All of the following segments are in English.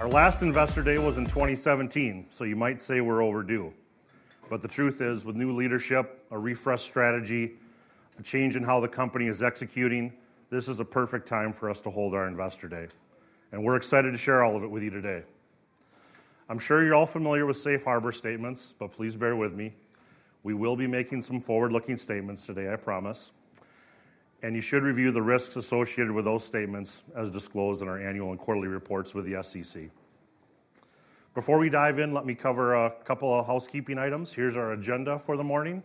Our last Investor Day was in 2017, so you might say we're overdue, but the truth is, with new leadership, a refreshed strategy, a change in how the company is executing, this is a perfect time for us to hold our Investor Day, and we're excited to share all of it with you today. I'm sure you're all familiar with Safe Harbor statements, but please bear with me. We will be making some forward-looking statements today, I promise, and you should review the risks associated with those statements as disclosed in our annual and quarterly reports with the SEC. Before we dive in, let me cover a couple of housekeeping items. Here's our agenda for the morning.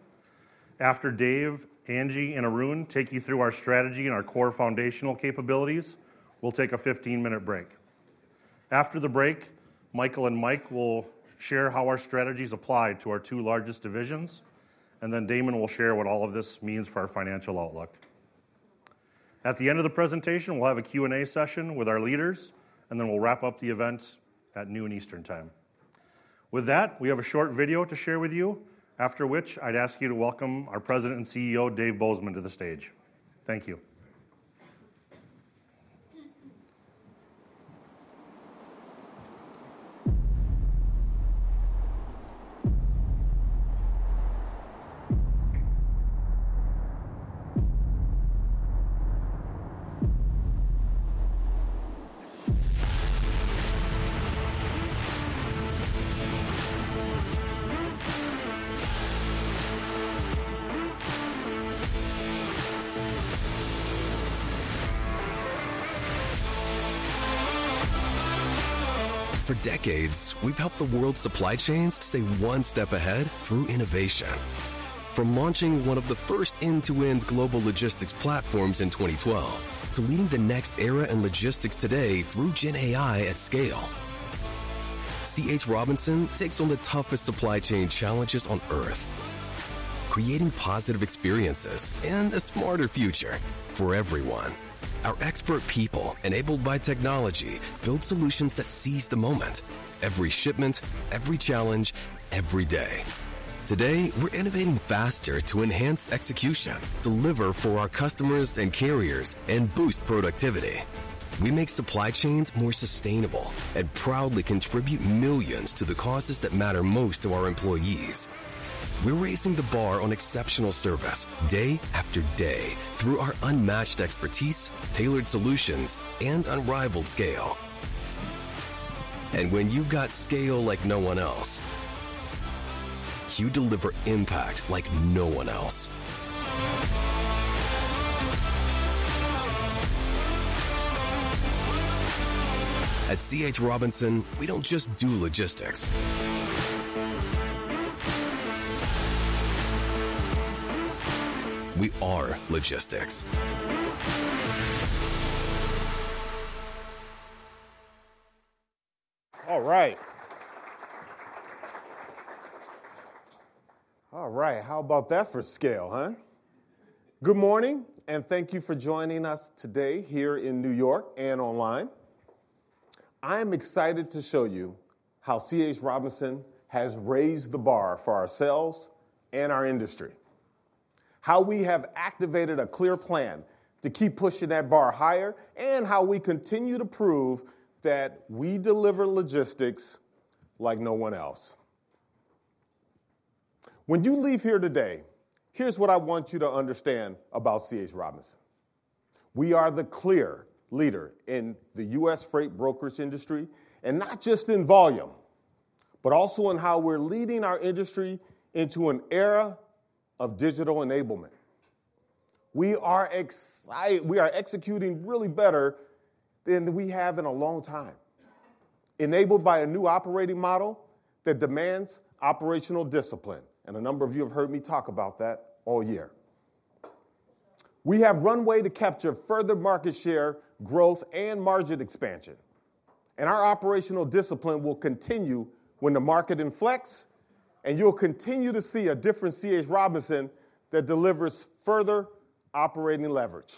After Dave, Angie, and Arun take you through our strategy and our core foundational capabilities, we'll take a 15-minute break. After the break, Michael and Mike will share how our strategies apply to our two largest divisions, and then Damon will share what all of this means for our financial outlook. At the end of the presentation, we'll have a Q&A session with our leaders, and then we'll wrap up the event at noon Eastern Time. With that, we have a short video to share with you, after which I'd ask you to welcome our President and CEO, Dave Bozeman, to the stage. Thank you. For decades, we've helped the world's supply chains stay one step ahead through innovation. From launching one of the first end-to-end global logistics platforms in 2012 to leading the next era in logistics today through GenAI at scale, C.H. Robinson takes on the toughest supply chain challenges on Earth, creating positive experiences and a smarter future for everyone. Our expert people, enabled by technology, build solutions that seize the moment: every shipment, every challenge, every day. Today, we're innovating faster to enhance execution, deliver for our customers and carriers, and boost productivity. We make supply chains more sustainable and proudly contribute millions to the causes that matter most to our employees. We're raising the bar on exceptional service day after day through our unmatched expertise, tailored solutions, and unrivaled scale. And when you've got scale like no one else, you deliver impact like no one else. At C.H. Robinson, we don't just do logistics. We are logistics. All right. All right, how about that for scale, huh? Good morning, and thank you for joining us today here in New York and online. I am excited to show you how C.H. Robinson has raised the bar for ourselves and our industry, how we have activated a clear plan to keep pushing that bar higher, and how we continue to prove that we deliver logistics like no one else. When you leave here today, here's what I want you to understand about C.H. Robinson. We are the clear leader in the U.S. freight brokerage industry, and not just in volume, but also in how we're leading our industry into an era of digital enablement. We are executing really better than we have in a long time, enabled by a new operating model that demands operational discipline. And a number of you have heard me talk about that all year. We have runway to capture further market share, growth, and margin expansion. And our operational discipline will continue when the market inflects, and you'll continue to see a different C.H. Robinson that delivers further operating leverage.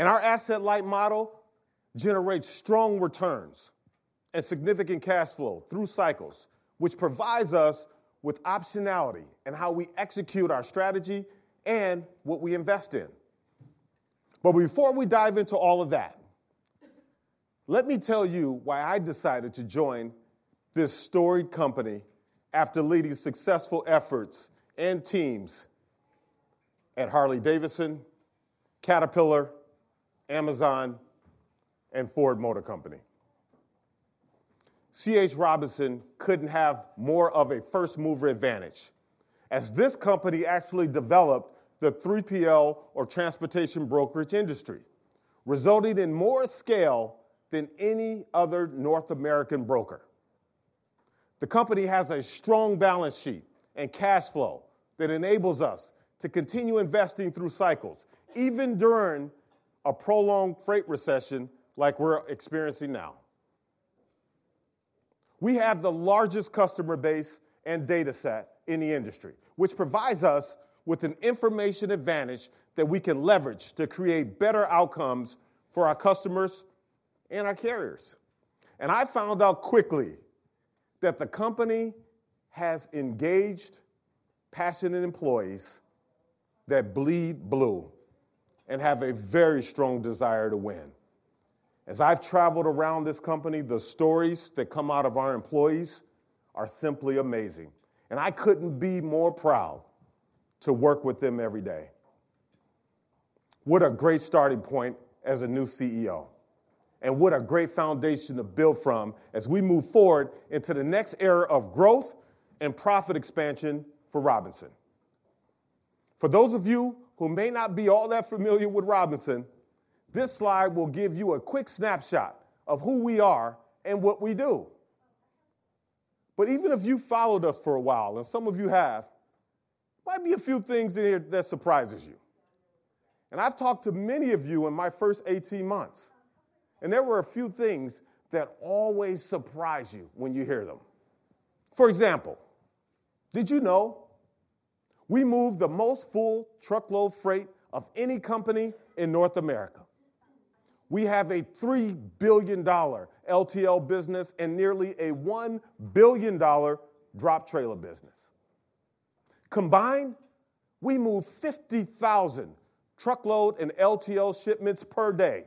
And our asset light model generates strong returns and significant cash flow through cycles, which provides us with optionality in how we execute our strategy and what we invest in. But before we dive into all of that, let me tell you why I decided to join this storied company after leading successful efforts and teams at Harley-Davidson, Caterpillar, Amazon, and Ford Motor Company. C.H. Robinson couldn't have more of a first-mover advantage, as this company actually developed the 3PL or transportation brokerage industry, resulting in more scale than any other North American broker. The company has a strong balance sheet and cash flow that enables us to continue investing through cycles, even during a prolonged freight recession like we're experiencing now. We have the largest customer base and data set in the industry, which provides us with an information advantage that we can leverage to create better outcomes for our customers and our carriers. And I found out quickly that the company has engaged, passionate employees that bleed blue and have a very strong desire to win. As I've traveled around this company, the stories that come out of our employees are simply amazing. And I couldn't be more proud to work with them every day. What a great starting point as a new CEO, and what a great foundation to build from as we move forward into the next era of growth and profit expansion for Robinson. For those of you who may not be all that familiar with C.H. Robinson, this slide will give you a quick snapshot of who we are and what we do. But even if you've followed us for a while, and some of you have, there might be a few things in here that surprise you, and I've talked to many of you in my first 18 months, and there were a few things that always surprise you when you hear them. For example, did you know we move the most full truckload freight of any company in North America? We have a $3 billion LTL business and nearly a $1 billion drop trailer business. Combined, we move 50,000 truckload and LTL shipments per day.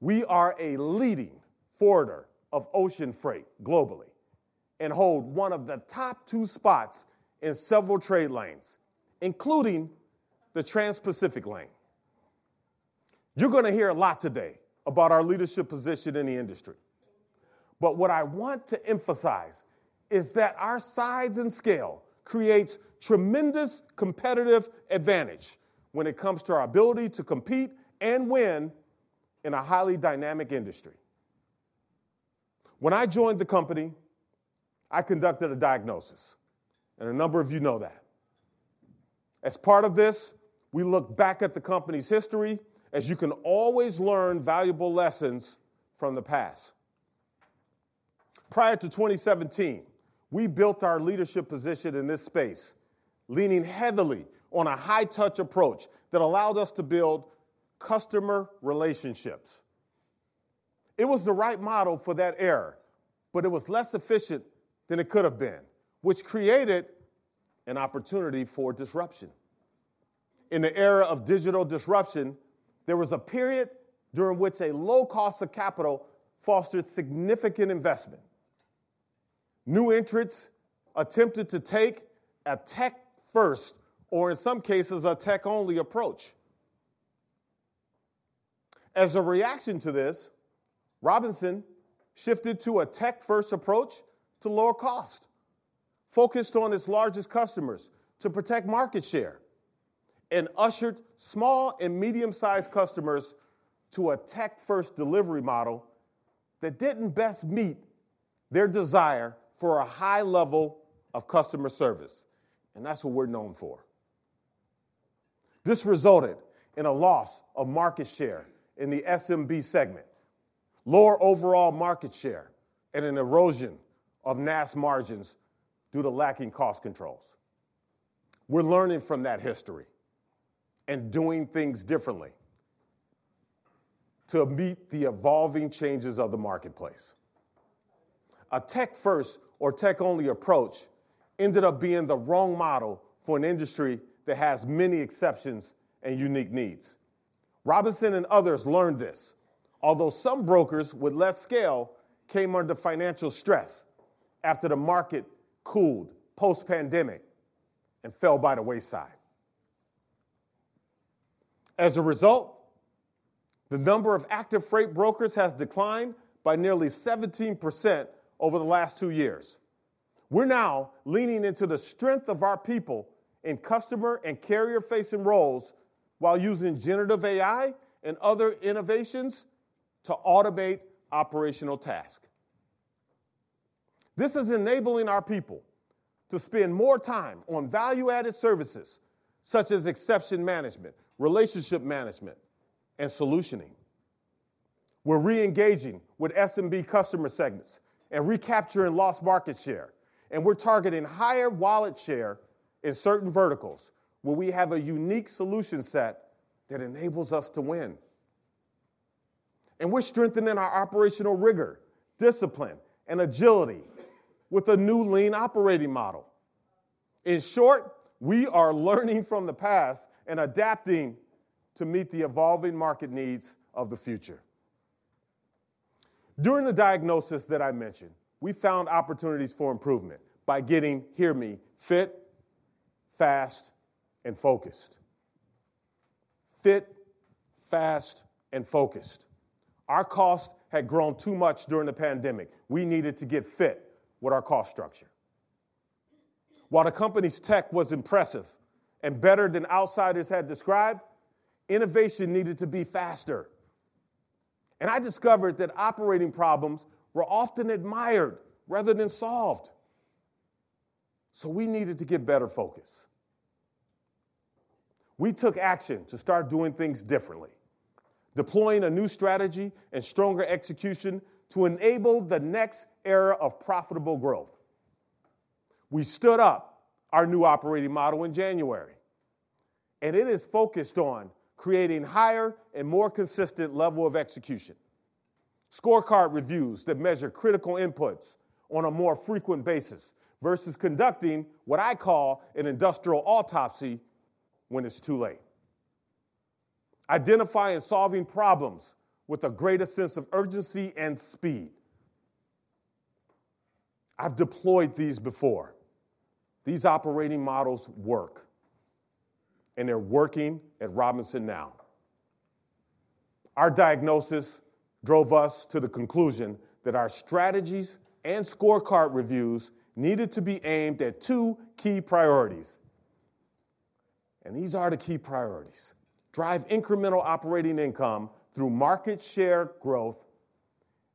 We are a leading forwarder of ocean freight globally and hold one of the top two spots in several trade lanes, including the Trans-Pacific lane. You're going to hear a lot today about our leadership position in the industry. But what I want to emphasize is that our size and scale create tremendous competitive advantage when it comes to our ability to compete and win in a highly dynamic industry. When I joined the company, I conducted a diagnosis, and a number of you know that. As part of this, we look back at the company's history, as you can always learn valuable lessons from the past. Prior to 2017, we built our leadership position in this space, leaning heavily on a high-touch approach that allowed us to build customer relationships. It was the right model for that era, but it was less efficient than it could have been, which created an opportunity for disruption. In the era of digital disruption, there was a period during which a low cost of capital fostered significant investment. New entrants attempted to take a tech-first, or in some cases, a tech-only approach. As a reaction to this, Robinson shifted to a tech-first approach to lower cost, focused on its largest customers to protect market share, and ushered small and medium-sized customers to a tech-first delivery model that didn't best meet their desire for a high level of customer service, and that's what we're known for. This resulted in a loss of market share in the SMB segment, lower overall market share, and an erosion of NAST margins due to lacking cost controls. We're learning from that history and doing things differently to meet the evolving changes of the marketplace. A tech-first or tech-only approach ended up being the wrong model for an industry that has many exceptions and unique needs. Robinson and others learned this, although some brokers with less scale came under financial stress after the market cooled post-pandemic and fell by the wayside. As a result, the number of active freight brokers has declined by nearly 17% over the last two years. We're now leaning into the strength of our people in customer and carrier-facing roles while using generative AI and other innovations to automate operational tasks. This is enabling our people to spend more time on value-added services such as exception management, relationship management, and solutioning. We're reengaging with SMB customer segments and recapturing lost market share, and we're targeting higher wallet share in certain verticals where we have a unique solution set that enables us to win, and we're strengthening our operational rigor, discipline, and agility with a new lean operating model. In short, we are learning from the past and adapting to meet the evolving market needs of the future. During the diagnosis that I mentioned, we found opportunities for improvement by getting our team fit, fast, and focused. Fit, fast, and focused. Our cost had grown too much during the pandemic. We needed to get fit with our cost structure. While the company's tech was impressive and better than outsiders had described, innovation needed to be faster. I discovered that operating problems were often admired rather than solved. We needed to get better focus. We took action to start doing things differently, deploying a new strategy and stronger execution to enable the next era of profitable growth. We stood up our new operating model in January, and it is focused on creating a higher and more consistent level of execution, scorecard reviews that measure critical inputs on a more frequent basis versus conducting what I call an industrial autopsy when it's too late, identifying and solving problems with a greater sense of urgency and speed. I've deployed these before. These operating models work, and they're working at Robinson now. Our diagnosis drove us to the conclusion that our strategies and scorecard reviews needed to be aimed at two key priorities. And these are the key priorities: drive incremental operating income through market share growth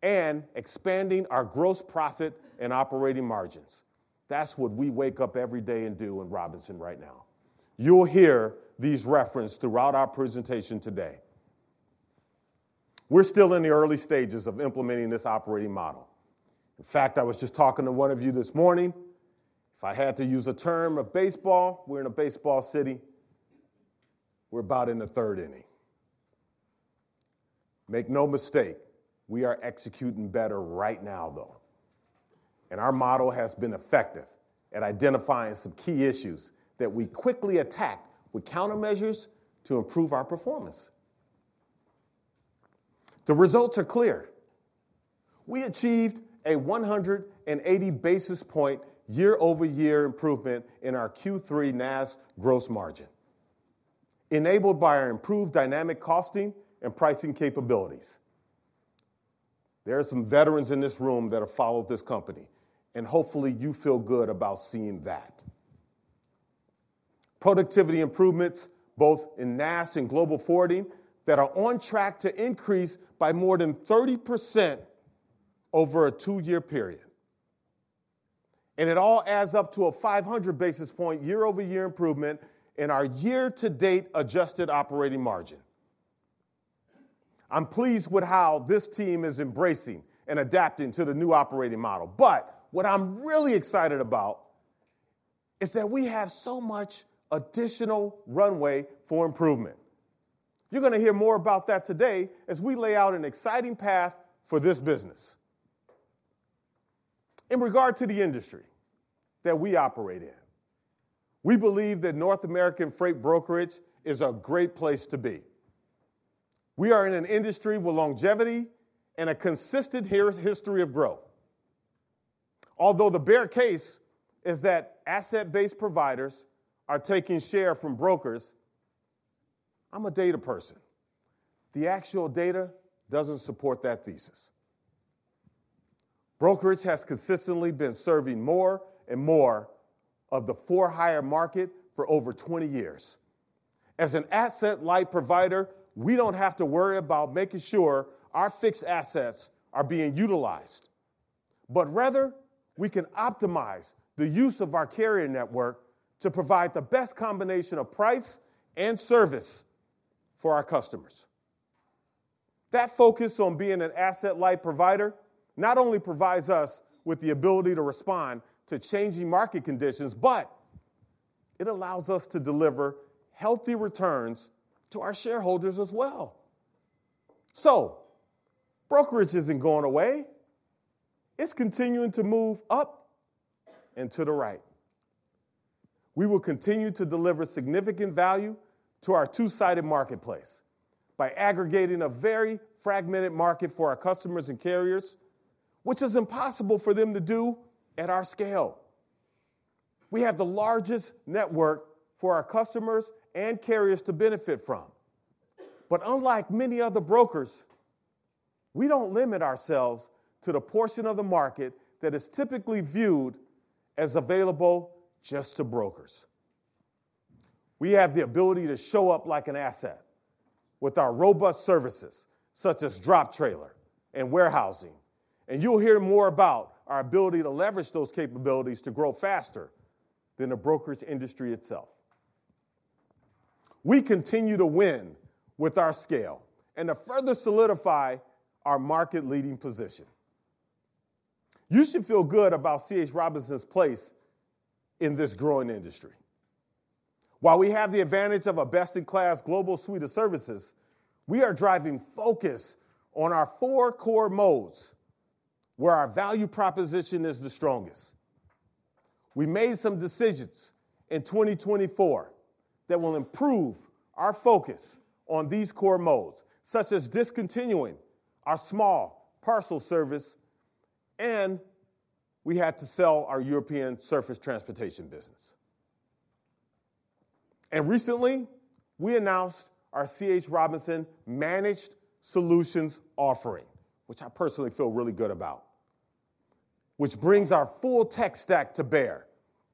and expanding our gross profit and operating margins. That's what we wake up every day and do in Robinson right now. You'll hear these referenced throughout our presentation today. We're still in the early stages of implementing this operating model. In fact, I was just talking to one of you this morning. If I had to use a term of baseball, we're in a baseball city. We're about in the third inning. Make no mistake, we are executing better right now, though. And our model has been effective at identifying some key issues that we quickly attacked with countermeasures to improve our performance. The results are clear. We achieved a 180 basis point year-over-year improvement in our Q3 NAST gross margin, enabled by our improved dynamic costing and pricing capabilities. There are some veterans in this room that have followed this company, and hopefully, you feel good about seeing that. Productivity improvements, both in NAST and Global Forwarding, that are on track to increase by more than 30% over a two-year period. And it all adds up to a 500 basis point year-over-year improvement in our year-to-date adjusted operating margin. I'm pleased with how this team is embracing and adapting to the new operating model. But what I'm really excited about is that we have so much additional runway for improvement. You're going to hear more about that today as we lay out an exciting path for this business. In regard to the industry that we operate in, we believe that North American freight brokerage is a great place to be. We are in an industry with longevity and a consistent history of growth. Although the bear case is that asset-based providers are taking share from brokers, I'm a data person. The actual data doesn't support that thesis. Brokerage has consistently been serving more and more of the for-hire market for over 20 years. As an asset light provider, we don't have to worry about making sure our fixed assets are being utilized, but rather, we can optimize the use of our carrier network to provide the best combination of price and service for our customers. That focus on being an asset light provider not only provides us with the ability to respond to changing market conditions, but it allows us to deliver healthy returns to our shareholders as well. So brokerage isn't going away. It's continuing to move up and to the right. We will continue to deliver significant value to our two-sided marketplace by aggregating a very fragmented market for our customers and carriers, which is impossible for them to do at our scale. We have the largest network for our customers and carriers to benefit from. But unlike many other brokers, we don't limit ourselves to the portion of the market that is typically viewed as available just to brokers. We have the ability to show up like an asset with our robust services, such as drop trailer and warehousing. And you'll hear more about our ability to leverage those capabilities to grow faster than the brokerage industry itself. We continue to win with our scale and to further solidify our market-leading position. You should feel good about C.H. Robinson's place in this growing industry. While we have the advantage of a best-in-class global suite of services, we are driving focus on our four core modes where our value proposition is the strongest. We made some decisions in 2024 that will improve our focus on these core modes, such as discontinuing our small parcel service, and we had to sell our European surface transportation business. And recently, we announced our C.H. Robinson Managed Solutions offering, which I personally feel really good about, which brings our full tech stack to bear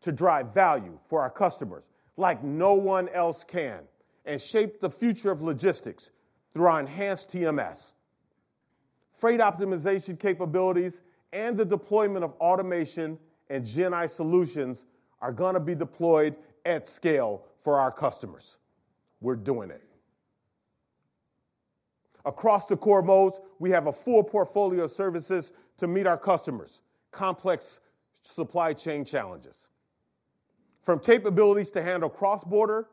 to drive value for our customers like no one else can and shapes the future of logistics through our enhanced TMS. Freight optimization capabilities and the deployment of automation and GenAI solutions are going to be deployed at scale for our customers. We're doing it. Across the core modes, we have a full portfolio of services to meet our customers' complex supply chain challenges, from capabilities to handle cross-border,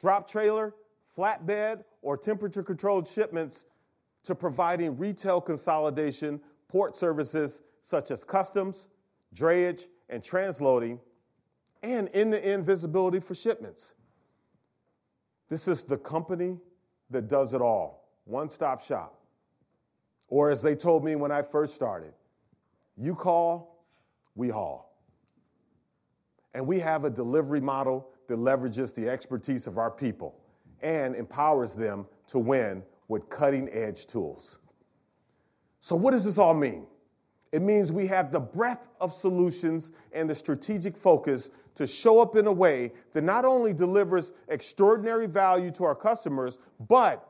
drop trailer, flatbed, or temperature-controlled shipments to providing retail consolidation port services such as customs, drayage, and transloading, and end-to-end visibility for shipments. This is the company that does it all, one-stop shop. Or as they told me when I first started, "You call, we haul." And we have a delivery model that leverages the expertise of our people and empowers them to win with cutting-edge tools. So what does this all mean? It means we have the breadth of solutions and the strategic focus to show up in a way that not only delivers extraordinary value to our customers, but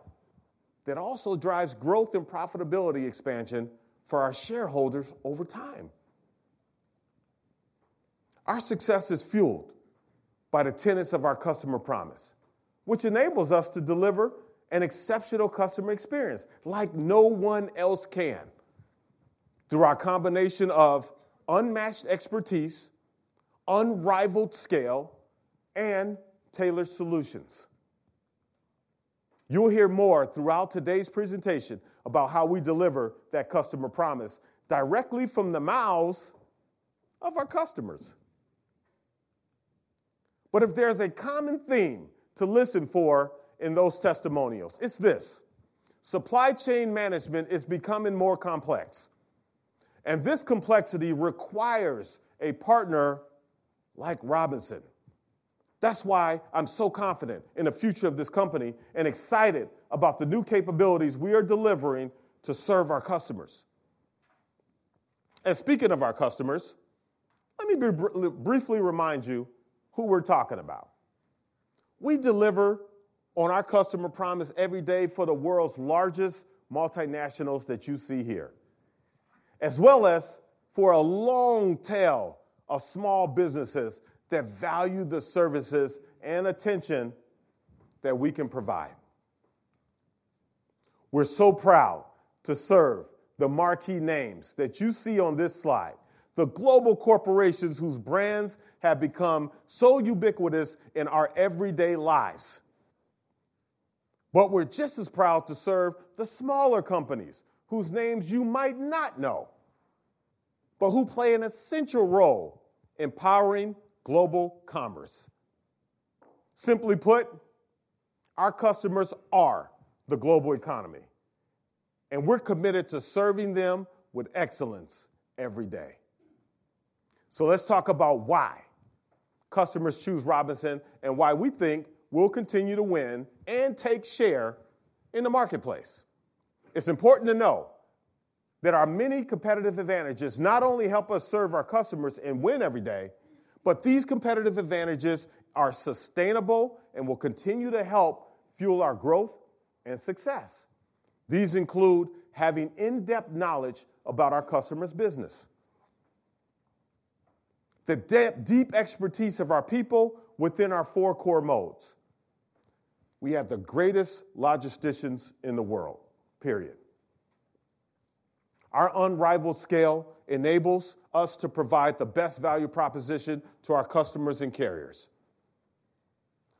that also drives growth and profitability expansion for our shareholders over time. Our success is fueled by the tenets of our customer promise, which enables us to deliver an exceptional customer experience like no one else can through our combination of unmatched expertise, unrivaled scale, and tailored solutions. You'll hear more throughout today's presentation about how we deliver that customer promise directly from the mouths of our customers. But if there's a common theme to listen for in those testimonials, it's this: supply chain management is becoming more complex. And this complexity requires a partner like Robinson. That's why I'm so confident in the future of this company and excited about the new capabilities we are delivering to serve our customers. And speaking of our customers, let me briefly remind you who we're talking about. We deliver on our customer promise every day for the world's largest multinationals that you see here, as well as for a long tail of small businesses that value the services and attention that we can provide. We're so proud to serve the marquee names that you see on this slide, the global corporations whose brands have become so ubiquitous in our everyday lives. But we're just as proud to serve the smaller companies whose names you might not know, but who play an essential role in powering global commerce. Simply put, our customers are the global economy, and we're committed to serving them with excellence every day. So let's talk about why customers choose Robinson and why we think we'll continue to win and take share in the marketplace. It's important to know that our many competitive advantages not only help us serve our customers and win every day, but these competitive advantages are sustainable and will continue to help fuel our growth and success. These include having in-depth knowledge about our customers' business, the deep expertise of our people within our four core modes. We have the greatest logisticians in the world, period. Our unrivaled scale enables us to provide the best value proposition to our customers and carriers.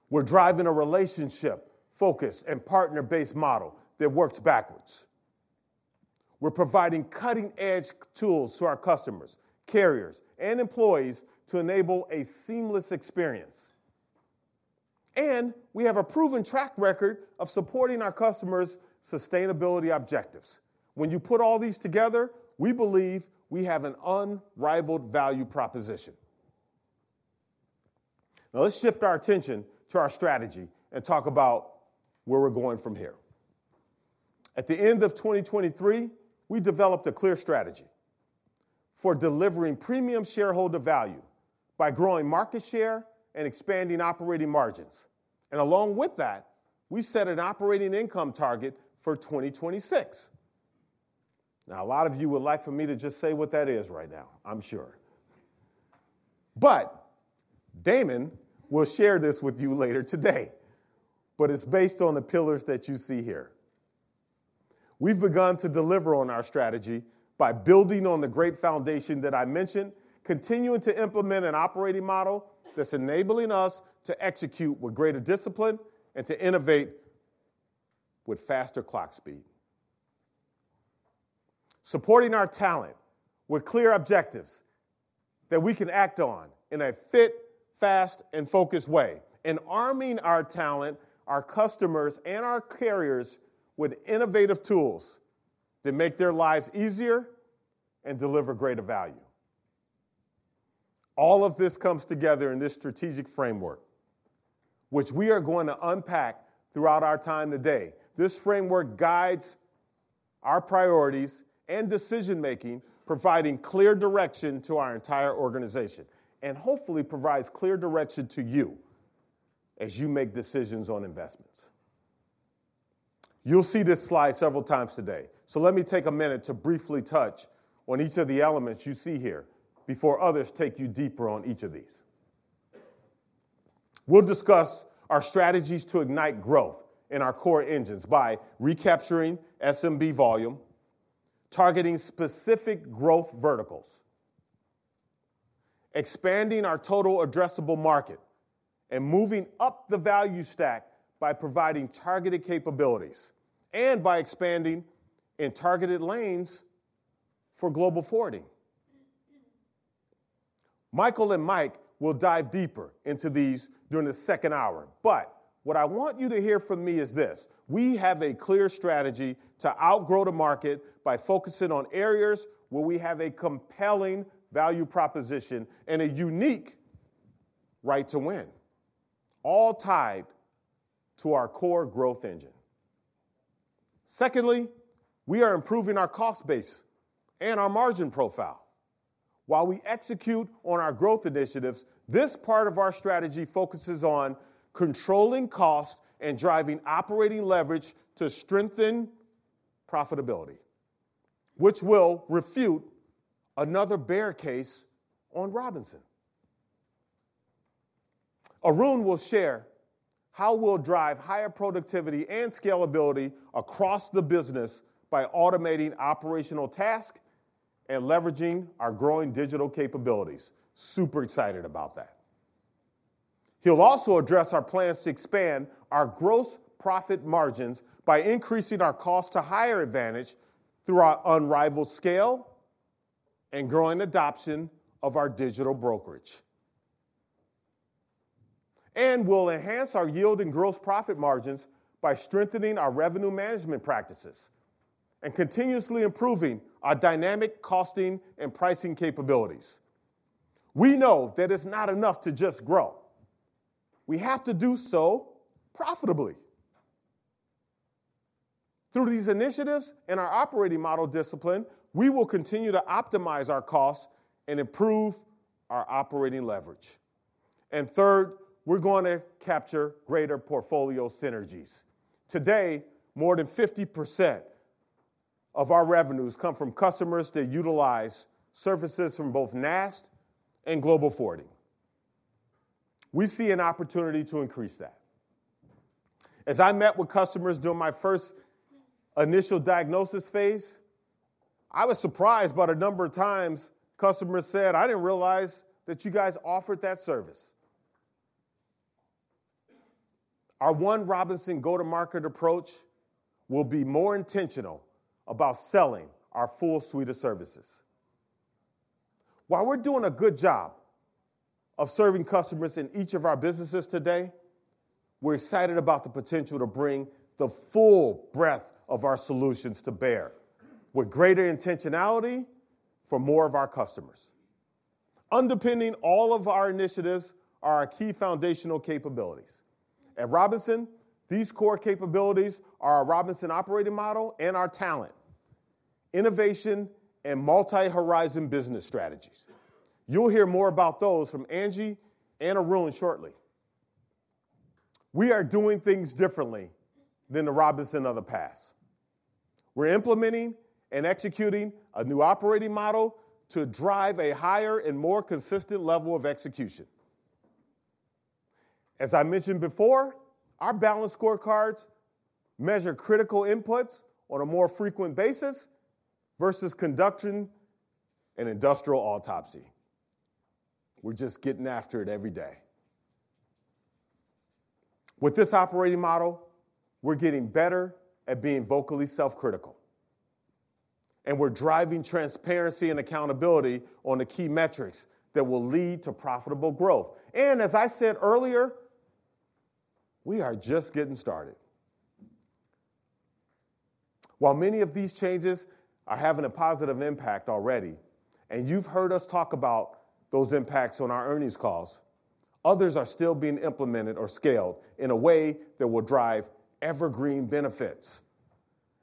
We're driving a relationship-focused and partner-based model that works backwards. We're providing cutting-edge tools to our customers, carriers, and employees to enable a seamless experience. And we have a proven track record of supporting our customers' sustainability objectives. When you put all these together, we believe we have an unrivaled value proposition. Now, let's shift our attention to our strategy and talk about where we're going from here. At the end of 2023, we developed a clear strategy for delivering premium shareholder value by growing market share and expanding operating margins. And along with that, we set an operating income target for 2026. Now, a lot of you would like for me to just say what that is right now, I'm sure. But Damon will share this with you later today, but it's based on the pillars that you see here. We've begun to deliver on our strategy by building on the great foundation that I mentioned, continuing to implement an operating model that's enabling us to execute with greater discipline and to innovate with faster clock speed, supporting our talent with clear objectives that we can act on in a fit, fast, and focused way, and arming our talent, our customers, and our carriers with innovative tools that make their lives easier and deliver greater value. All of this comes together in this strategic framework, which we are going to unpack throughout our time today. This framework guides our priorities and decision-making, providing clear direction to our entire organization and hopefully provides clear direction to you as you make decisions on investments. You'll see this slide several times today. So let me take a minute to briefly touch on each of the elements you see here before others take you deeper on each of these. We'll discuss our strategies to ignite growth in our core engines by recapturing SMB volume, targeting specific growth verticals, expanding our total addressable market, and moving up the value stack by providing targeted capabilities and by expanding in targeted lanes for global forwarding. Michael and Mike will dive deeper into these during the second hour. But what I want you to hear from me is this: we have a clear strategy to outgrow the market by focusing on areas where we have a compelling value proposition and a unique right to win, all tied to our core growth engine. Secondly, we are improving our cost base and our margin profile. While we execute on our growth initiatives, this part of our strategy focuses on controlling cost and driving operating leverage to strengthen profitability, which will refute another bear case on Robinson. Arun will share how we'll drive higher productivity and scalability across the business by automating operational tasks and leveraging our growing digital capabilities. Super excited about that. He'll also address our plans to expand our gross profit margins by increasing our cost-to-hire advantage through our unrivaled scale and growing adoption of our digital brokerage. And we'll enhance our yield and gross profit margins by strengthening our revenue management practices and continuously improving our dynamic costing and pricing capabilities. We know that it's not enough to just grow. We have to do so profitably. Through these initiatives and our operating model discipline, we will continue to optimize our costs and improve our operating leverage. And third, we're going to capture greater portfolio synergies. Today, more than 50% of our revenues come from customers that utilize services from both NAST and Global Forwarding. We see an opportunity to increase that. As I met with customers during my first initial diagnosis phase, I was surprised by the number of times customers said, "I didn't realize that you guys offered that service." Our One Robinson go-to-market approach will be more intentional about selling our full suite of services. While we're doing a good job of serving customers in each of our businesses today, we're excited about the potential to bring the full breadth of our solutions to bear with greater intentionality for more of our customers. Underpinning all of our initiatives are our key foundational capabilities. At Robinson, these core capabilities are our Robinson Operating Model and our talent, innovation, and multi-horizon business strategies. You'll hear more about those from Angie and Arun shortly. We are doing things differently than the Robinson of the past. We're implementing and executing a new operating model to drive a higher and more consistent level of execution. As I mentioned before, our balanced scorecards measure critical inputs on a more frequent basis versus conducting an industrial autopsy. We're just getting after it every day. With this operating model, we're getting better at being vocally self-critical, and we're driving transparency and accountability on the key metrics that will lead to profitable growth. And as I said earlier, we are just getting started. While many of these changes are having a positive impact already, and you've heard us talk about those impacts on our earnings calls, others are still being implemented or scaled in a way that will drive evergreen benefits.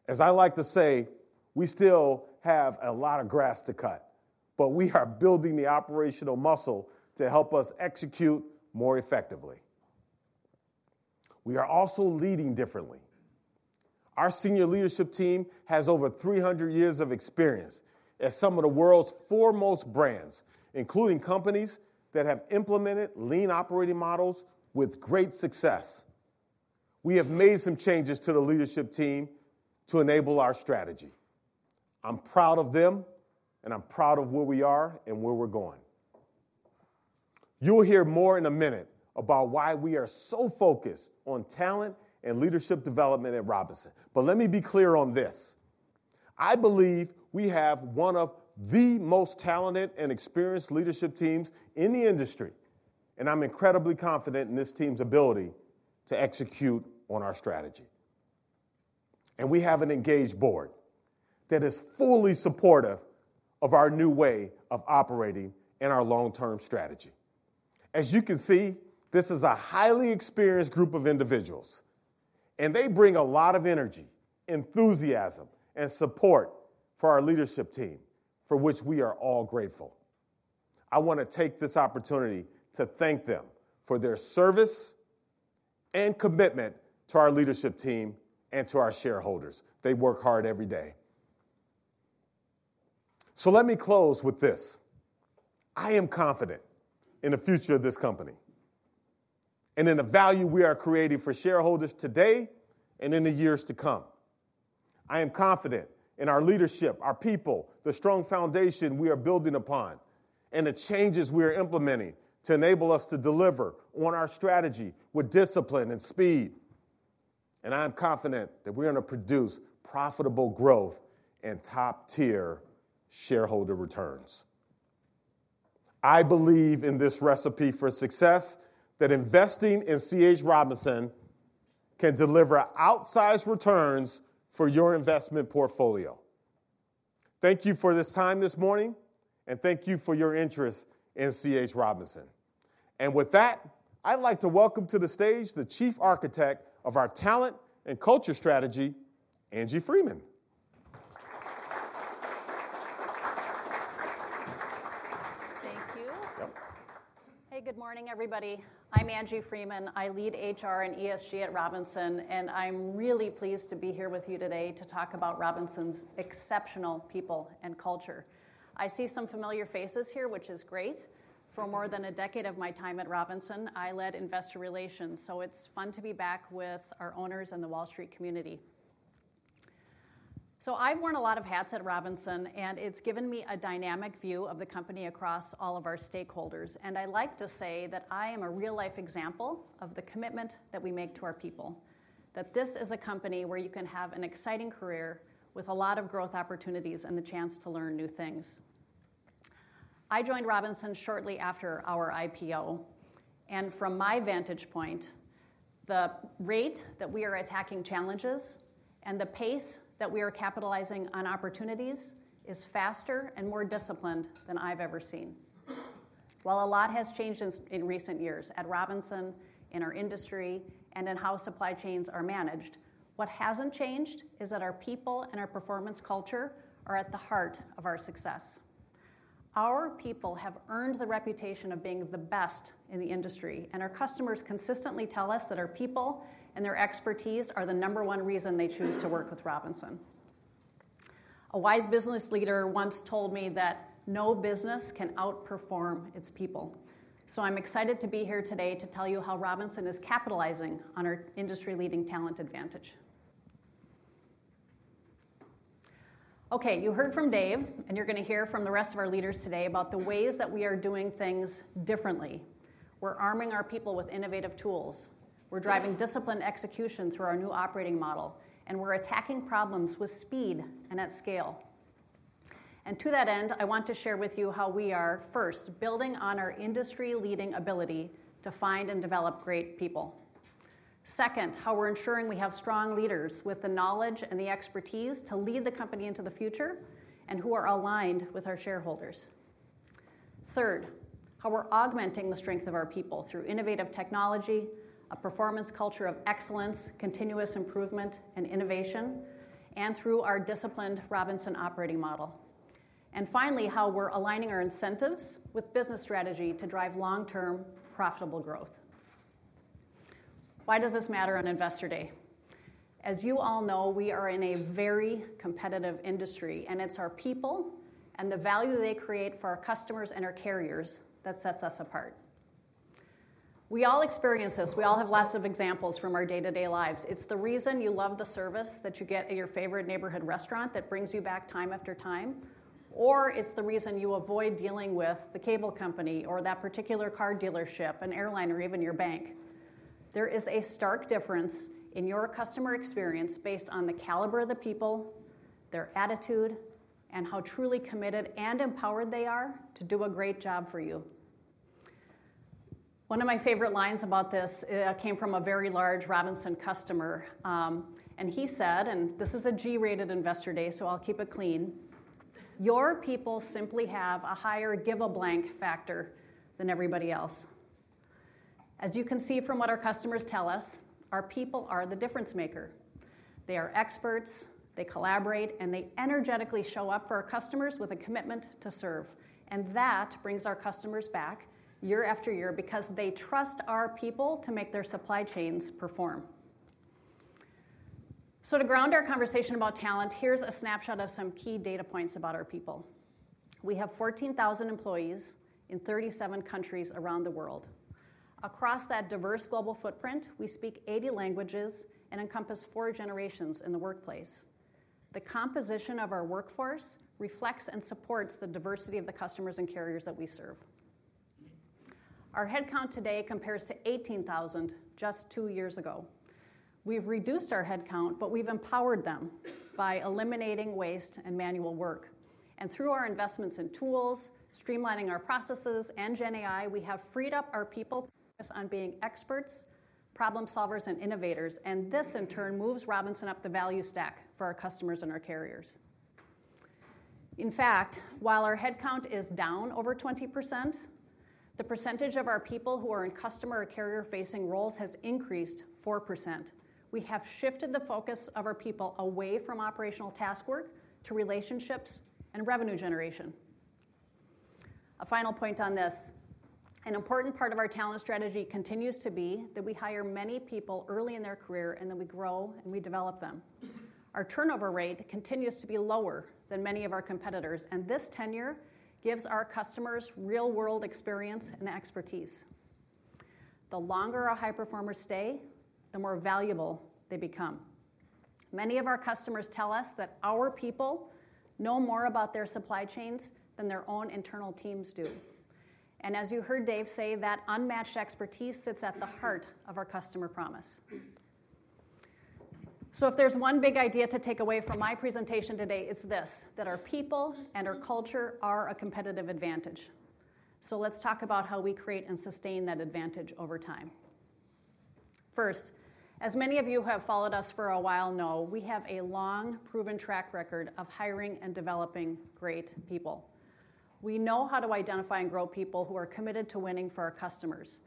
As I like to say, we still have a lot of grass to cut, but we are building the operational muscle to help us execute more effectively. We are also leading differently. Our senior leadership team has over 300 years of experience at some of the world's foremost brands, including companies that have implemented lean operating models with great success. We have made some changes to the leadership team to enable our strategy. I'm proud of them, and I'm proud of where we are and where we're going. You'll hear more in a minute about why we are so focused on talent and leadership development at Robinson. But let me be clear on this. I believe we have one of the most talented and experienced leadership teams in the industry, and I'm incredibly confident in this team's ability to execute on our strategy. We have an engaged board that is fully supportive of our new way of operating and our long-term strategy. As you can see, this is a highly experienced group of individuals, and they bring a lot of energy, enthusiasm, and support for our leadership team, for which we are all grateful. I want to take this opportunity to thank them for their service and commitment to our leadership team and to our shareholders. They work hard every day. Let me close with this. I am confident in the future of this company and in the value we are creating for shareholders today and in the years to come. I am confident in our leadership, our people, the strong foundation we are building upon, and the changes we are implementing to enable us to deliver on our strategy with discipline and speed. And I'm confident that we're going to produce profitable growth and top-tier shareholder returns. I believe in this recipe for success, that investing in C.H. Robinson can deliver outsized returns for your investment portfolio. Thank you for this time this morning, and thank you for your interest in C.H. Robinson. And with that, I'd like to welcome to the stage the Chief Architect of our talent and culture strategy, Angie Freeman. Thank you. Hey, good morning, everybody. I'm Angie Freeman. I lead HR and ESG at Robinson, and I'm really pleased to be here with you today to talk about Robinson's exceptional people and culture. I see some familiar faces here, which is great. For more than a decade of my time at Robinson, I led investor relations, so it's fun to be back with our owners and the Wall Street community. So I've worn a lot of hats at Robinson, and it's given me a dynamic view of the company across all of our stakeholders. And I like to say that I am a real-life example of the commitment that we make to our people, that this is a company where you can have an exciting career with a lot of growth opportunities and the chance to learn new things. I joined Robinson shortly after our IPO. And from my vantage point, the rate that we are attacking challenges and the pace that we are capitalizing on opportunities is faster and more disciplined than I've ever seen. While a lot has changed in recent years at Robinson, in our industry, and in how supply chains are managed, what hasn't changed is that our people and our performance culture are at the heart of our success. Our people have earned the reputation of being the best in the industry, and our customers consistently tell us that our people and their expertise are the number one reason they choose to work with Robinson. A wise business leader once told me that no business can outperform its people. So I'm excited to be here today to tell you how Robinson is capitalizing on our industry-leading talent advantage. Okay, you heard from Dave, and you're going to hear from the rest of our leaders today about the ways that we are doing things differently. We're arming our people with innovative tools. We're driving discipline execution through our new operating model, and we're attacking problems with speed and at scale. And to that end, I want to share with you how we are, first, building on our industry-leading ability to find and develop great people. Second, how we're ensuring we have strong leaders with the knowledge and the expertise to lead the company into the future and who are aligned with our shareholders. Third, how we're augmenting the strength of our people through innovative technology, a performance culture of excellence, continuous improvement, and innovation, and through our disciplined Robinson Operating Model. And finally, how we're aligning our incentives with business strategy to drive long-term profitable growth. Why does this matter on investor day? As you all know, we are in a very competitive industry, and it's our people and the value they create for our customers and our carriers that sets us apart. We all experience this. We all have lots of examples from our day-to-day lives. It's the reason you love the service that you get at your favorite neighborhood restaurant that brings you back time after time, or it's the reason you avoid dealing with the cable company or that particular car dealership, an airline, or even your bank. There is a stark difference in your customer experience based on the caliber of the people, their attitude, and how truly committed and empowered they are to do a great job for you. One of my favorite lines about this came from a very large Robinson customer, and he said, and this is a G-rated investor day, so I'll keep it clean. "Your people simply have a higher give-a-blank factor than everybody else." As you can see from what our customers tell us, our people are the difference maker. They are experts, they collaborate, and they energetically show up for our customers with a commitment to serve. And that brings our customers back year after year because they trust our people to make their supply chains perform. So to ground our conversation about talent, here's a snapshot of some key data points about our people. We have 14,000 employees in 37 countries around the world. Across that diverse global footprint, we speak 80 languages and encompass four generations in the workplace. The composition of our workforce reflects and supports the diversity of the customers and carriers that we serve. Our headcount today compares to 18,000 just two years ago. We've reduced our headcount, but we've empowered them by eliminating waste and manual work. And through our investments in tools, streamlining our processes, and GenAI, we have freed up our people to focus on being experts, problem solvers, and innovators. This, in turn, moves Robinson up the value stack for our customers and our carriers. In fact, while our headcount is down over 20%, the percentage of our people who are in customer or carrier-facing roles has increased 4%. We have shifted the focus of our people away from operational task work to relationships and revenue generation. A final point on this. An important part of our talent strategy continues to be that we hire many people early in their career and that we grow and we develop them. Our turnover rate continues to be lower than many of our competitors, and this tenure gives our customers real-world experience and expertise. The longer our high performers stay, the more valuable they become. Many of our customers tell us that our people know more about their supply chains than their own internal teams do. As you heard Dave say, that unmatched expertise sits at the heart of our customer promise. If there's one big idea to take away from my presentation today, it's this: that our people and our culture are a competitive advantage. Let's talk about how we create and sustain that advantage over time. First, as many of you who have followed us for a while know, we have a long, proven track record of hiring and developing great people. We know how to identify and grow people who are committed to winning for our customers.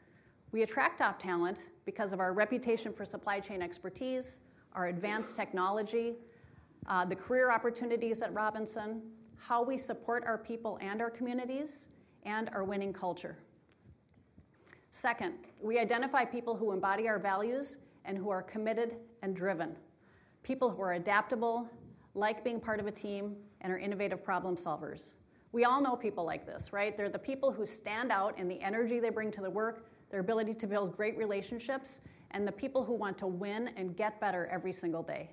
We attract top talent because of our reputation for supply chain expertise, our advanced technology, the career opportunities at Robinson, how we support our people and our communities, and our winning culture. Second, we identify people who embody our values and who are committed and driven. People who are adaptable, like being part of a team, and are innovative problem solvers. We all know people like this, right? They're the people who stand out in the energy they bring to the work, their ability to build great relationships, and the people who want to win and get better every single day.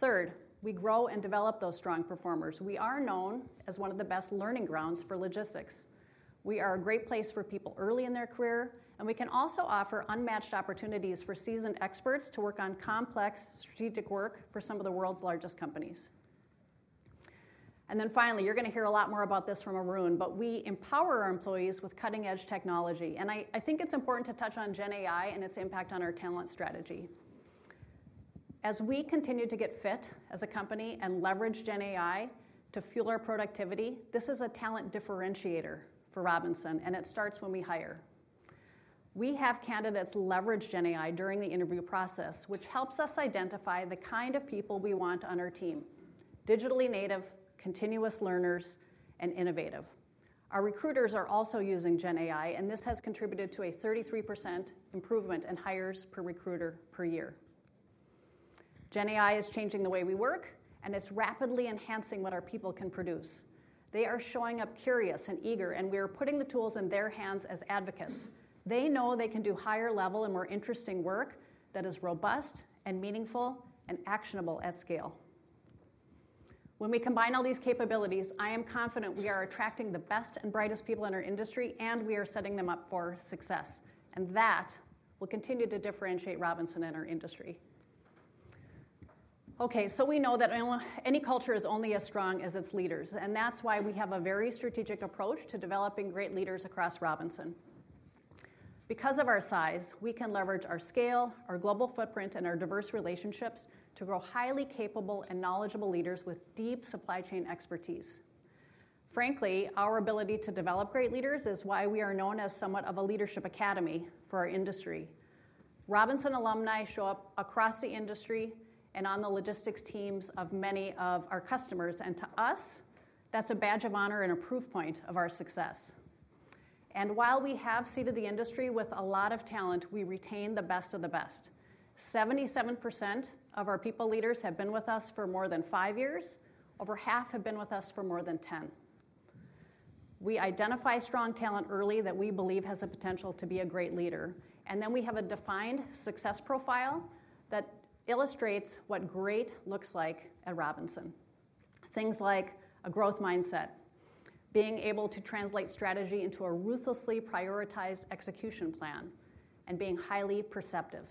Third, we grow and develop those strong performers. We are known as one of the best learning grounds for logistics. We are a great place for people early in their career, and we can also offer unmatched opportunities for seasoned experts to work on complex strategic work for some of the world's largest companies, and then finally, you're going to hear a lot more about this from Arun, but we empower our employees with cutting-edge technology, and I think it's important to touch on GenAI and its impact on our talent strategy. As we continue to get fit as a company and leverage GenAI to fuel our productivity, this is a talent differentiator for Robinson, and it starts when we hire. We have candidates leverage GenAI during the interview process, which helps us identify the kind of people we want on our team: digitally native, continuous learners, and innovative. Our recruiters are also using GenAI, and this has contributed to a 33% improvement in hires per recruiter per year. GenAI is changing the way we work, and it's rapidly enhancing what our people can produce. They are showing up curious and eager, and we are putting the tools in their hands as advocates. They know they can do higher-level and more interesting work that is robust and meaningful and actionable at scale. When we combine all these capabilities, I am confident we are attracting the best and brightest people in our industry, and we are setting them up for success. And that will continue to differentiate Robinson in our industry. Okay, so we know that any culture is only as strong as its leaders, and that's why we have a very strategic approach to developing great leaders across Robinson. Because of our size, we can leverage our scale, our global footprint, and our diverse relationships to grow highly capable and knowledgeable leaders with deep supply chain expertise. Frankly, our ability to develop great leaders is why we are known as somewhat of a leadership academy for our industry. Robinson alumni show up across the industry and on the logistics teams of many of our customers, and to us, that's a badge of honor and a proof point of our success. While we have seeded the industry with a lot of talent, we retain the best of the best. 77% of our people leaders have been with us for more than five years. Over half have been with us for more than 10. We identify strong talent early that we believe has the potential to be a great leader. Then we have a defined success profile that illustrates what great looks like at Robinson. Things like a growth mindset, being able to translate strategy into a ruthlessly prioritized execution plan, and being highly perceptive.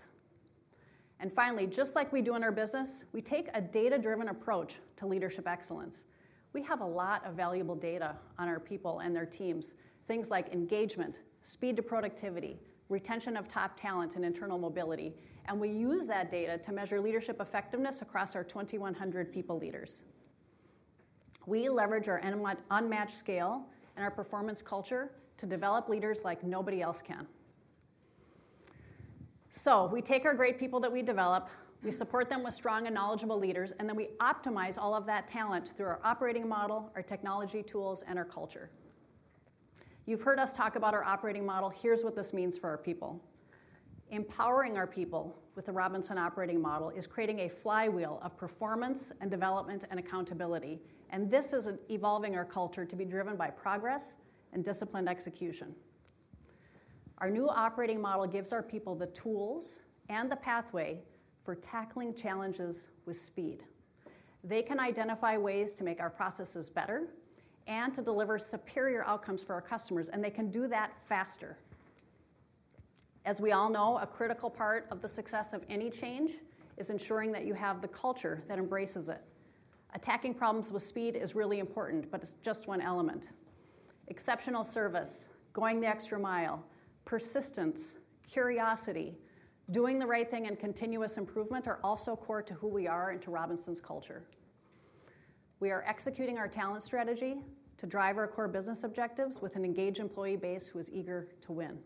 Finally, just like we do in our business, we take a data-driven approach to leadership excellence. We have a lot of valuable data on our people and their teams, things like engagement, speed to productivity, retention of top talent, and internal mobility. And we use that data to measure leadership effectiveness across our 2,100 people leaders. We leverage our unmatched scale and our performance culture to develop leaders like nobody else can. So we take our great people that we develop, we support them with strong and knowledgeable leaders, and then we optimize all of that talent through our operating model, our technology tools, and our culture. You've heard us talk about our operating model. Here's what this means for our people. Empowering our people with the Robinson Operating Model is creating a flywheel of performance and development and accountability. And this is evolving our culture to be driven by progress and disciplined execution. Our new operating model gives our people the tools and the pathway for tackling challenges with speed. They can identify ways to make our processes better and to deliver superior outcomes for our customers, and they can do that faster. As we all know, a critical part of the success of any change is ensuring that you have the culture that embraces it. Attacking problems with speed is really important, but it's just one element. Exceptional service, going the extra mile, persistence, curiosity, doing the right thing, and continuous improvement are also core to who we are and to Robinson's culture. We are executing our talent strategy to drive our core business objectives with an engaged employee base who is eager to win.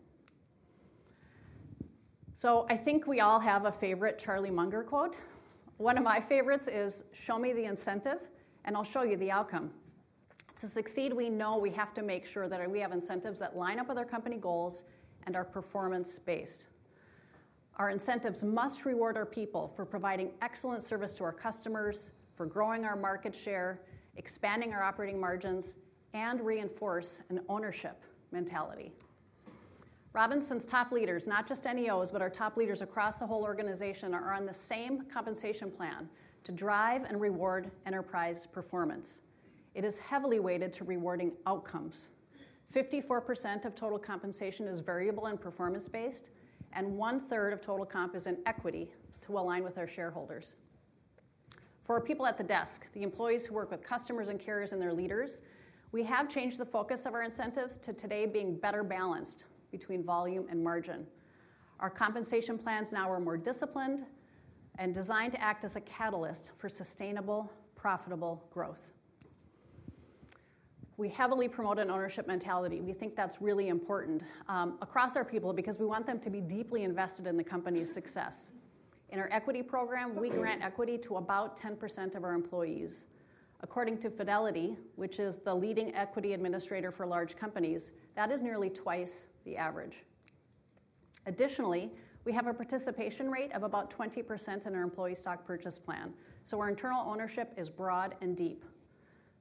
So I think we all have a favorite Charlie Munger quote. One of my favorites is, "Show me the incentive, and I'll show you the outcome." To succeed, we know we have to make sure that we have incentives that line up with our company goals and are performance-based. Our incentives must reward our people for providing excellent service to our customers, for growing our market share, expanding our operating margins, and reinforce an ownership mentality. Robinson's top leaders, not just NEOs, but our top leaders across the whole organization are on the same compensation plan to drive and reward enterprise performance. It is heavily weighted to rewarding outcomes. 54% of total compensation is variable and performance-based, and one-third of total comp is in equity to align with our shareholders. For our people at the desk, the employees who work with customers and carriers and their leaders, we have changed the focus of our incentives to today being better balanced between volume and margin. Our compensation plans now are more disciplined and designed to act as a catalyst for sustainable, profitable growth. We heavily promote an ownership mentality. We think that's really important across our people because we want them to be deeply invested in the company's success. In our equity program, we grant equity to about 10% of our employees. According to Fidelity, which is the leading equity administrator for large companies, that is nearly twice the average. Additionally, we have a participation rate of about 20% in our employee stock purchase plan. So our internal ownership is broad and deep.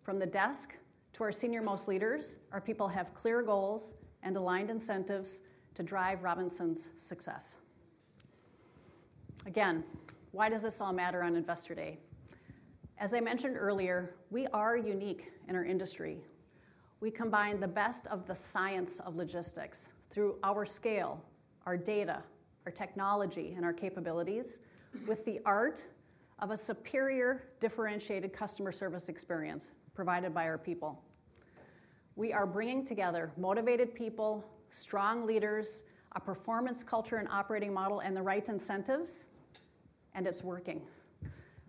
From the desk to our senior-most leaders, our people have clear goals and aligned incentives to drive Robinson's success. Again, why does this all matter on Investor Day? As I mentioned earlier, we are unique in our industry. We combine the best of the science of logistics through our scale, our data, our technology, and our capabilities with the art of a superior differentiated customer service experience provided by our people. We are bringing together motivated people, strong leaders, a performance culture and operating model, and the right incentives, and it's working.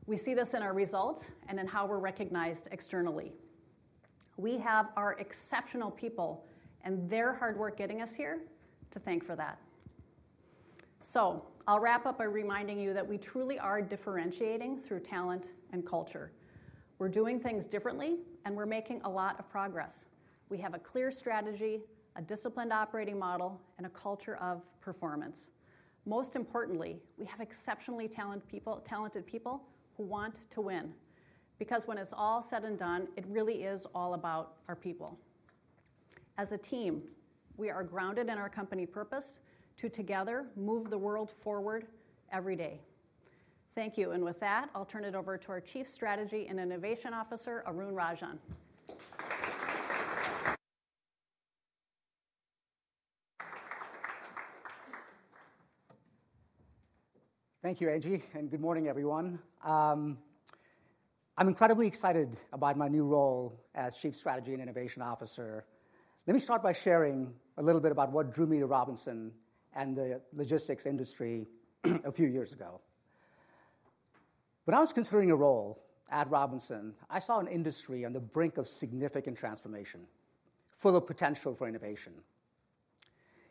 We see this in our results and in how we're recognized externally. We have our exceptional people and their hard work getting us here to thank for that. So I'll wrap up by reminding you that we truly are differentiating through talent and culture. We're doing things differently, and we're making a lot of progress. We have a clear strategy, a disciplined operating model, and a culture of performance. Most importantly, we have exceptionally talented people who want to win. Because when it's all said and done, it really is all about our people. As a team, we are grounded in our company purpose to together move the world forward every day. Thank you. And with that, I'll turn it over to our Chief Strategy and Innovation Officer, Arun Rajan. Thank you, Angie, and good morning, everyone. I'm incredibly excited about my new role as Chief Strategy and Innovation Officer. Let me start by sharing a little bit about what drew me to Robinson and the logistics industry a few years ago. When I was considering a role at Robinson, I saw an industry on the brink of significant transformation, full of potential for innovation.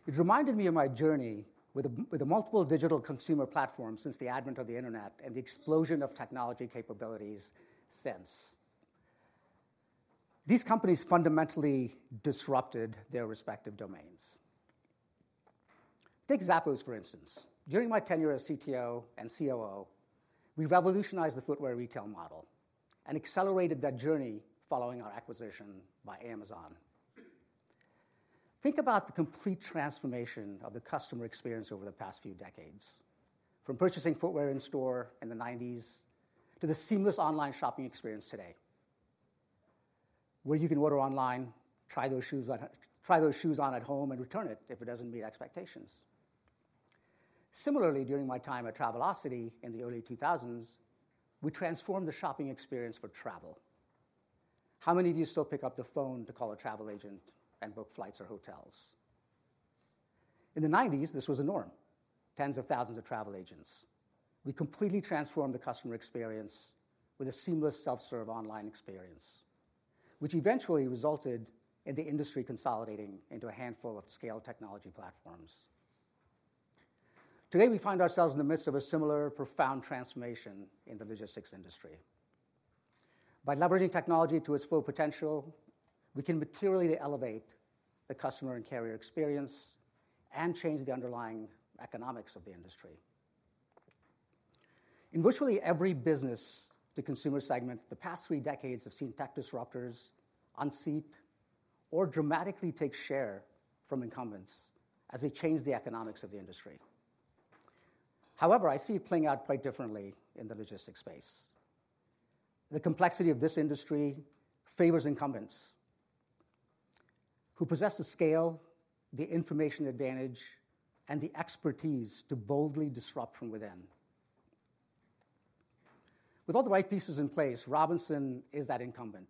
It reminded me of my journey with the multiple digital consumer platforms since the advent of the internet and the explosion of technology capabilities since. These companies fundamentally disrupted their respective domains. Take Zappos, for instance. During my tenure as CTO and COO, we revolutionized the footwear retail model and accelerated that journey following our acquisition by Amazon. Think about the complete transformation of the customer experience over the past few decades, from purchasing footwear in store in the '90s to the seamless online shopping experience today, where you can order online, try those shoes on at home, and return it if it doesn't meet expectations. Similarly, during my time at Travelocity in the early 2000s, we transformed the shopping experience for travel. How many of you still pick up the phone to call a travel agent and book flights or hotels? In the '90s, this was a norm: tens of thousands of travel agents. We completely transformed the customer experience with a seamless self-serve online experience, which eventually resulted in the industry consolidating into a handful of scaled technology platforms. Today, we find ourselves in the midst of a similar profound transformation in the logistics industry. By leveraging technology to its full potential, we can materially elevate the customer and carrier experience and change the underlying economics of the industry. In virtually every business consumer segment, the past three decades have seen tech disruptors unseat or dramatically take share from incumbents as they change the economics of the industry. However, I see it playing out quite differently in the logistics space. The complexity of this industry favors incumbents who possess the scale, the information advantage, and the expertise to boldly disrupt from within. With all the right pieces in place, Robinson is that incumbent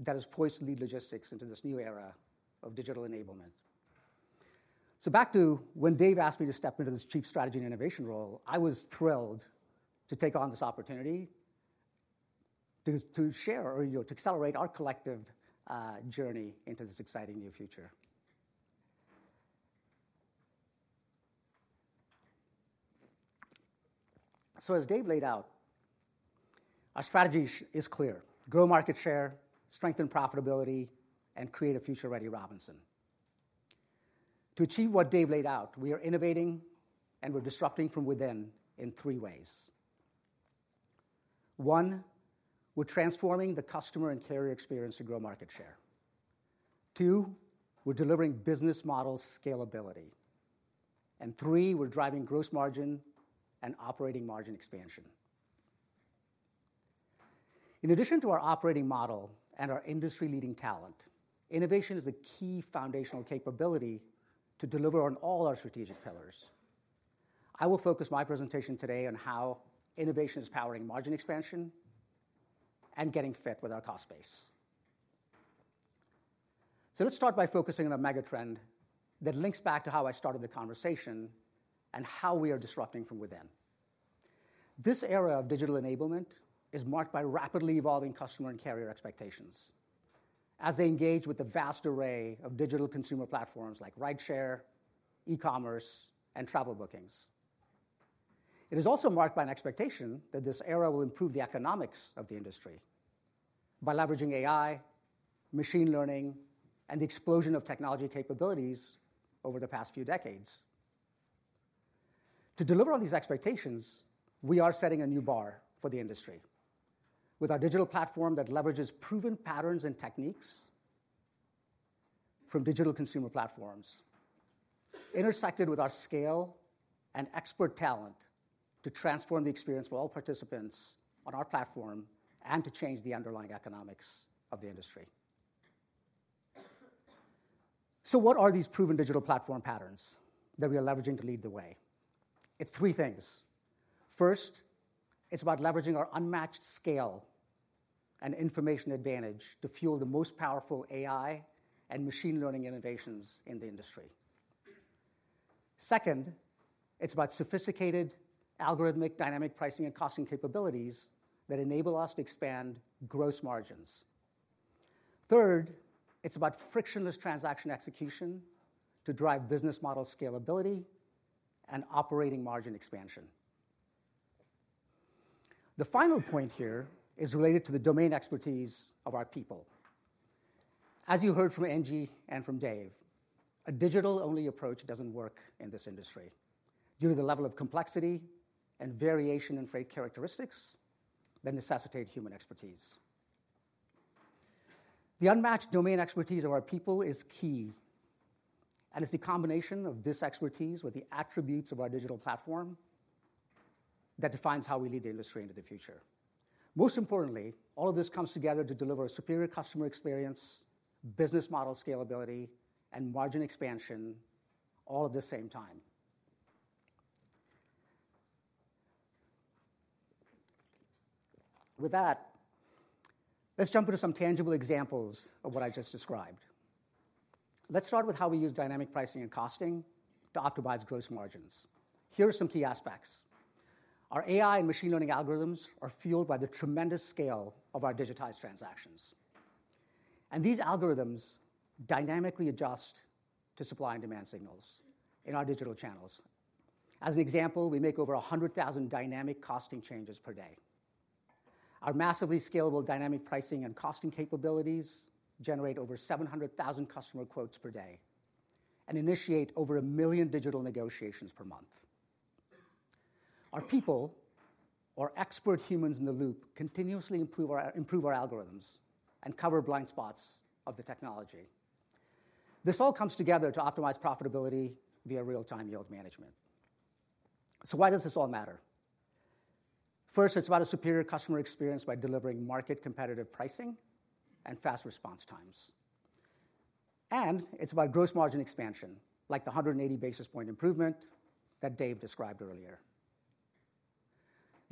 that has poised to lead logistics into this new era of digital enablement, so back to when Dave asked me to step into this Chief Strategy and Innovation role, I was thrilled to take on this opportunity to share or to accelerate our collective journey into this exciting new future. So as Dave laid out, our strategy is clear: grow market share, strengthen profitability, and create a future-ready Robinson. To achieve what Dave laid out, we are innovating and we're disrupting from within in three ways. One, we're transforming the customer and carrier experience to grow market share. Two, we're delivering business model scalability. And three, we're driving gross margin and operating margin expansion. In addition to our operating model and our industry-leading talent, innovation is a key foundational capability to deliver on all our strategic pillars. I will focus my presentation today on how innovation is powering margin expansion and getting fit with our cost base. So let's start by focusing on a megatrend that links back to how I started the conversation and how we are disrupting from within. This era of digital enablement is marked by rapidly evolving customer and carrier expectations as they engage with the vast array of digital consumer platforms like rideshare e-commerce and travel bookings. It is also marked by an expectation that this era will improve the economics of the industry by leveraging AI, machine learning, and the explosion of technology capabilities over the past few decades. To deliver on these expectations, we are setting a new bar for the industry with our digital platform that leverages proven patterns and techniques from digital consumer platforms, intersected with our scale and expert talent to transform the experience for all participants on our platform and to change the underlying economics of the industry. So what are these proven digital platform patterns that we are leveraging to lead the way? It's three things. First, it's about leveraging our unmatched scale and information advantage to fuel the most powerful AI and machine learning innovations in the industry. Second, it's about sophisticated algorithmic dynamic pricing and costing capabilities that enable us to expand gross margins. Third, it's about frictionless transaction execution to drive business model scalability and operating margin expansion. The final point here is related to the domain expertise of our people. As you heard from Angie and from Dave, a digital-only approach doesn't work in this industry due to the level of complexity and variation in freight characteristics that necessitate human expertise. The unmatched domain expertise of our people is key, and it's the combination of this expertise with the attributes of our digital platform that defines how we lead the industry into the future. Most importantly, all of this comes together to deliver a superior customer experience, business model scalability, and margin expansion all at the same time. With that, let's jump into some tangible examples of what I just described. Let's start with how we use dynamic pricing and costing to optimize gross margins. Here are some key aspects. Our AI and machine learning algorithms are fueled by the tremendous scale of our digitized transactions, and these algorithms dynamically adjust to supply and demand signals in our digital channels. As an example, we make over 100,000 dynamic costing changes per day. Our massively scalable dynamic pricing and costing capabilities generate over 700,000 customer quotes per day and initiate over a million digital negotiations per month. Our people, our expert humans in the loop, continuously improve our algorithms and cover blind spots of the technology. This all comes together to optimize profitability via real-time yield management. So why does this all matter? First, it's about a superior customer experience by delivering market-competitive pricing and fast response times, and it's about gross margin expansion, like the 180 basis points improvement that Dave described earlier.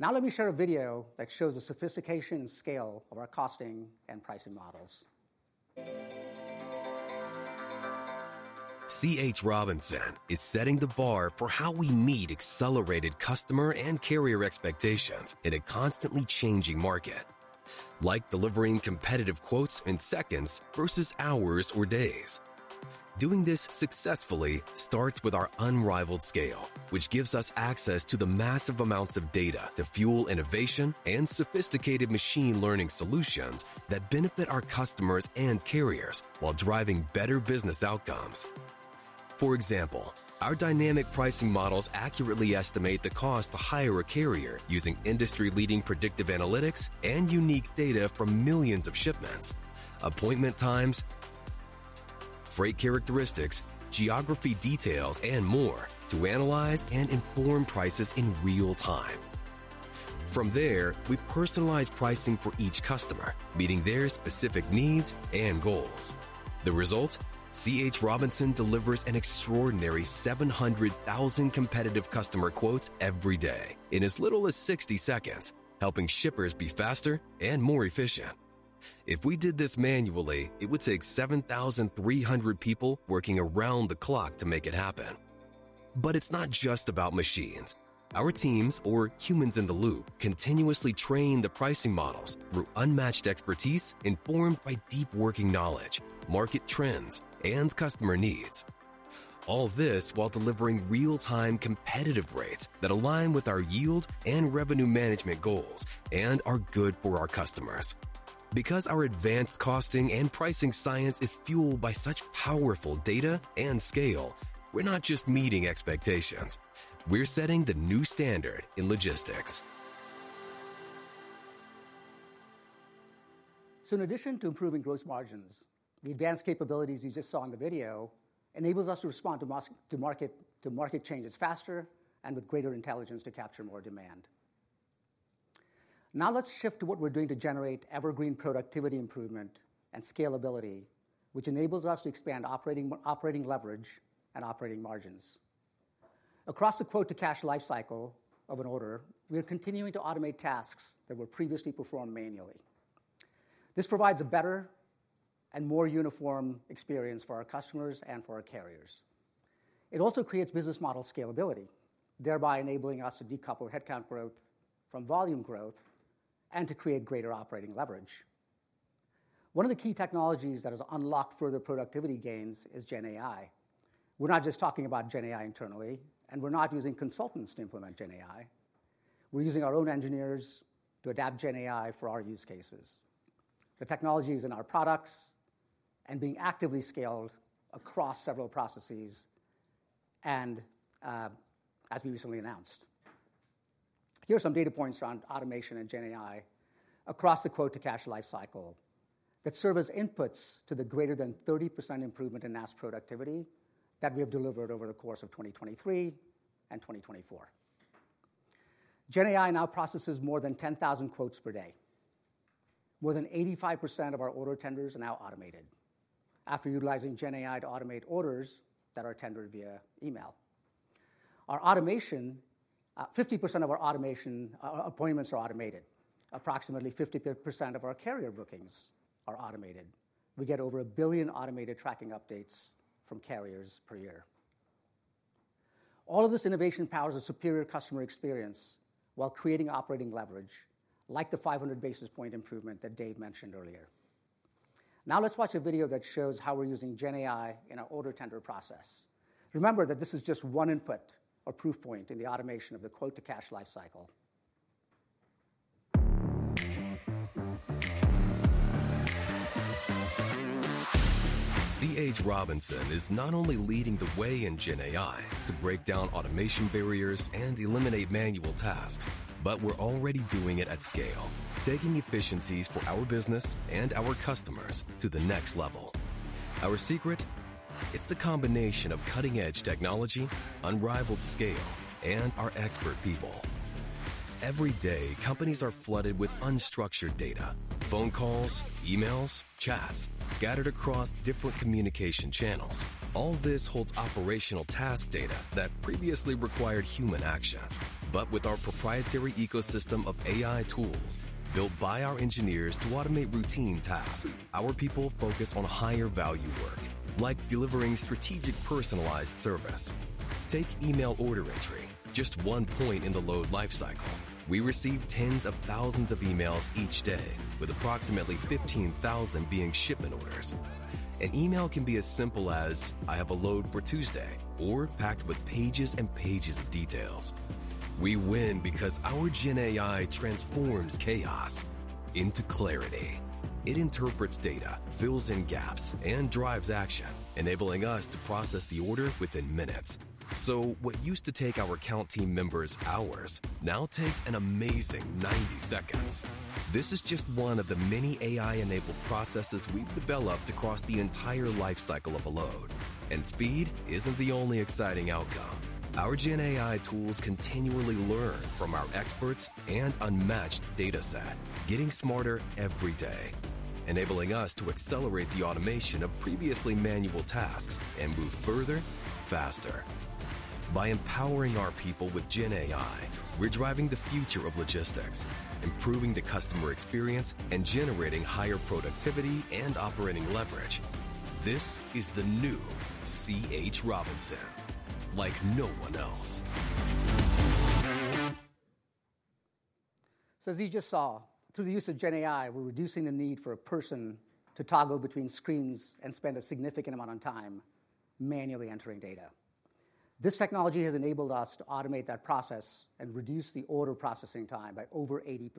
Now let me share a video that shows the sophistication and scale of our costing and pricing models. C.H. Robinson is setting the bar for how we meet accelerated customer and carrier expectations in a constantly changing market, like delivering competitive quotes in seconds versus hours or days. Doing this successfully starts with our unrivaled scale, which gives us access to the massive amounts of data to fuel innovation and sophisticated machine learning solutions that benefit our customers and carriers while driving better business outcomes. For example, our dynamic pricing models accurately estimate the cost to hire a carrier using industry-leading predictive analytics and unique data from millions of shipments, appointment times, freight characteristics, geography details, and more to analyze and inform prices in real time. From there, we personalize pricing for each customer, meeting their specific needs and goals. The result? C.H. Robinson delivers an extraordinary 700,000 competitive customer quotes every day in as little as 60 seconds, helping shippers be faster and more efficient. If we did this manually, it would take 7,300 people working around the clock to make it happen. But it's not just about machines. Our teams, or humans in the loop, continuously train the pricing models through unmatched expertise informed by deep working knowledge, market trends, and customer needs. All this while delivering real-time competitive rates that align with our yield and revenue management goals and are good for our customers. Because our advanced costing and pricing science is fueled by such powerful data and scale, we're not just meeting expectations. We're setting the new standard in logistics. So in addition to improving gross margins, the advanced capabilities you just saw in the video enable us to respond to market changes faster and with greater intelligence to capture more demand. Now let's shift to what we're doing to generate evergreen productivity improvement and scalability, which enables us to expand operating leverage and operating margins. Across the quote-to-cash lifecycle of an order, we are continuing to automate tasks that were previously performed manually. This provides a better and more uniform experience for our customers and for our carriers. It also creates business model scalability, thereby enabling us to decouple headcount growth from volume growth and to create greater operating leverage. One of the key technologies that has unlocked further productivity gains is GenAI. We're not just talking about GenAI internally, and we're not using consultants to implement GenAI. We're using our own engineers to adapt GenAI for our use cases. The technology is in our products and being actively scaled across several processes and as we recently announced. Here are some data points around automation and GenAI across the quote-to-cash lifecycle that serve as inputs to the greater than 30% improvement in NAST productivity that we have delivered over the course of 2023 and 2024. GenAI now processes more than 10,000 quotes per day. More than 85% of our order tenders are now automated after utilizing GenAI to automate orders that are tendered via email. 50% of our appointments are automated. Approximately 50% of our carrier bookings are automated. We get over 1 billion automated tracking updates from carriers per year. All of this innovation powers a superior customer experience while creating operating leverage, like the 500 basis point improvement that Dave mentioned earlier. Now let's watch a video that shows how we're using GenAI in our order tender process. Remember that this is just one input or proof point in the automation of the quote-to-cash lifecycle. C.H. Robinson is not only leading the way in GenAI to break down automation barriers and eliminate manual tasks, but we're already doing it at scale, taking efficiencies for our business and our customers to the next level. Our secret? It's the combination of cutting-edge technology, unrivaled scale, and our expert people. Every day, companies are flooded with unstructured data: phone calls, emails, chats scattered across different communication channels. All this holds operational task data that previously required human action. But with our proprietary ecosystem of AI tools built by our engineers to automate routine tasks, our people focus on higher-value work, like delivering strategic personalized service. Take email order entry: just one point in the load lifecycle. We receive tens of thousands of emails each day, with approximately 15,000 being shipment orders. An email can be as simple as, "I have a load for Tuesday," or packed with pages and pages of details. We win because our GenAI transforms chaos into clarity. It interprets data, fills in gaps, and drives action, enabling us to process the order within minutes. So what used to take our account team members hours now takes an amazing 90 seconds. This is just one of the many AI-enabled processes we've developed across the entire lifecycle of a load. And speed isn't the only exciting outcome. Our GenAI tools continually learn from our experts and unmatched dataset, getting smarter every day, enabling us to accelerate the automation of previously manual tasks and move further faster. By empowering our people with GenAI, we're driving the future of logistics, improving the customer experience, and generating higher productivity and operating leverage. This is the new C.H. Robinson, like no one else. So as you just saw, through the use of GenAI, we're reducing the need for a person to toggle between screens and spend a significant amount of time manually entering data. This technology has enabled us to automate that process and reduce the order processing time by over 80%.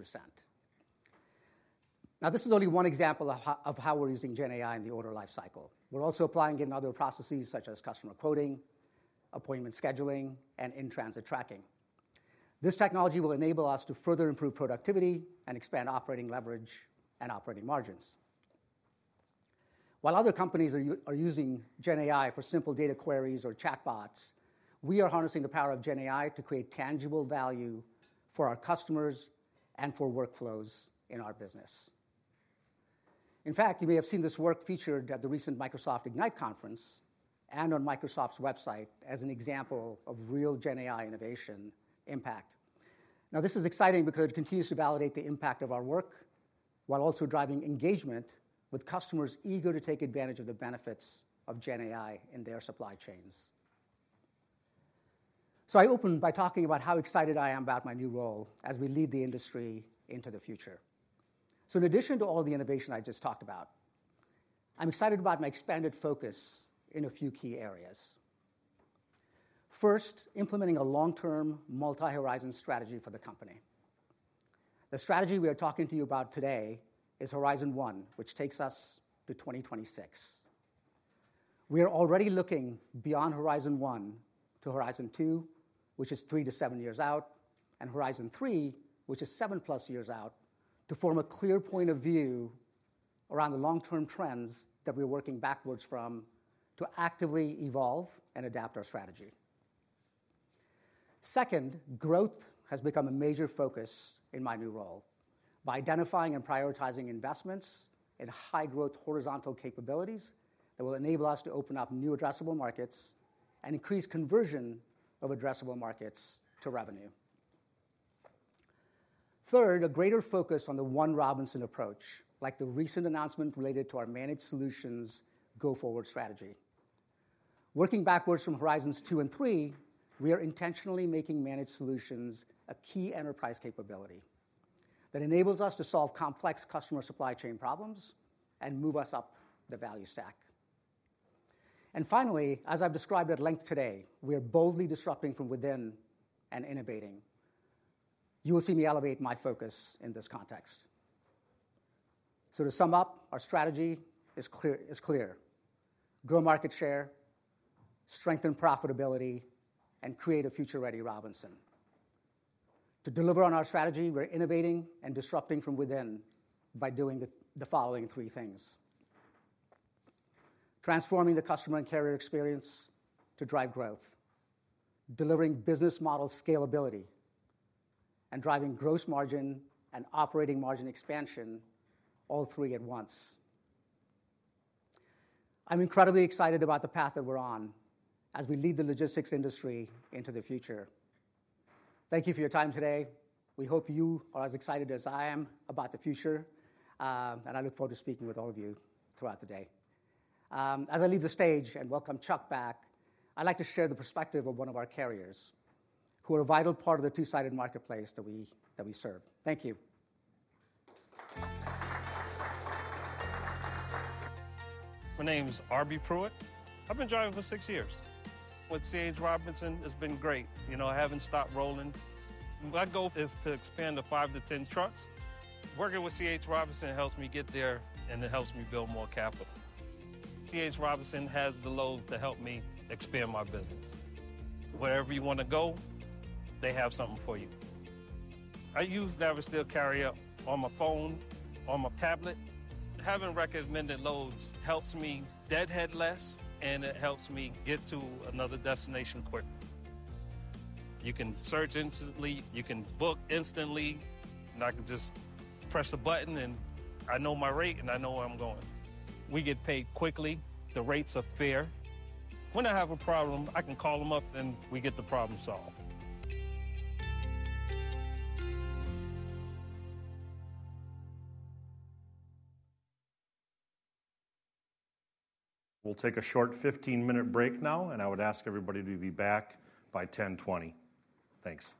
Now, this is only one example of how we're using GenAI in the order lifecycle. We're also applying it in other processes such as customer quoting, appointment scheduling, and in-transit tracking. This technology will enable us to further improve productivity and expand operating leverage and operating margins. While other companies are using GenAI for simple data queries or chatbots, we are harnessing the power of GenAI to create tangible value for our customers and for workflows in our business. In fact, you may have seen this work featured at the recent Microsoft Ignite conference and on Microsoft's website as an example of real GenAI innovation impact. Now, this is exciting because it continues to validate the impact of our work while also driving engagement with customers eager to take advantage of the benefits of GenAI in their supply chains. So I open by talking about how excited I am about my new role as we lead the industry into the future. So in addition to all the innovation I just talked about, I'm excited about my expanded focus in a few key areas. First, implementing a long-term multi-horizon strategy for the company. The strategy we are talking to you about today is Horizon One, which takes us to 2026. We are already looking beyond Horizon One to Horizon Two, which is three to seven years out, and Horizon Three, which is seven plus years out, to form a clear point of view around the long-term trends that we're working backwards from to actively evolve and adapt our strategy. Second, growth has become a major focus in my new role by identifying and prioritizing investments in high-growth horizontal capabilities that will enable us to open up new addressable markets and increase conversion of addressable markets to revenue. Third, a greater focus on the One Robinson approach, like the recent announcement related to our managed solutions go-forward strategy. Working backwards from Horizons Two and Three, we are intentionally making managed solutions a key enterprise capability that enables us to solve complex customer supply chain problems and move us up the value stack. Finally, as I've described at length today, we are boldly disrupting from within and innovating. You will see me elevate my focus in this context. So to sum up, our strategy is clear: grow market share, strengthen profitability, and create a future-ready Robinson. To deliver on our strategy, we're innovating and disrupting from within by doing the following three things: transforming the customer and carrier experience to drive growth, delivering business model scalability, and driving gross margin and operating margin expansion, all three at once. I'm incredibly excited about the path that we're on as we lead the logistics industry into the future. Thank you for your time today. We hope you are as excited as I am about the future, and I look forward to speaking with all of you throughout the day. As I leave the stage and welcome Chuck back, I'd like to share the perspective of one of our carriers, who are a vital part of the two-sided marketplace that we serve. Thank you. My name's Arby Pruitt. I've been driving for six years. With C.H. Robinson, it's been great. You know, I haven't stopped rolling. My goal is to expand to five to 10 trucks. Working with C.H. Robinson helps me get there, and it helps me build more capital. C.H. Robinson has the loads to help me expand my business. Wherever you want to go, they have something for you. I use Navisphere Carrier on my phone, on my tablet. Having recommended loads helps me deadhead less, and it helps me get to another destination quicker. You can search instantly. You can book instantly. And I can just press a button, and I know my rate, and I know where I'm going. We get paid quickly. The rates are fair. When I have a problem, I can call them up, and we get the problem solved. We'll take a short 15-minute break now, and I would ask everybody to be back by 10:20 A.M. Thanks.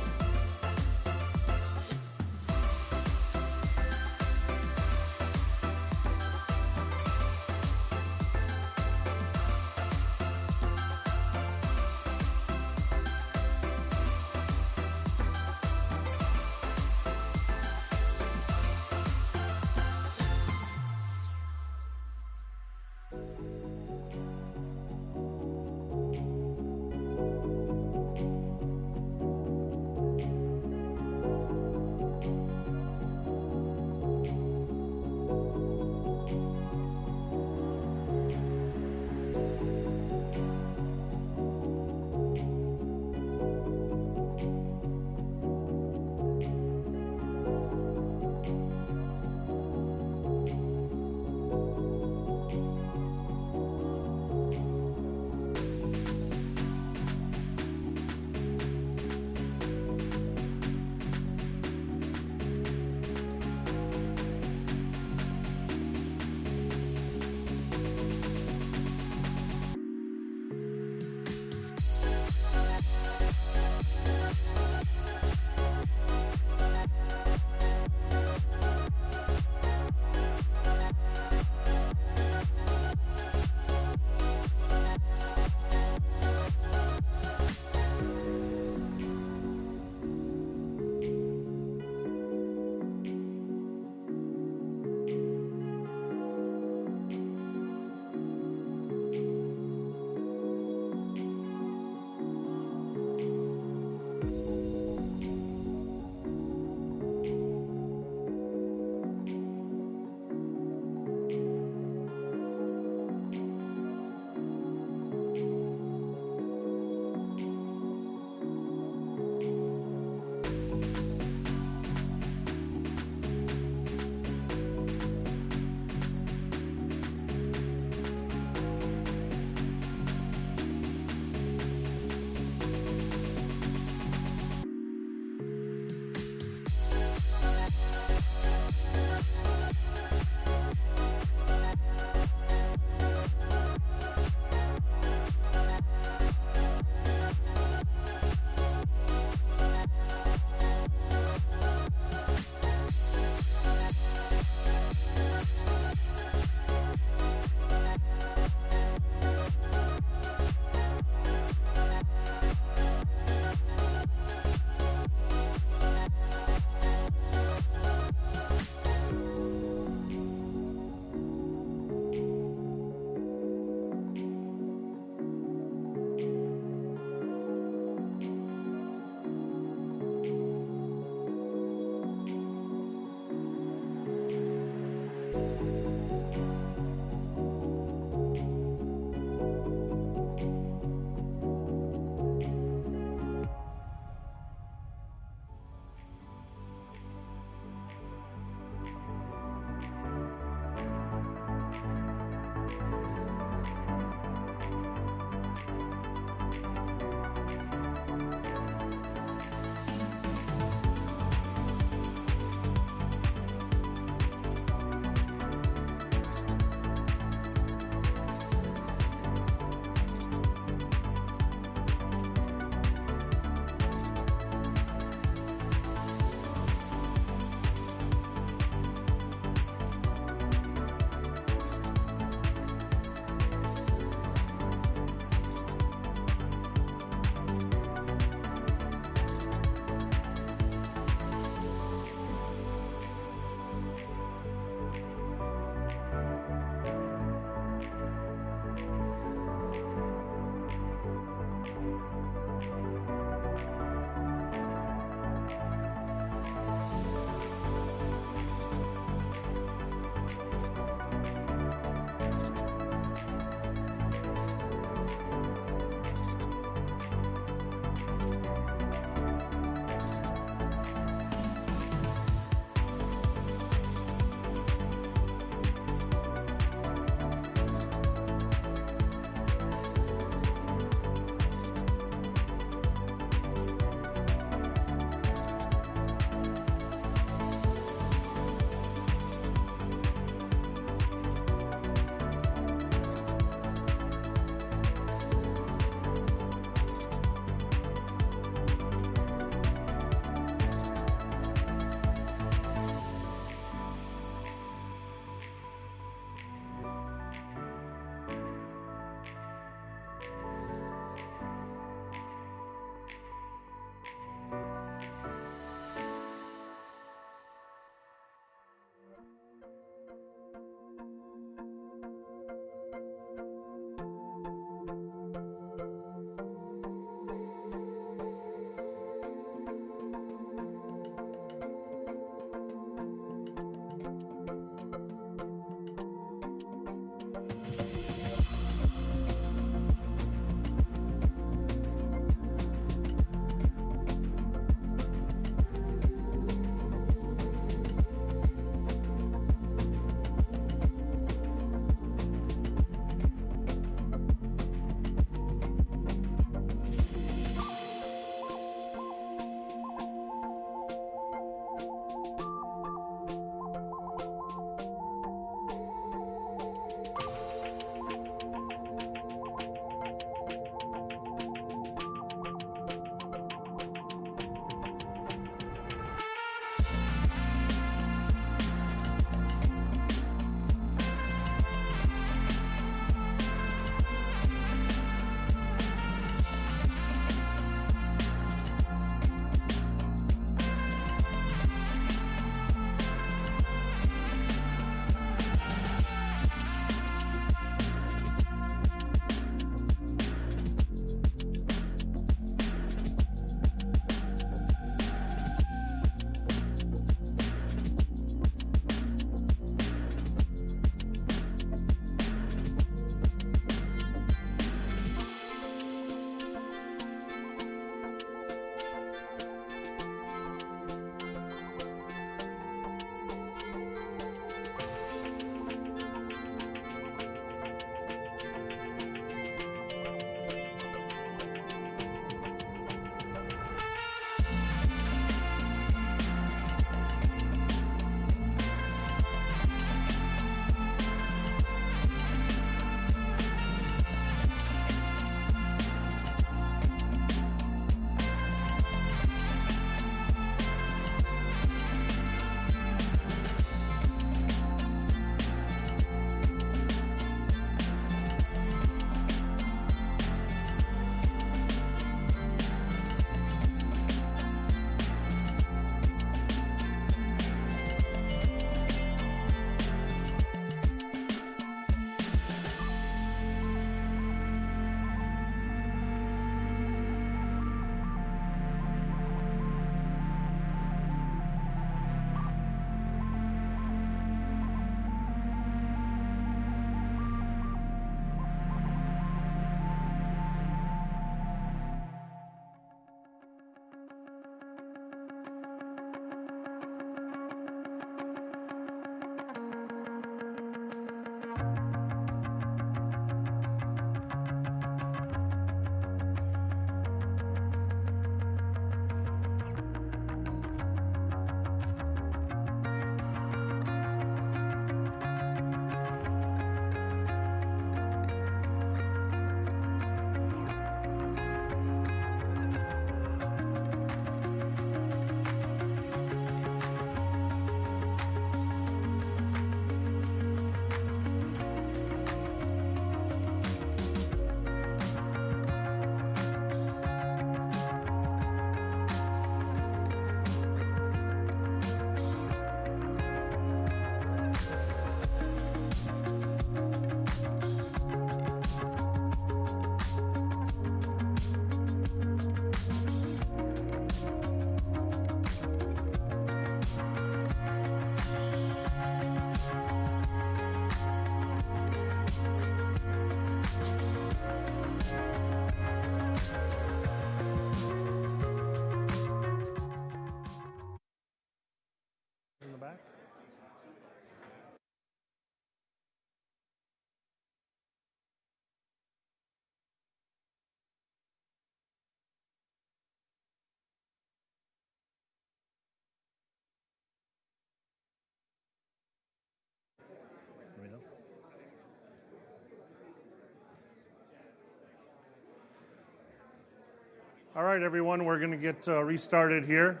There we go. All right, everyone. We're going to get restarted here.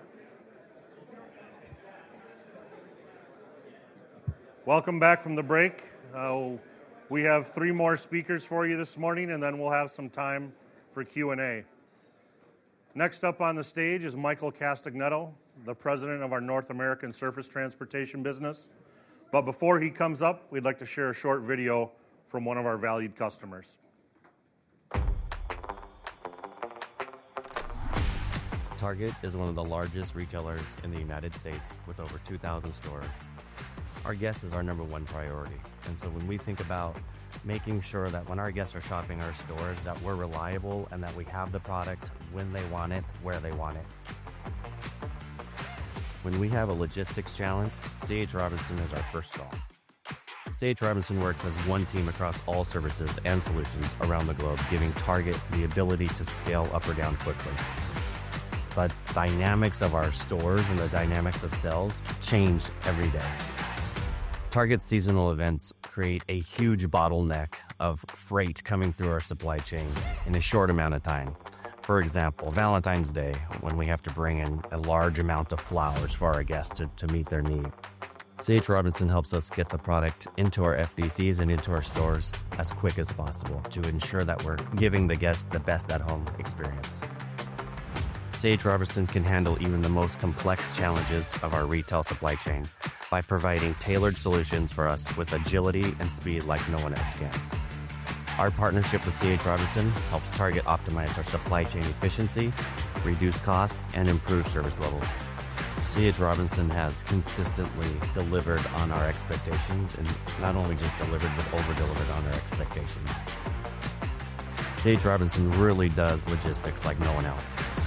Welcome back from the break. We have three more speakers for you this morning, and then we'll have some time for Q&A. Next up on the stage is Michael Castagnetto, the president of our North American Surface Transportation business. But before he comes up, we'd like to share a short video from one of our valued customers. Target is one of the largest retailers in the United States, with over 2,000 stores. Our guests are our number one priority. And so when we think about making sure that when our guests are shopping our stores, that we're reliable and that we have the product when they want it, where they want it. When we have a logistics challenge, C.H. Robinson is our first call. C.H. Robinson works as one team across all services and solutions around the globe, giving Target the ability to scale up or down quickly. But the dynamics of our stores and the dynamics of sales change every day. Target's seasonal events create a huge bottleneck of freight coming through our supply chain in a short amount of time. For example, Valentine's Day, when we have to bring in a large amount of flowers for our guests to meet their needs. C.H. Robinson helps us get the product into our FDCs and into our stores as quick as possible to ensure that we're giving the guests the best at-home experience. C.H. Robinson can handle even the most complex challenges of our retail supply chain by providing tailored solutions for us with agility and speed like no one else can. Our partnership with C.H. Robinson helps Target optimize our supply chain efficiency, reduce cost, and improve service levels. C.H. Robinson has consistently delivered on our expectations, and not only just delivered, but over-delivered on our expectations. C.H. Robinson really does logistics like no one else. Good morning. Good morning.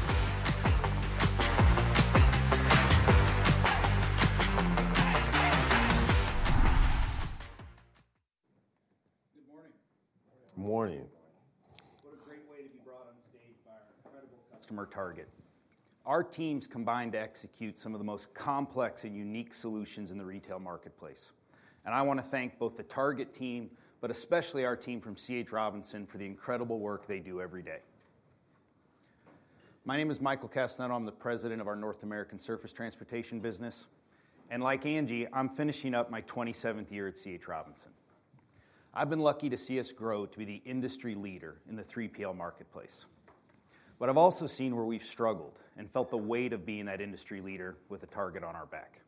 What a great way to be brought on stage by our incredible customer, Target. Our teams combine to execute some of the most complex and unique solutions in the retail marketplace. And I want to thank both the Target team, but especially our team from C.H. Robinson, for the incredible work they do every day. My name is Michael Castagnetto. I'm the President of our North American Surface Transportation business. And like Angie, I'm finishing up my 27th year at C.H. Robinson. I've been lucky to see us grow to be the industry leader in the 3PL marketplace. But I've also seen where we've struggled and felt the weight of being that industry leader with a target on our back.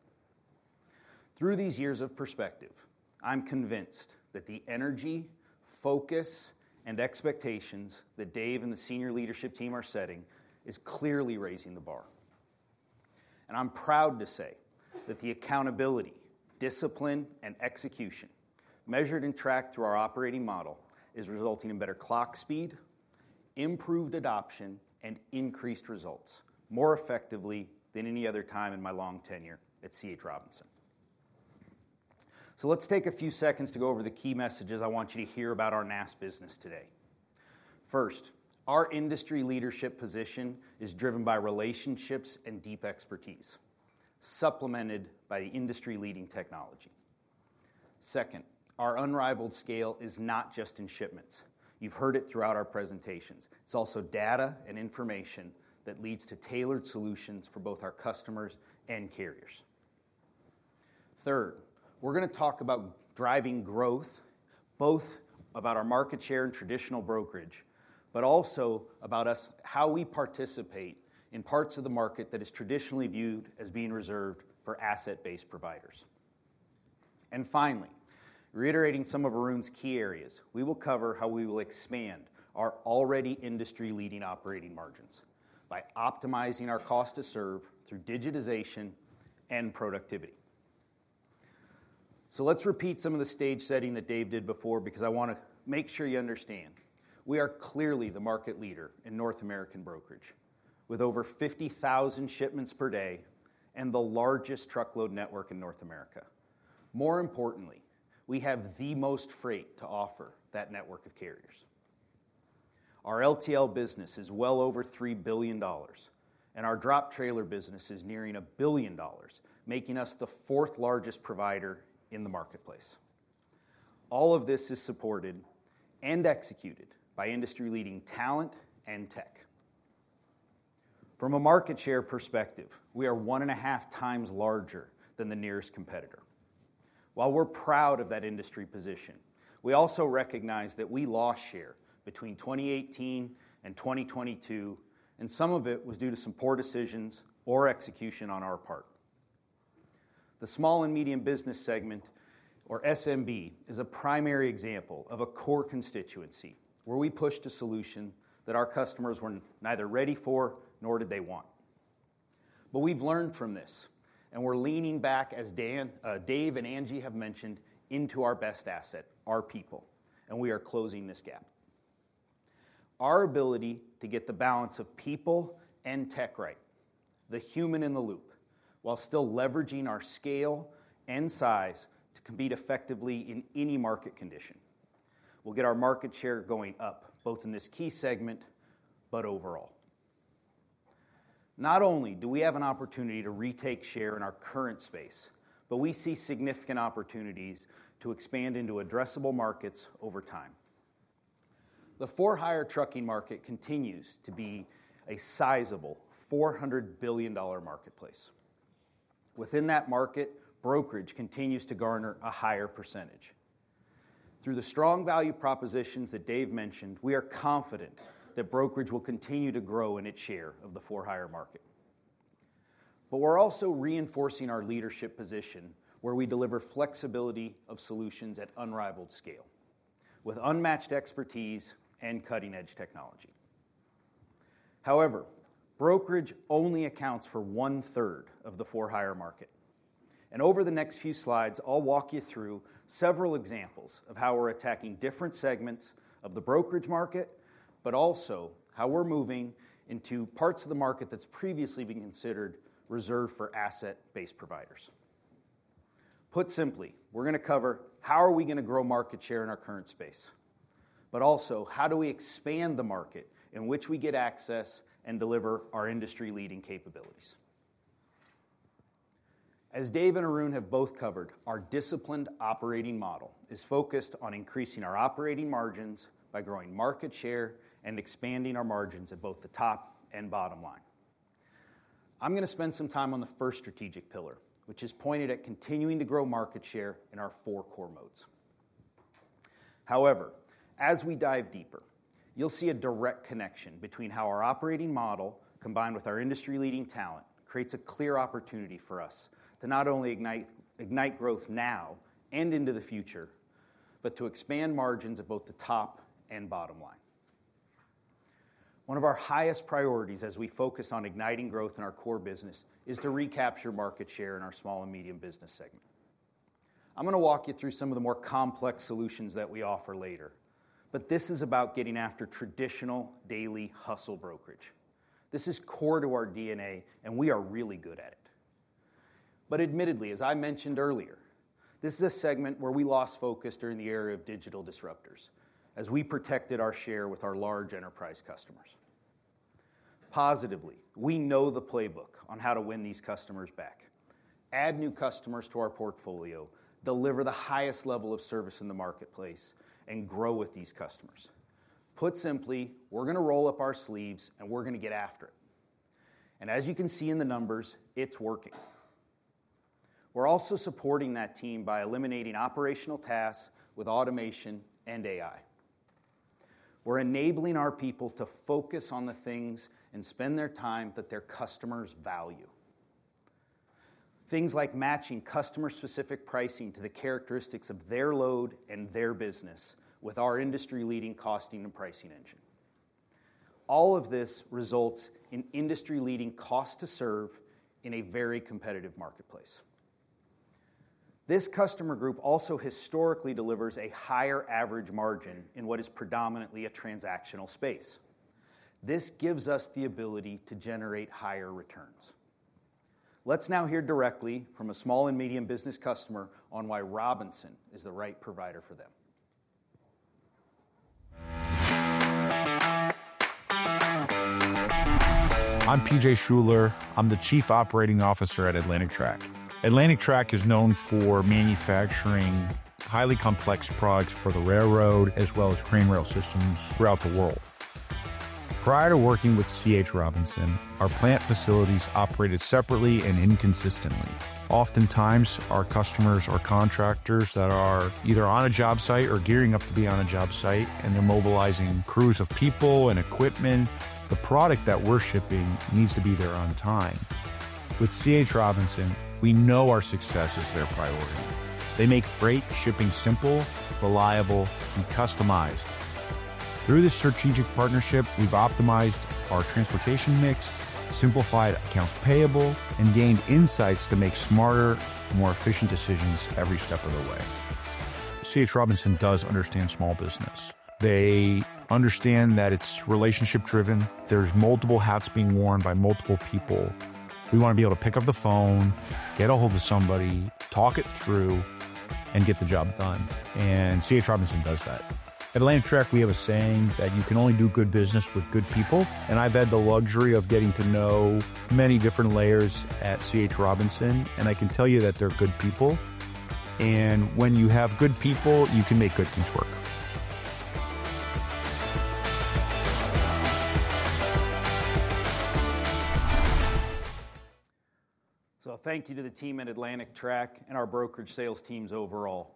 Through these years of perspective, I'm convinced that the energy, focus, and expectations that Dave and the senior leadership team are setting is clearly raising the bar. I'm proud to say that the accountability, discipline, and execution measured and tracked through our operating model is resulting in better clock speed, improved adoption, and increased results more effectively than any other time in my long tenure at C.H. Robinson. So let's take a few seconds to go over the key messages I want you to hear about our NAST business today. First, our industry leadership position is driven by relationships and deep expertise, supplemented by the industry-leading technology. Second, our unrivaled scale is not just in shipments. You've heard it throughout our presentations. It's also data and information that leads to tailored solutions for both our customers and carriers. Third, we're going to talk about driving growth, both about our market share in traditional brokerage, but also about how we participate in parts of the market that are traditionally viewed as being reserved for asset-based providers. And finally, reiterating some of Arun's key areas, we will cover how we will expand our already industry-leading operating margins by optimizing our cost to serve through digitization and productivity. So let's repeat some of the stage setting that Dave did before, because I want to make sure you understand. We are clearly the market leader in North American brokerage, with over 50,000 shipments per day and the largest truckload network in North America. More importantly, we have the most freight to offer that network of carriers. Our LTL business is well over $3 billion, and our drop trailer business is nearing $1 billion, making us the fourth-largest provider in the marketplace. All of this is supported and executed by industry-leading talent and tech. From a market share perspective, we are one and a half times larger than the nearest competitor. While we're proud of that industry position, we also recognize that we lost share between 2018 and 2022, and some of it was due to some poor decisions or execution on our part. The small and medium business segment, or SMB, is a primary example of a core constituency where we pushed a solution that our customers were neither ready for nor did they want. But we've learned from this, and we're leaning back, as Dave and Angie have mentioned, into our best asset, our people, and we are closing this gap. Our ability to get the balance of people and tech right, the human in the loop, while still leveraging our scale and size to compete effectively in any market condition will get our market share going up, both in this key segment but overall. Not only do we have an opportunity to retake share in our current space, but we see significant opportunities to expand into addressable markets over time. The for-hire trucking market continues to be a sizable $400 billion marketplace. Within that market, brokerage continues to garner a higher percentage. Through the strong value propositions that Dave mentioned, we are confident that brokerage will continue to grow in its share of the for-hire market. But we're also reinforcing our leadership position where we deliver flexibility of solutions at unrivaled scale, with unmatched expertise and cutting-edge technology. However, brokerage only accounts for one-third of the for-hire market, and over the next few slides, I'll walk you through several examples of how we're attacking different segments of the brokerage market, but also how we're moving into parts of the market that's previously been considered reserved for asset-based providers. Put simply, we're going to cover how are we going to grow market share in our current space, but also how do we expand the market in which we get access and deliver our industry-leading capabilities. As Dave and Arun have both covered, our disciplined operating model is focused on increasing our operating margins by growing market share and expanding our margins at both the top and bottom line. I'm going to spend some time on the first strategic pillar, which is pointed at continuing to grow market share in our four core modes. However, as we dive deeper, you'll see a direct connection between how our operating model, combined with our industry-leading talent, creates a clear opportunity for us to not only ignite growth now and into the future, but to expand margins at both the top and bottom line. One of our highest priorities as we focus on igniting growth in our core business is to recapture market share in our small and medium business segment. I'm going to walk you through some of the more complex solutions that we offer later, but this is about getting after traditional daily hustle brokerage. This is core to our DNA, and we are really good at it. But admittedly, as I mentioned earlier, this is a segment where we lost focus during the era of digital disruptors as we protected our share with our large enterprise customers. Positively, we know the playbook on how to win these customers back, add new customers to our portfolio, deliver the highest level of service in the marketplace, and grow with these customers. Put simply, we're going to roll up our sleeves, and we're going to get after it. And as you can see in the numbers, it's working. We're also supporting that team by eliminating operational tasks with automation and AI. We're enabling our people to focus on the things and spend their time that their customers value. Things like matching customer-specific pricing to the characteristics of their load and their business with our industry-leading costing and pricing engine. All of this results in industry-leading cost to serve in a very competitive marketplace. This customer group also historically delivers a higher average margin in what is predominantly a transactional space. This gives us the ability to generate higher returns. Let's now hear directly from a small and medium business customer on why Robinson is the right provider for them. I'm P.J. Schuler. I'm the Chief Operating Officer at Atlantic Track. Atlantic Track is known for manufacturing highly complex products for the railroad, as well as crane rail systems throughout the world. Prior to working with C.H. Robinson, our plant facilities operated separately and inconsistently. Oftentimes, our customers are contractors that are either on a job site or gearing up to be on a job site, and they're mobilizing crews of people and equipment. The product that we're shipping needs to be there on time. With C.H. Robinson, we know our success is their priority. They make freight shipping simple, reliable, and customized. Through this strategic partnership, we've optimized our transportation mix, simplified accounts payable, and gained insights to make smarter, more efficient decisions every step of the way. C.H. Robinson does understand small business. They understand that it's relationship-driven. There's multiple hats being worn by multiple people. We want to be able to pick up the phone, get a hold of somebody, talk it through, and get the job done. And C.H. Robinson does that. At Atlantic Track, we have a saying that you can only do good business with good people. And I've had the luxury of getting to know many different layers at C.H. Robinson, and I can tell you that they're good people. And when you have good people, you can make good things work. Thank you to the team at Atlantic Track and our brokerage sales teams overall.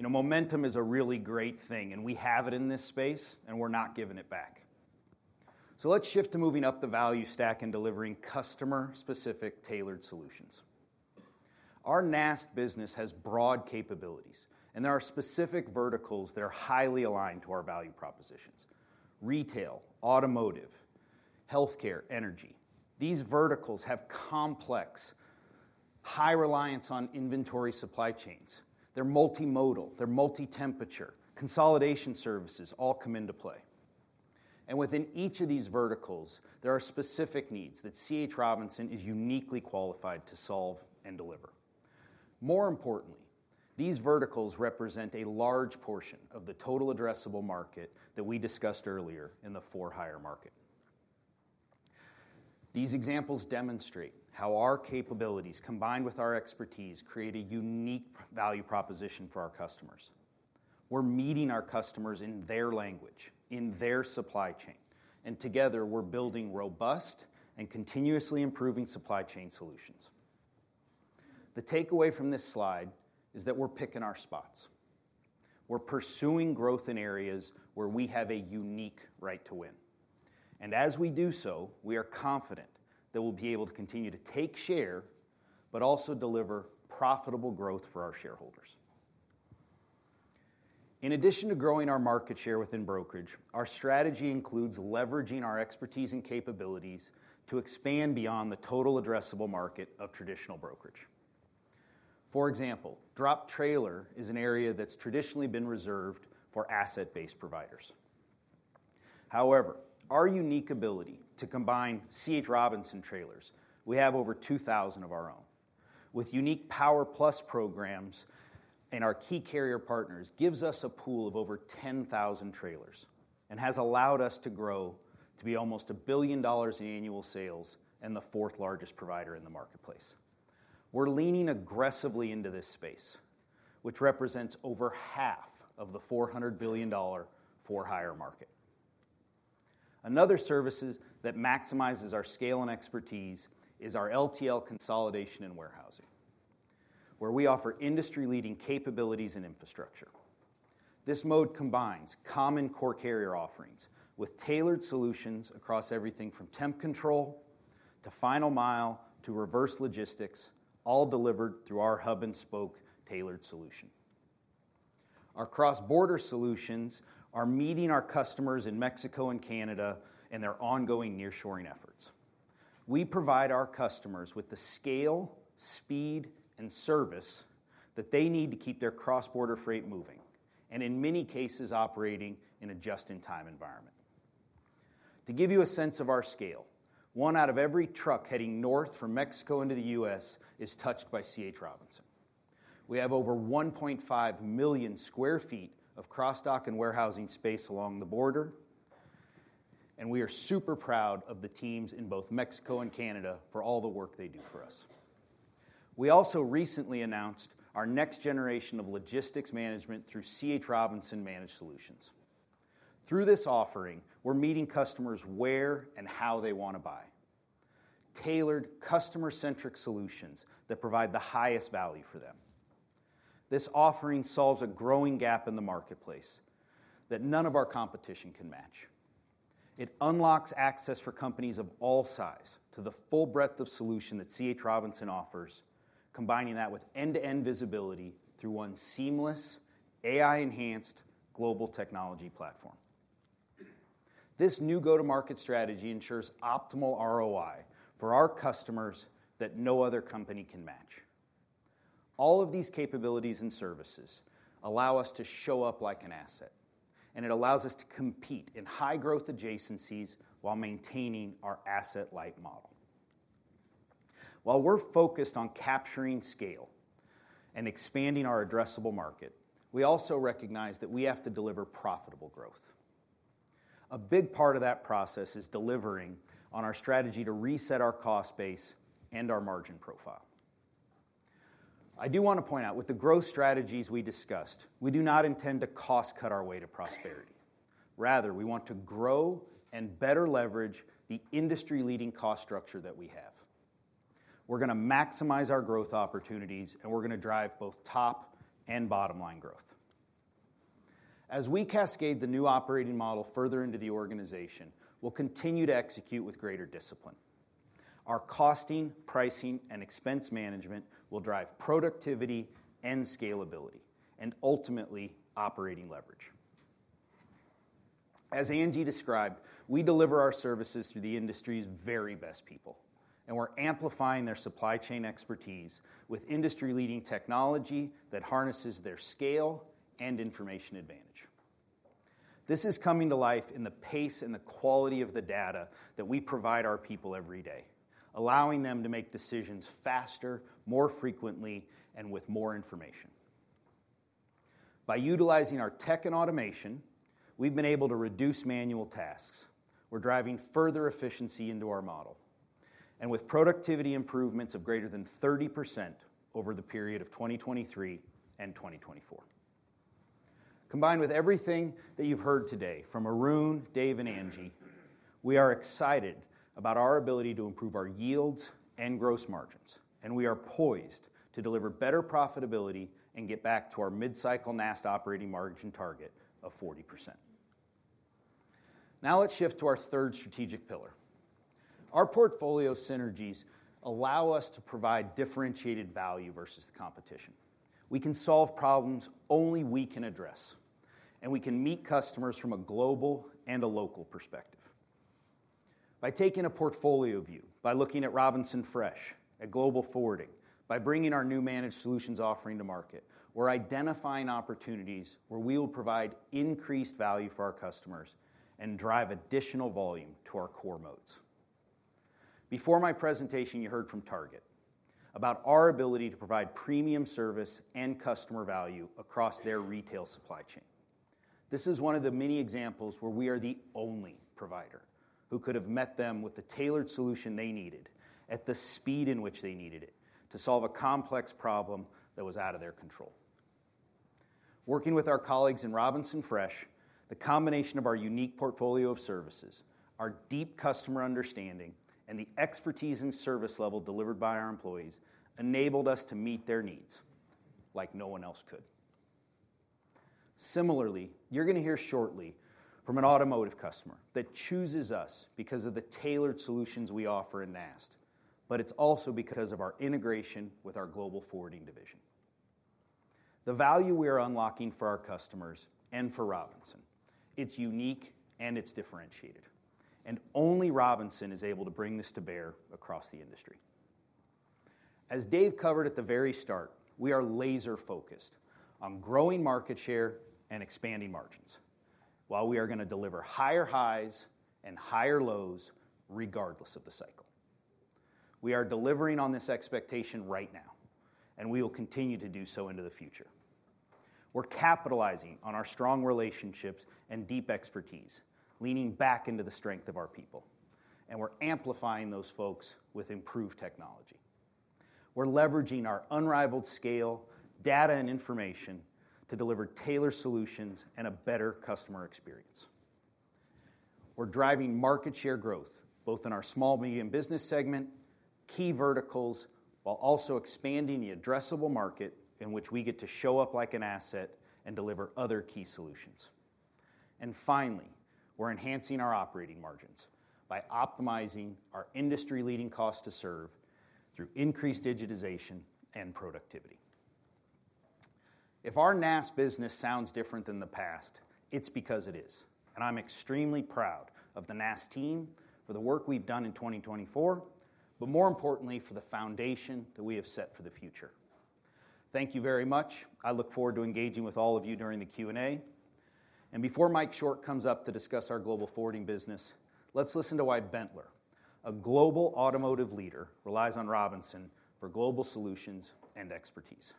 Momentum is a really great thing, and we have it in this space, and we're not giving it back. Let's shift to moving up the value stack and delivering customer-specific tailored solutions. Our NAST business has broad capabilities, and there are specific verticals that are highly aligned to our value propositions: retail, automotive, healthcare, energy. These verticals have complex, high reliance on inventory supply chains. They're multimodal. They're multi-temperature. Consolidation services all come into play. Within each of these verticals, there are specific needs that C.H. Robinson is uniquely qualified to solve and deliver. More importantly, these verticals represent a large portion of the total addressable market that we discussed earlier in the for-hire market. These examples demonstrate how our capabilities, combined with our expertise, create a unique value proposition for our customers. We're meeting our customers in their language, in their supply chain. And together, we're building robust and continuously improving supply chain solutions. The takeaway from this slide is that we're picking our spots. We're pursuing growth in areas where we have a unique right to win. And as we do so, we are confident that we'll be able to continue to take share but also deliver profitable growth for our shareholders. In addition to growing our market share within brokerage, our strategy includes leveraging our expertise and capabilities to expand beyond the total addressable market of traditional brokerage. For example, drop trailer is an area that's traditionally been reserved for asset-based providers. However, our unique ability to combine C.H. trailers - we have over 2,000 of our own - with unique Power Plus programs and our key carrier partners gives us a pool of over 10,000 trailers and has allowed us to grow to be almost $1 billion in annual sales and the fourth-largest provider in the marketplace. We're leaning aggressively into this space, which represents over half of the $400 billion for-hire market. Another service that maximizes our scale and expertise is our LTL consolidation and warehousing, where we offer industry-leading capabilities and infrastructure. This mode combines common core carrier offerings with tailored solutions across everything from temp control to final mile to reverse logistics, all delivered through our hub-and-spoke tailored solution. Our cross-border solutions are meeting our customers in Mexico and Canada and their ongoing nearshoring efforts. We provide our customers with the scale, speed, and service that they need to keep their cross-border freight moving and, in many cases, operating in a just-in-time environment. To give you a sense of our scale, one out of every truck heading north from Mexico into the U.S. is touched by C.H. Robinson. We have over 1.5 million sq ft of cross-dock and warehousing space along the border, and we are super proud of the teams in both Mexico and Canada for all the work they do for us. We also recently announced our next generation of logistics management through C.H. Robinson Managed Solutions. Through this offering, we're meeting customers where and how they want to buy: tailored, customer-centric solutions that provide the highest value for them. This offering solves a growing gap in the marketplace that none of our competition can match. It unlocks access for companies of all size to the full breadth of solution that C.H. Robinson offers, combining that with end-to-end visibility through one seamless, AI-enhanced global technology platform. This new go-to-market strategy ensures optimal ROI for our customers that no other company can match. All of these capabilities and services allow us to show up like an asset, and it allows us to compete in high-growth adjacencies while maintaining our asset-light model. While we're focused on capturing scale and expanding our addressable market, we also recognize that we have to deliver profitable growth. A big part of that process is delivering on our strategy to reset our cost base and our margin profile. I do want to point out, with the growth strategies we discussed, we do not intend to cost-cut our way to prosperity. Rather, we want to grow and better leverage the industry-leading cost structure that we have. We're going to maximize our growth opportunities, and we're going to drive both top and bottom-line growth. As we cascade the new operating model further into the organization, we'll continue to execute with greater discipline. Our costing, pricing, and expense management will drive productivity and scalability and, ultimately, operating leverage. As Angie described, we deliver our services through the industry's very best people, and we're amplifying their supply chain expertise with industry-leading technology that harnesses their scale and information advantage. This is coming to life in the pace and the quality of the data that we provide our people every day, allowing them to make decisions faster, more frequently, and with more information. By utilizing our tech and automation, we've been able to reduce manual tasks. We're driving further efficiency into our model, and with productivity improvements of greater than 30% over the period of 2023 and 2024. Combined with everything that you've heard today from Arun, Dave, and Angie, we are excited about our ability to improve our yields and gross margins, and we are poised to deliver better profitability and get back to our mid-cycle NAST operating margin target of 40%. Now let's shift to our third strategic pillar. Our portfolio synergies allow us to provide differentiated value versus the competition. We can solve problems only we can address, and we can meet customers from a global and a local perspective. By taking a portfolio view, by looking at Robinson Fresh, at Global Forwarding, by bringing our new managed solutions offering to market, we're identifying opportunities where we will provide increased value for our customers and drive additional volume to our core modes. Before my presentation, you heard from Target about our ability to provide premium service and customer value across their retail supply chain. This is one of the many examples where we are the only provider who could have met them with the tailored solution they needed at the speed in which they needed it to solve a complex problem that was out of their control. Working with our colleagues in Robinson Fresh, the combination of our unique portfolio of services, our deep customer understanding, and the expertise and service level delivered by our employees enabled us to meet their needs like no one else could. Similarly, you're going to hear shortly from an automotive customer that chooses us because of the tailored solutions we offer in NAST, but it's also because of our integration with our Global Forwarding division. The value we are unlocking for our customers and for Robinson, it's unique and it's differentiated, and only Robinson is able to bring this to bear across the industry. As Dave covered at the very start, we are laser-focused on growing market share and expanding margins while we are going to deliver higher highs and higher lows regardless of the cycle. We are delivering on this expectation right now, and we will continue to do so into the future. We're capitalizing on our strong relationships and deep expertise, leaning back into the strength of our people, and we're amplifying those folks with improved technology. We're leveraging our unrivaled scale, data, and information to deliver tailored solutions and a better customer experience. We're driving market share growth both in our small and medium business segment, key verticals, while also expanding the addressable market in which we get to show up like an asset and deliver other key solutions. And finally, we're enhancing our operating margins by optimizing our industry-leading cost to serve through increased digitization and productivity. If our NAST business sounds different than the past, it's because it is. And I'm extremely proud of the NAST team for the work we've done in 2024, but more importantly, for the foundation that we have set for the future. Thank you very much. I look forward to engaging with all of you during the Q&A. And before Mike Short comes up to discuss our Global Forwarding business, let's listen to why Benteler, a global automotive leader, relies on Robinson for global solutions and expertise.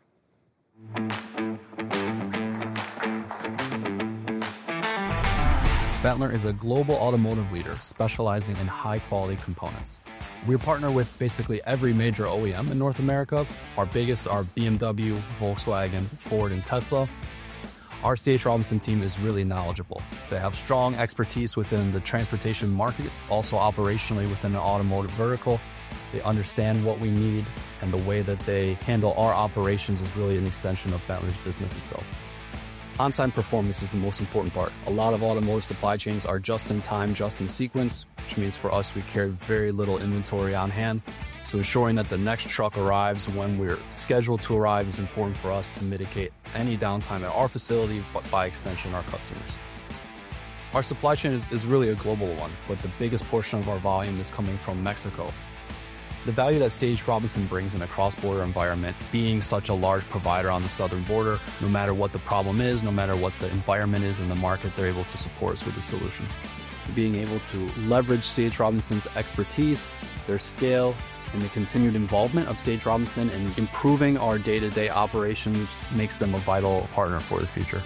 Benteler is a global automotive leader specializing in high-quality components. We partner with basically every major OEM in North America. Our biggest are BMW, Volkswagen, Ford, and Tesla. Our C.H. Robinson team is really knowledgeable. They have strong expertise within the transportation market, also operationally within the automotive vertical. They understand what we need, and the way that they handle our operations is really an extension of Benteler's business itself. On-time performance is the most important part. A lot of automotive supply chains are just in time, just in sequence, which means for us, we carry very little inventory on hand. So ensuring that the next truck arrives when we're scheduled to arrive is important for us to mitigate any downtime at our facility, but by extension, our customers. Our supply chain is really a global one, but the biggest portion of our volume is coming from Mexico. The value that C.H. Robinson brings in a cross-border environment, being such a large provider on the southern border, no matter what the problem is, no matter what the environment is in the market, they're able to support us with a solution. Being able to leverage C.H. Robinson's expertise, their scale, and the continued involvement of C.H. Robinson in improving our day-to-day operations makes them a vital partner for the future.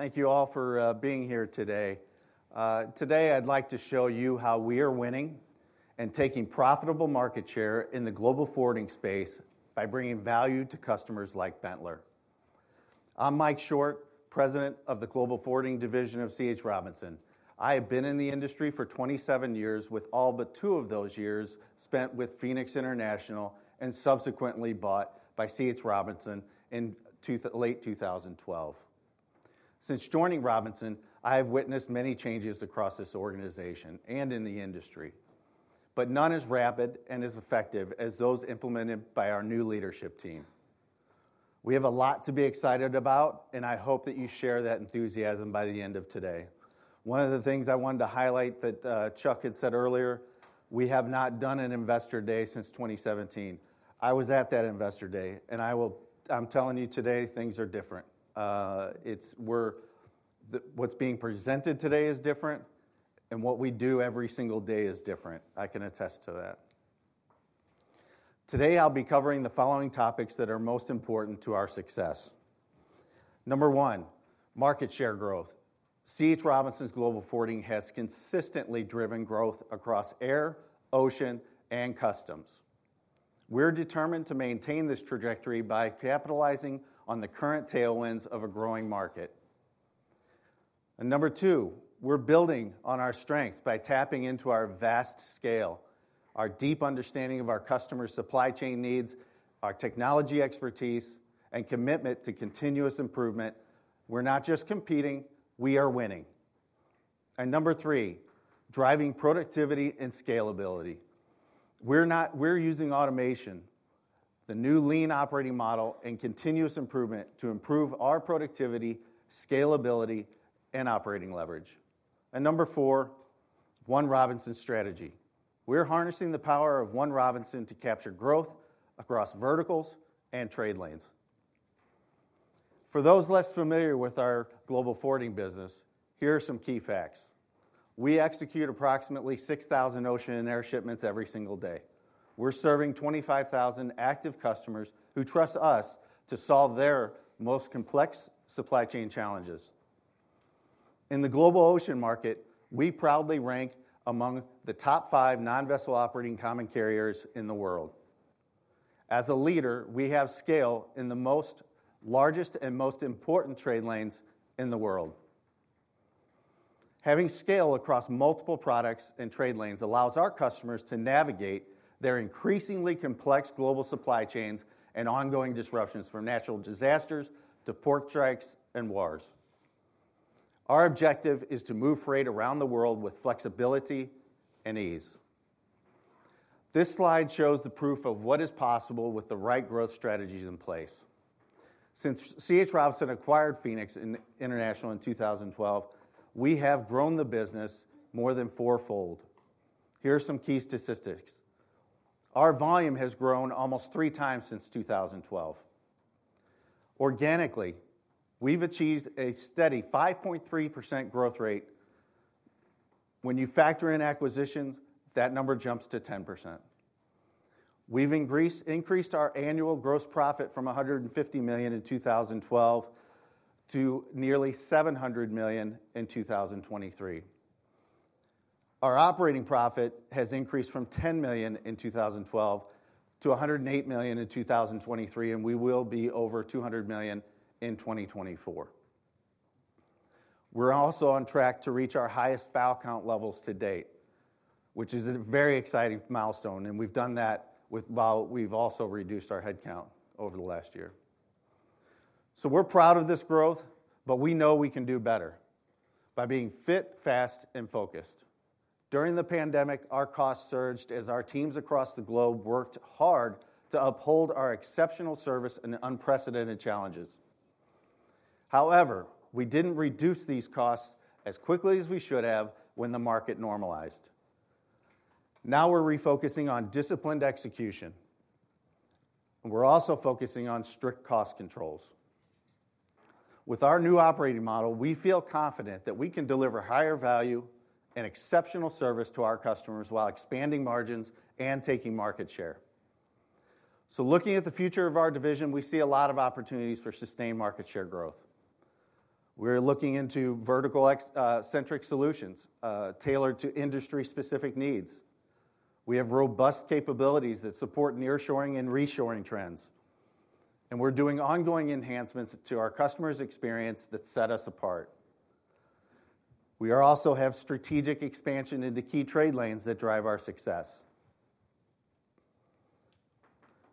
Good morning. Thank you all for being here today. Today, I'd like to show you how we are winning and taking profitable market share in the Global Forwarding space by bringing value to customers like Benteler. I'm Mike Short, President of the Global Forwarding division of C.H. Robinson. I have been in the industry for 27 years, with all but two of those years spent with Phoenix International and subsequently bought by C.H. Robinson in late 2012. Since joining Robinson, I have witnessed many changes across this organization and in the industry, but none as rapid and as effective as those implemented by our new leadership team. We have a lot to be excited about, and I hope that you share that enthusiasm by the end of today. One of the things I wanted to highlight that Chuck had said earlier, we have not done an investor day since 2017. I was at that investor day, and I'm telling you today, things are different. What's being presented today is different, and what we do every single day is different. I can attest to that. Today, I'll be covering the following topics that are most important to our success. Number one, market share growth. C.H. Robinson's Global Forwarding has consistently driven growth across air, ocean, and customs. We're determined to maintain this trajectory by capitalizing on the current tailwinds of a growing market. Number two, we're building on our strengths by tapping into our vast scale, our deep understanding of our customers' supply chain needs, our technology expertise, and commitment to continuous improvement. We're not just competing. We are winning, and number three, driving productivity and scalability. We're using automation, the new lean operating model, and continuous improvement to improve our productivity, scalability, and operating leverage. Number four, One Robinson strategy. We're harnessing the power of One Robinson to capture growth across verticals and trade lanes. For those less familiar with our Global Forwarding business, here are some key facts. We execute approximately 6,000 ocean and air shipments every single day. We're serving 25,000 active customers who trust us to solve their most complex supply chain challenges. In the global ocean market, we proudly rank among the top five non-vessel operating common carriers in the world. As a leader, we have scale in the most largest and most important trade lanes in the world. Having scale across multiple products and trade lanes allows our customers to navigate their increasingly complex global supply chains and ongoing disruptions, from natural disasters to port strikes and wars. Our objective is to move freight around the world with flexibility and ease. This slide shows the proof of what is possible with the right growth strategies in place. Since C.H. Robinson acquired Phoenix International in 2012, we have grown the business more than fourfold. Here are some key statistics. Our volume has grown almost three times since 2012. Organically, we've achieved a steady 5.3% growth rate. When you factor in acquisitions, that number jumps to 10%. We've increased our annual gross profit from $150 million in 2012-nearly $700 million in 2023. Our operating profit has increased from $10 million in 2012-$108 million in 2023, and we will be over $200 million in 2024. We're also on track to reach our highest file count levels to date, which is a very exciting milestone, and we've done that while we've also reduced our headcount over the last year. So we're proud of this growth, but we know we can do better by being fit, fast, and focused. During the pandemic, our costs surged as our teams across the globe worked hard to uphold our exceptional service and unprecedented challenges. However, we didn't reduce these costs as quickly as we should have when the market normalized. Now we're refocusing on disciplined execution, and we're also focusing on strict cost controls. With our new operating model, we feel confident that we can deliver higher value and exceptional service to our customers while expanding margins and taking market share. So looking at the future of our division, we see a lot of opportunities for sustained market share growth. We're looking into vertical-centric solutions tailored to industry-specific needs. We have robust capabilities that support nearshoring and reshoring trends, and we're doing ongoing enhancements to our customers' experience that set us apart. We also have strategic expansion into key trade lanes that drive our success.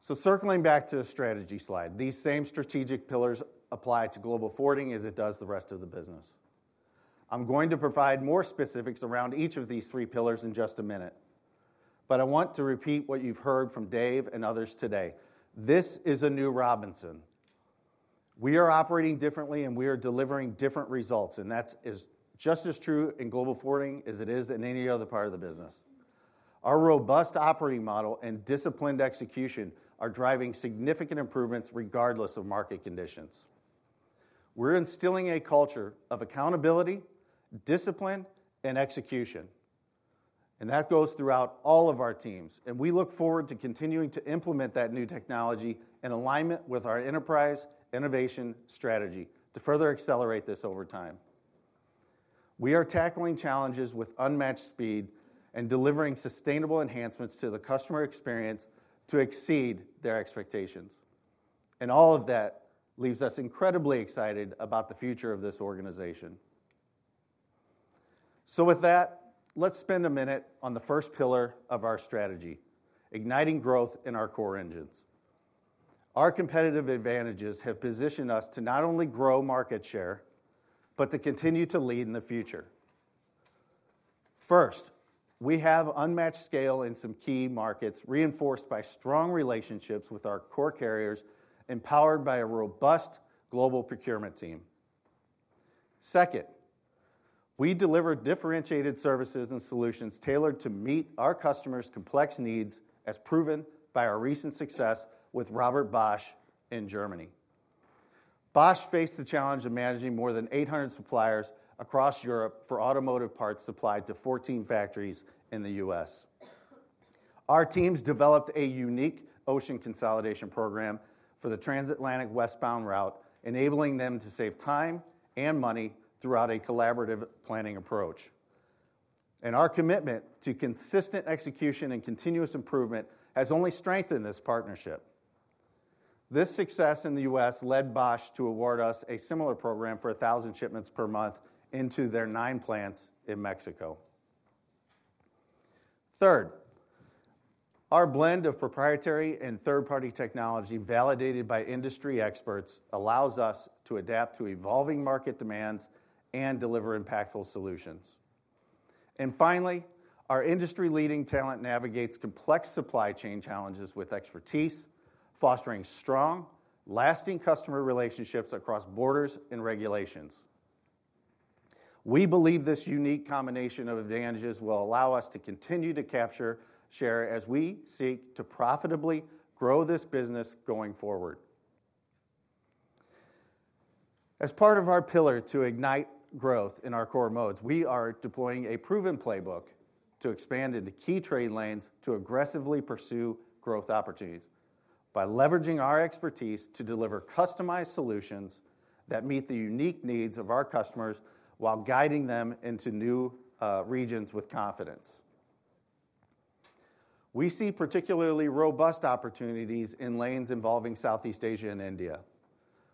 So circling back to the strategy slide, these same strategic pillars apply to Global Forwarding as it does the rest of the business. I'm going to provide more specifics around each of these three pillars in just a minute, but I want to repeat what you've heard from Dave and others today. This is a new Robinson. We are operating differently, and we are delivering different results, and that is just as true in Global Forwarding as it is in any other part of the business. Our robust operating model and disciplined execution are driving significant improvements regardless of market conditions. We're instilling a culture of accountability, discipline, and execution, and that goes throughout all of our teams. And we look forward to continuing to implement that new technology in alignment with our enterprise innovation strategy to further accelerate this over time. We are tackling challenges with unmatched speed and delivering sustainable enhancements to the customer experience to exceed their expectations. And all of that leaves us incredibly excited about the future of this organization. So with that, let's spend a minute on the first pillar of our strategy, igniting growth in our core engines. Our competitive advantages have positioned us to not only grow market share, but to continue to lead in the future. First, we have unmatched scale in some key markets reinforced by strong relationships with our core carriers empowered by a robust global procurement team. Second, we deliver differentiated services and solutions tailored to meet our customers' complex needs as proven by our recent success with Robert Bosch in Germany. Bosch faced the challenge of managing more than 800 suppliers across Europe for automotive parts supplied to 14 factories in the U.S. Our teams developed a unique ocean consolidation program for the transatlantic westbound route, enabling them to save time and money throughout a collaborative planning approach, and our commitment to consistent execution and continuous improvement has only strengthened this partnership. This success in the U.S. led Bosch to award us a similar program for 1,000 shipments per month into their nine plants in Mexico. Third, our blend of proprietary and third-party technology validated by industry experts allows us to adapt to evolving market demands and deliver impactful solutions, and finally, our industry-leading talent navigates complex supply chain challenges with expertise, fostering strong, lasting customer relationships across borders and regulations. We believe this unique combination of advantages will allow us to continue to capture share as we seek to profitably grow this business going forward. As part of our pillar to ignite growth in our core modes, we are deploying a proven playbook to expand into key trade lanes to aggressively pursue growth opportunities by leveraging our expertise to deliver customized solutions that meet the unique needs of our customers while guiding them into new regions with confidence. We see particularly robust opportunities in lanes involving Southeast Asia and India.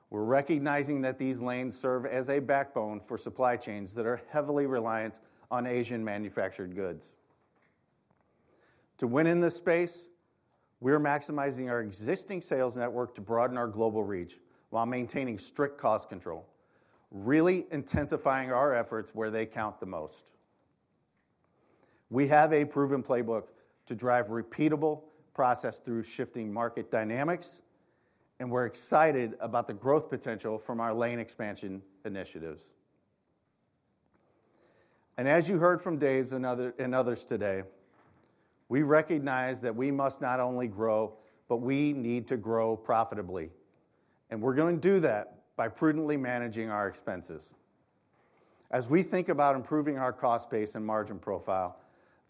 We're recognizing that these lanes serve as a backbone for supply chains that are heavily reliant on Asian manufactured goods. To win in this space, we're maximizing our existing sales network to broaden our global reach while maintaining strict cost control, really intensifying our efforts where they count the most. We have a proven playbook to drive repeatable process through shifting market dynamics, and we're excited about the growth potential from our lane expansion initiatives, and as you heard from Dave and others today, we recognize that we must not only grow, but we need to grow profitably, and we're going to do that by prudently managing our expenses. As we think about improving our cost base and margin profile,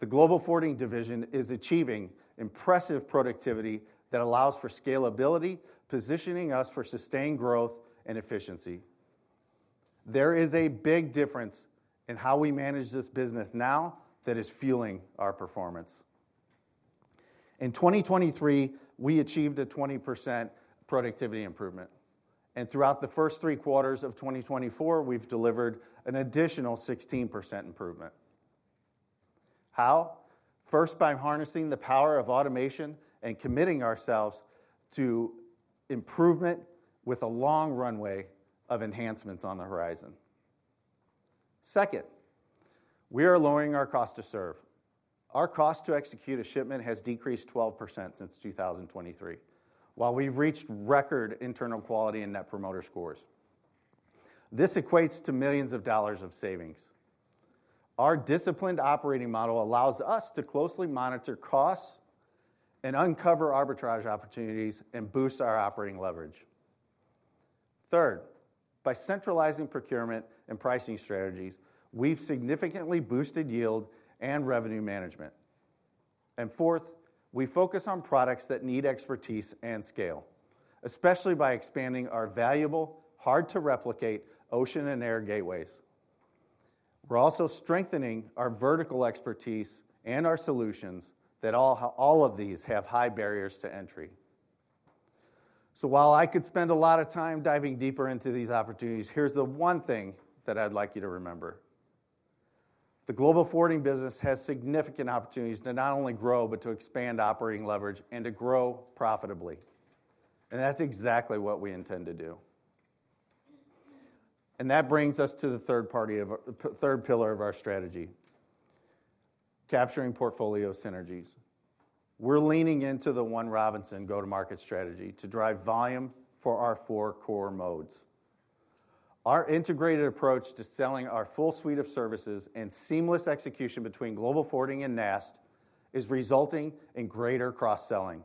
the Global Forwarding division is achieving impressive productivity that allows for scalability, positioning us for sustained growth and efficiency. There is a big difference in how we manage this business now that is fueling our performance. In 2023, we achieved a 20% productivity improvement, and throughout the first three quarters of 2024, we've delivered an additional 16% improvement. How? First, by harnessing the power of automation and committing ourselves to improvement with a long runway of enhancements on the horizon. Second, we are lowering our cost to serve. Our cost to execute a shipment has decreased 12% since 2023, while we've reached record internal quality and net promoter scores. This equates to millions of dollars of savings. Our disciplined operating model allows us to closely monitor costs and uncover arbitrage opportunities and boost our operating leverage. Third, by centralizing procurement and pricing strategies, we've significantly boosted yield and revenue management. And fourth, we focus on products that need expertise and scale, especially by expanding our valuable, hard-to-replicate ocean and air gateways. We're also strengthening our vertical expertise and our solutions that all of these have high barriers to entry. So while I could spend a lot of time diving deeper into these opportunities, here's the one thing that I'd like you to remember. The Global Forwarding business has significant opportunities to not only grow, but to expand operating leverage and to grow profitably. And that brings us to the third pillar of our strategy, capturing portfolio synergies. We're leaning into the One Robinson go-to-market strategy to drive volume for our four core modes. Our integrated approach to selling our full suite of services and seamless execution between Global Forwarding and NAST is resulting in greater cross-selling.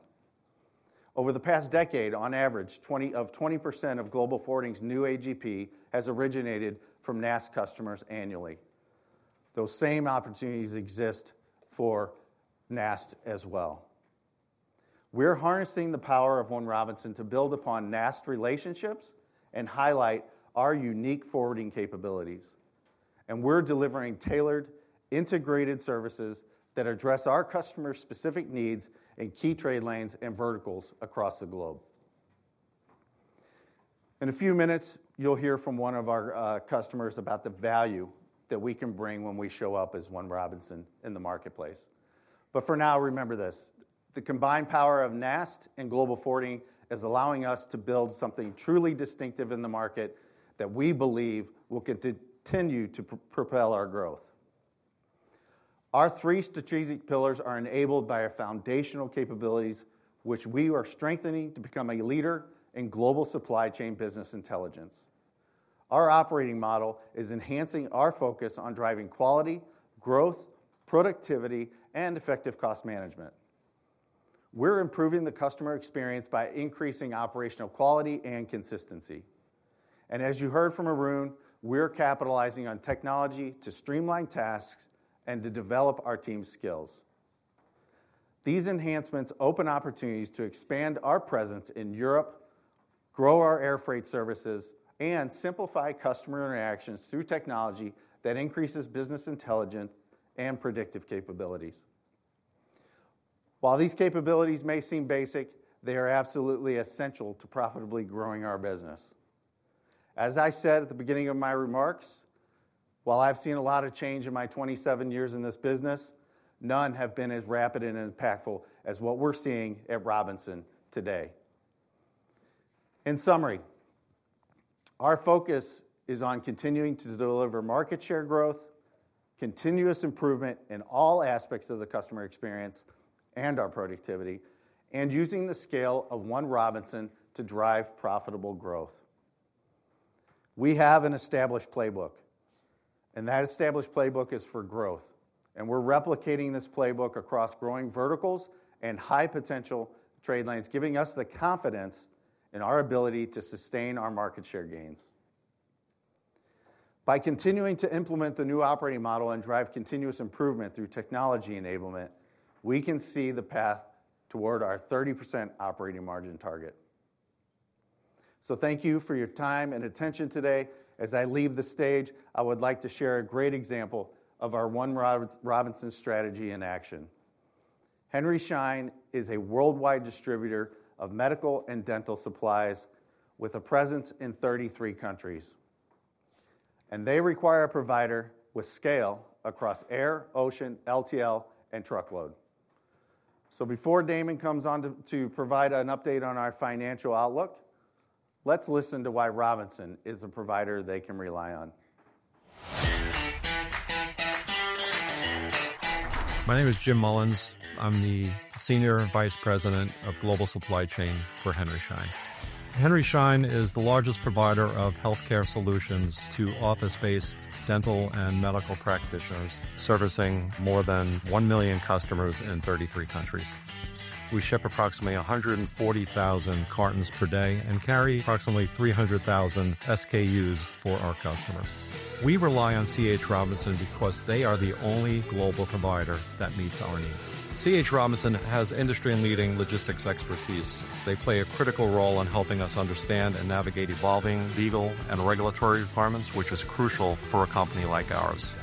Over the past decade, on average, 20% of Global Forwarding's new AGP has originated from NAST customers annually. Those same opportunities exist for NAST as well. We're harnessing the power of One Robinson to build upon NAST relationships and highlight our unique forwarding capabilities. And we're delivering tailored, integrated services that address our customer-specific needs in key trade lanes and verticals across the globe. In a few minutes, you'll hear from one of our customers about the value that we can bring when we show up as One Robinson in the marketplace. But for now, remember this: the combined power of NAST and Global Forwarding is allowing us to build something truly distinctive in the market that we believe will continue to propel our growth. Our three strategic pillars are enabled by our foundational capabilities, which we are strengthening to become a leader in global supply chain business intelligence. Our operating model is enhancing our focus on driving quality, growth, productivity, and effective cost management. We're improving the customer experience by increasing operational quality and consistency. And as you heard from Arun, we're capitalizing on technology to streamline tasks and to develop our team's skills. These enhancements open opportunities to expand our presence in Europe, grow our air freight services, and simplify customer interactions through technology that increases business intelligence and predictive capabilities. While these capabilities may seem basic, they are absolutely essential to profitably growing our business. As I said at the beginning of my remarks, while I've seen a lot of change in my 27 years in this business, none have been as rapid and impactful as what we're seeing at Robinson today. In summary, our focus is on continuing to deliver market share growth, continuous improvement in all aspects of the customer experience and our productivity, and using the scale of One Robinson to drive profitable growth. We have an established playbook, and that established playbook is for growth. And we're replicating this playbook across growing verticals and high-potential trade lanes, giving us the confidence in our ability to sustain our market share gains. By continuing to implement the new operating model and drive continuous improvement through technology enablement, we can see the path toward our 30% operating margin target. So thank you for your time and attention today. As I leave the stage, I would like to share a great example of our One Robinson strategy in action. Henry Schein is a worldwide distributor of medical and dental supplies with a presence in 33 countries. And they require a provider with scale across air, ocean, LTL, and truckload. So before Damon comes on to provide an update on our financial outlook, let's listen to why Robinson is a provider they can rely on. My name is Jim Mullins. I'm the Senior Vice President of Global Supply Chain for Henry Schein. Henry Schein is the largest provider of healthcare solutions to office-based dental and medical practitioners, servicing more than 1 million customers in 33 countries. We ship approximately 140,000 cartons per day and carry approximately 300,000 SKUs for our customers. We rely on C.H. Robinson because they are the only global provider that meets our needs. C.H. Robinson has industry-leading logistics expertise. They play a critical role in helping us understand and navigate evolving legal and regulatory requirements, which is crucial for a company like ours.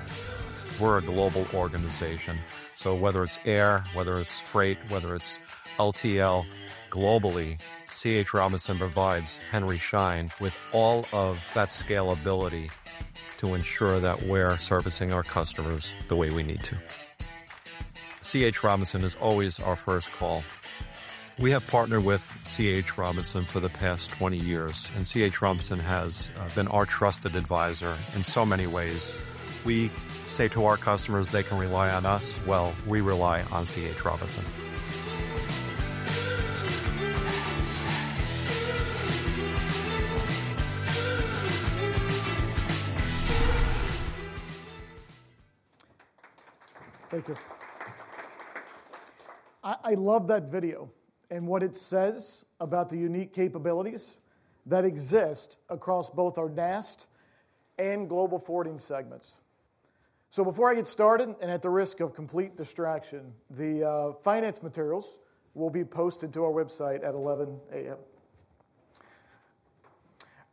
We're a global organization. So whether it's air, whether it's freight, whether it's LTL, globally, C.H. Robinson provides Henry Schein with all of that scalability to ensure that we're servicing our customers the way we need to. C.H. Robinson is always our first call. We have partnered with C.H. Robinson for the past 20 years, and C.H. Robinson has been our trusted advisor in so many ways. We say to our customers they can rely on us, well, we rely on C.H. Robinson. Thank you. I love that video and what it says about the unique capabilities that exist across both our NAST and Global Forwarding segments. So before I get started, and at the risk of complete distraction, the finance materials will be posted to our website at 11:00 A.M.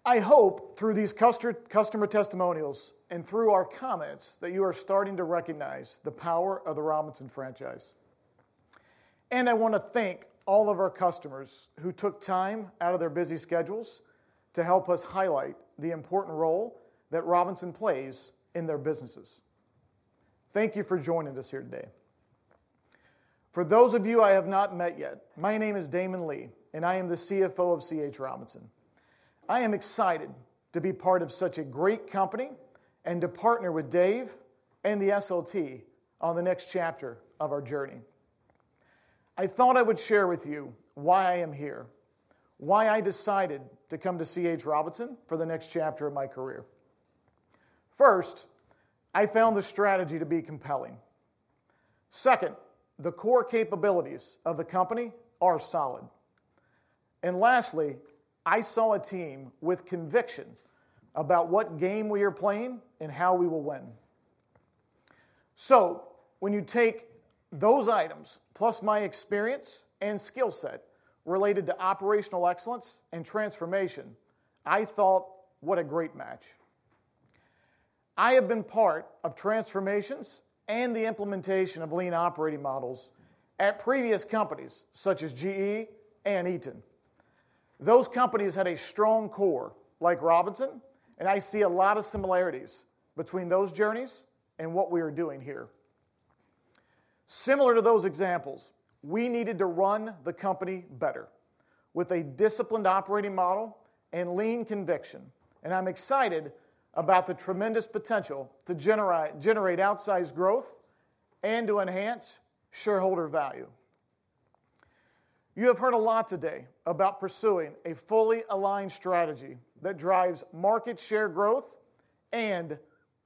I hope through these customer testimonials and through our comments that you are starting to recognize the power of the Robinson franchise. And I want to thank all of our customers who took time out of their busy schedules to help us highlight the important role that Robinson plays in their businesses. Thank you for joining us here today. For those of you I have not met yet, my name is Damon Lee, and I am the CFO of C.H. Robinson. I am excited to be part of such a great company and to partner with Dave and the SLT on the next chapter of our journey. I thought I would share with you why I am here, why I decided to come to C.H. Robinson for the next chapter of my career. First, I found the strategy to be compelling. Second, the core capabilities of the company are solid. And lastly, I saw a team with conviction about what game we are playing and how we will win. So when you take those items plus my experience and skill set related to operational excellence and transformation, I thought, "What a great match." I have been part of transformations and the implementation of lean operating models at previous companies such as GE and Eaton. Those companies had a strong core like Robinson, and I see a lot of similarities between those journeys and what we are doing here. Similar to those examples, we needed to run the company better with a disciplined operating model and lean conviction. And I'm excited about the tremendous potential to generate outsized growth and to enhance shareholder value. You have heard a lot today about pursuing a fully aligned strategy that drives market share growth and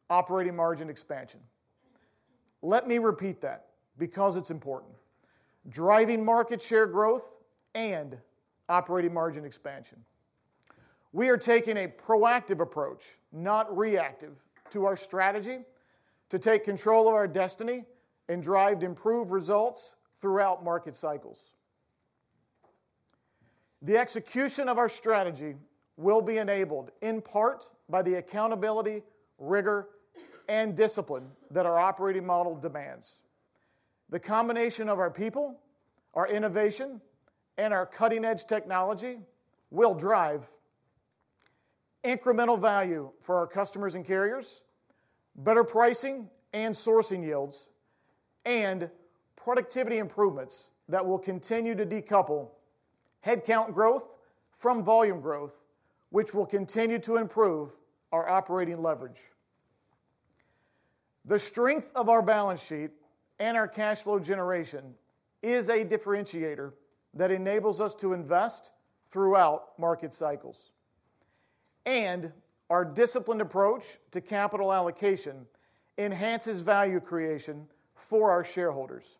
operating margin expansion. Let me repeat that because it's important: driving market share growth and operating margin expansion. We are taking a proactive approach, not reactive, to our strategy to take control of our destiny and drive improved results throughout market cycles. The execution of our strategy will be enabled in part by the accountability, rigor, and discipline that our operating model demands. The combination of our people, our innovation, and our cutting-edge technology will drive incremental value for our customers and carriers, better pricing and sourcing yields, and productivity improvements that will continue to decouple headcount growth from volume growth, which will continue to improve our operating leverage. The strength of our balance sheet and our cash flow generation is a differentiator that enables us to invest throughout market cycles, and our disciplined approach to capital allocation enhances value creation for our shareholders.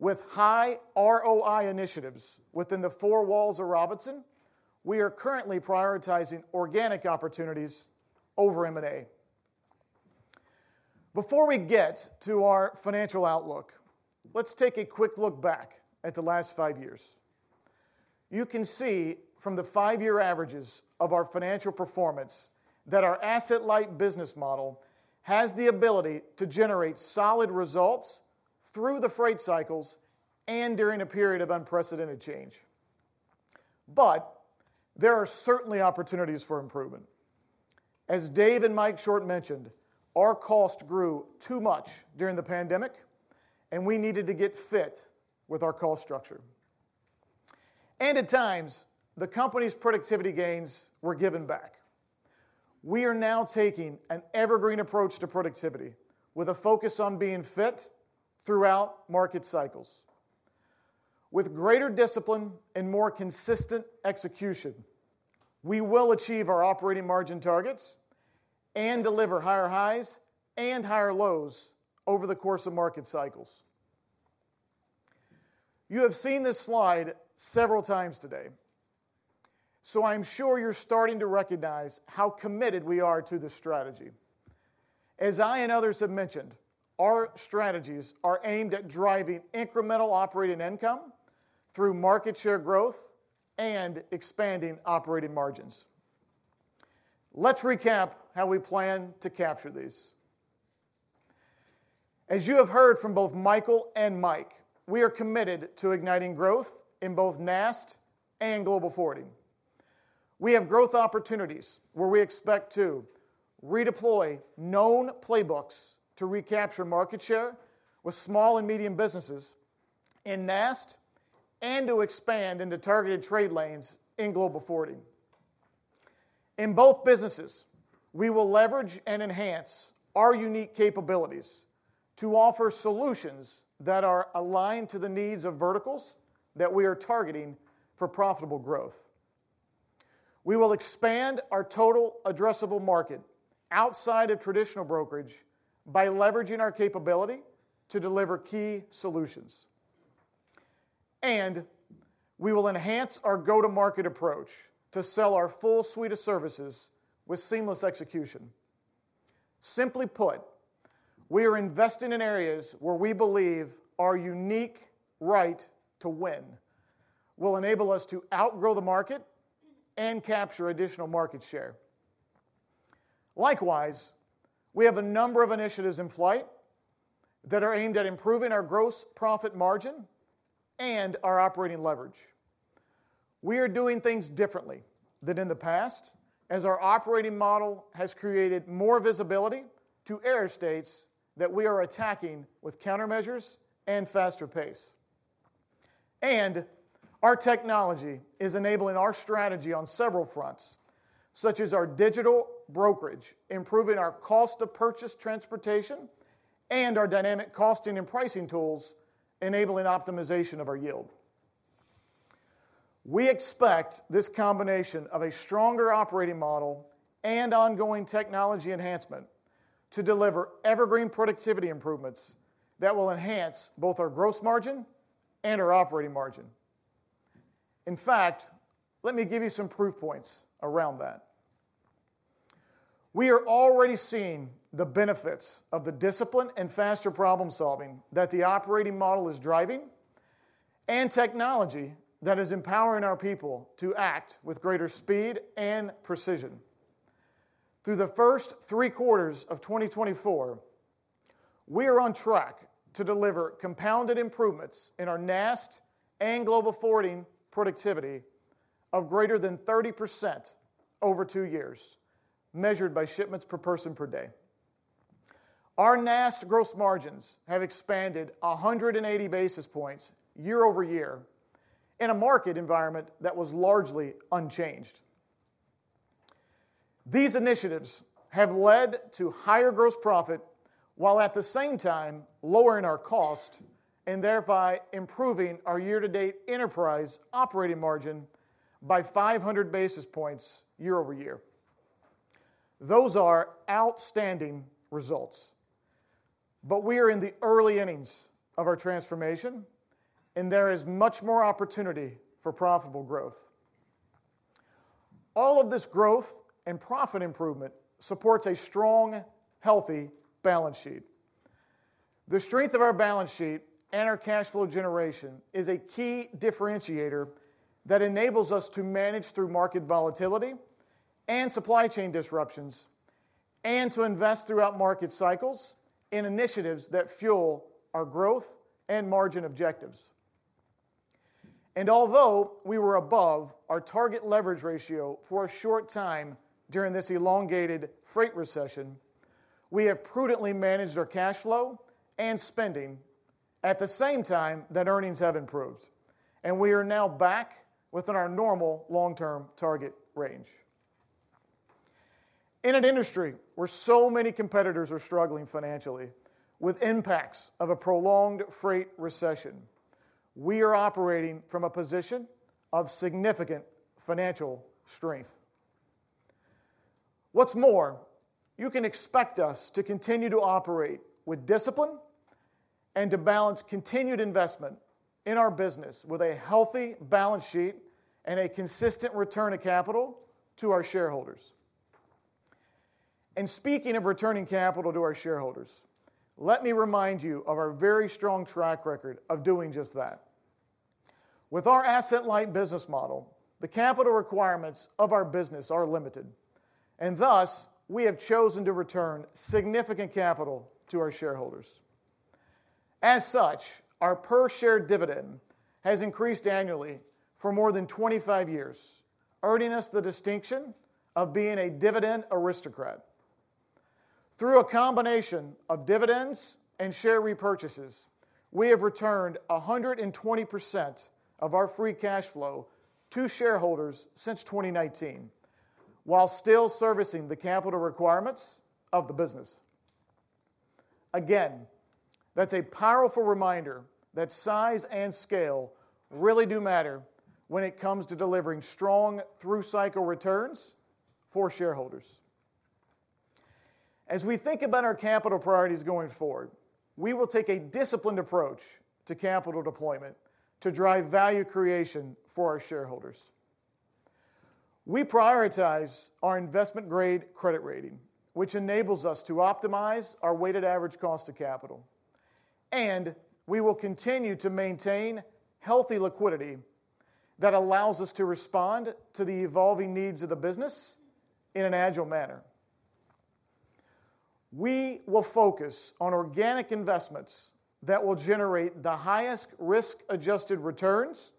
With high ROI initiatives within the four walls of Robinson, we are currently prioritizing organic opportunities over M&A. Before we get to our financial outlook, let's take a quick look back at the last five years. You can see from the five-year averages of our financial performance that our asset-light business model has the ability to generate solid results through the freight cycles and during a period of unprecedented change, but there are certainly opportunities for improvement. As Dave and Mike Short mentioned, our cost grew too much during the pandemic, and we needed to get fit with our cost structure, and at times, the company's productivity gains were given back. We are now taking an evergreen approach to productivity with a focus on being fit throughout market cycles. With greater discipline and more consistent execution, we will achieve our operating margin targets and deliver higher highs and higher lows over the course of market cycles. You have seen this slide several times today, so I'm sure you're starting to recognize how committed we are to this strategy. As I and others have mentioned, our strategies are aimed at driving incremental operating income through market share growth and expanding operating margins. Let's recap how we plan to capture these. As you have heard from both Michael and Mike, we are committed to igniting growth in both NAST and Global Forwarding. We have growth opportunities where we expect to redeploy known playbooks to recapture market share with small and medium businesses in NAST and to expand into targeted trade lanes in Global Forwarding. In both businesses, we will leverage and enhance our unique capabilities to offer solutions that are aligned to the needs of verticals that we are targeting for profitable growth. We will expand our total addressable market outside of traditional brokerage by leveraging our capability to deliver key solutions. And we will enhance our go-to-market approach to sell our full suite of services with seamless execution. Simply put, we are investing in areas where we believe our unique right to win will enable us to outgrow the market and capture additional market share. Likewise, we have a number of initiatives in flight that are aimed at improving our gross profit margin and our operating leverage. We are doing things differently than in the past as our operating model has created more visibility to areas that we are attacking with countermeasures and faster pace. And our technology is enabling our strategy on several fronts, such as our digital brokerage, improving our cost-to-purchase transportation, and our dynamic costing and pricing tools, enabling optimization of our yield. We expect this combination of a stronger operating model and ongoing technology enhancement to deliver evergreen productivity improvements that will enhance both our gross margin and our operating margin. In fact, let me give you some proof points around that. We are already seeing the benefits of the discipline and faster problem-solving that the operating model is driving and technology that is empowering our people to act with greater speed and precision. Through the first three quarters of 2024, we are on track to deliver compounded improvements in our NAST and Global Forwarding productivity of greater than 30% over two years, measured by shipments per person per day. Our NAST gross margins have expanded 180 basis points year over year in a market environment that was largely unchanged. These initiatives have led to higher gross profit while at the same time lowering our cost and thereby improving our year-to-date enterprise operating margin by 500 basis points year over year. Those are outstanding results. But we are in the early innings of our transformation, and there is much more opportunity for profitable growth. All of this growth and profit improvement supports a strong, healthy balance sheet. The strength of our balance sheet and our cash flow generation is a key differentiator that enables us to manage through market volatility and supply chain disruptions and to invest throughout market cycles in initiatives that fuel our growth and margin objectives. And although we were above our target leverage ratio for a short time during this elongated freight recession, we have prudently managed our cash flow and spending at the same time that earnings have improved, and we are now back within our normal long-term target range. In an industry where so many competitors are struggling financially with impacts of a prolonged freight recession, we are operating from a position of significant financial strength. What's more, you can expect us to continue to operate with discipline and to balance continued investment in our business with a healthy balance sheet and a consistent return of capital to our shareholders. And speaking of returning capital to our shareholders, let me remind you of our very strong track record of doing just that. With our asset-light business model, the capital requirements of our business are limited, and thus we have chosen to return significant capital to our shareholders. As such, our per-share dividend has increased annually for more than 25 years, earning us the distinction of being a Dividend Aristocrat. Through a combination of dividends and share repurchases, we have returned 120% of our free cash flow to shareholders since 2019 while still servicing the capital requirements of the business. Again, that's a powerful reminder that size and scale really do matter when it comes to delivering strong through-cycle returns for shareholders. As we think about our capital priorities going forward, we will take a disciplined approach to capital deployment to drive value creation for our shareholders. We prioritize our investment-grade credit rating, which enables us to optimize our weighted average cost of capital. And we will continue to maintain healthy liquidity that allows us to respond to the evolving needs of the business in an agile manner. We will focus on organic investments that will generate the highest risk-adjusted returns,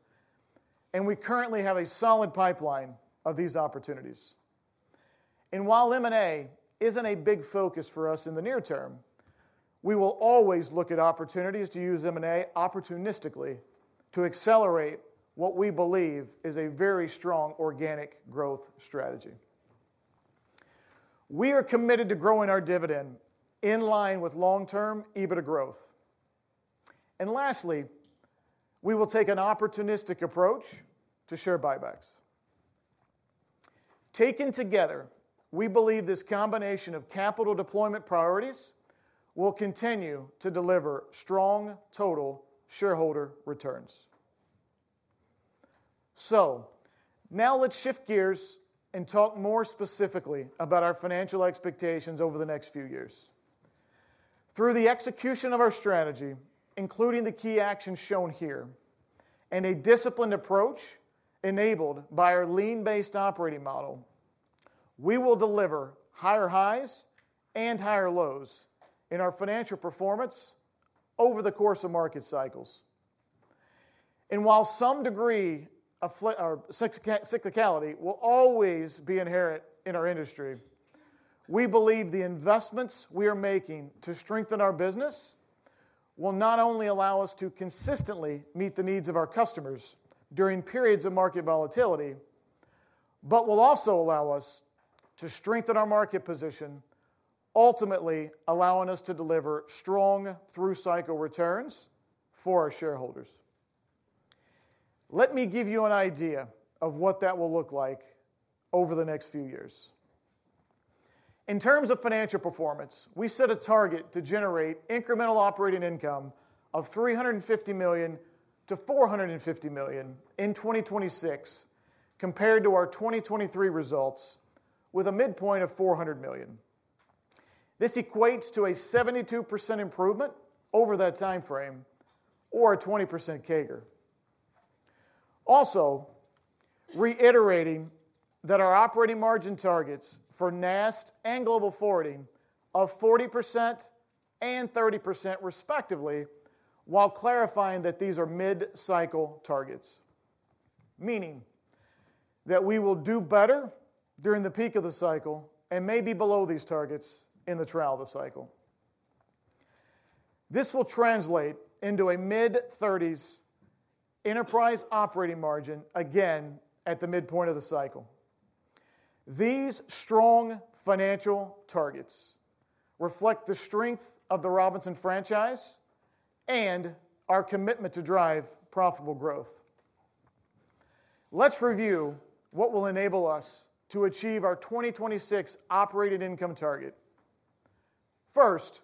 and we currently have a solid pipeline of these opportunities. And while M&A isn't a big focus for us in the near term, we will always look at opportunities to use M&A opportunistically to accelerate what we believe is a very strong organic growth strategy. We are committed to growing our dividend in line with long-term EBITDA growth. And lastly, we will take an opportunistic approach to share buybacks. Taken together, we believe this combination of capital deployment priorities will continue to deliver strong total shareholder returns. So now let's shift gears and talk more specifically about our financial expectations over the next few years. Through the execution of our strategy, including the key actions shown here and a disciplined approach enabled by our lean-based operating model, we will deliver higher highs and higher lows in our financial performance over the course of market cycles, and while some degree of cyclicality will always be inherent in our industry, we believe the investments we are making to strengthen our business will not only allow us to consistently meet the needs of our customers during periods of market volatility, but will also allow us to strengthen our market position, ultimately allowing us to deliver strong through-cycle returns for our shareholders. Let me give you an idea of what that will look like over the next few years. In terms of financial performance, we set a target to generate incremental operating income of $350 million-$450 million in 2026 compared to our 2023 results with a midpoint of $400 million. This equates to a 72% improvement over that timeframe or a 20% CAGR. Also, reiterating that our operating margin targets for NAST and Global Forwarding are 40% and 30% respectively, while clarifying that these are mid-cycle targets, meaning that we will do better during the peak of the cycle and maybe below these targets in the trough of the cycle. This will translate into a mid-30s enterprise operating margin again at the midpoint of the cycle. These strong financial targets reflect the strength of the Robinson franchise and our commitment to drive profitable growth. Let's review what will enable us to achieve our 2026 operating income target. First,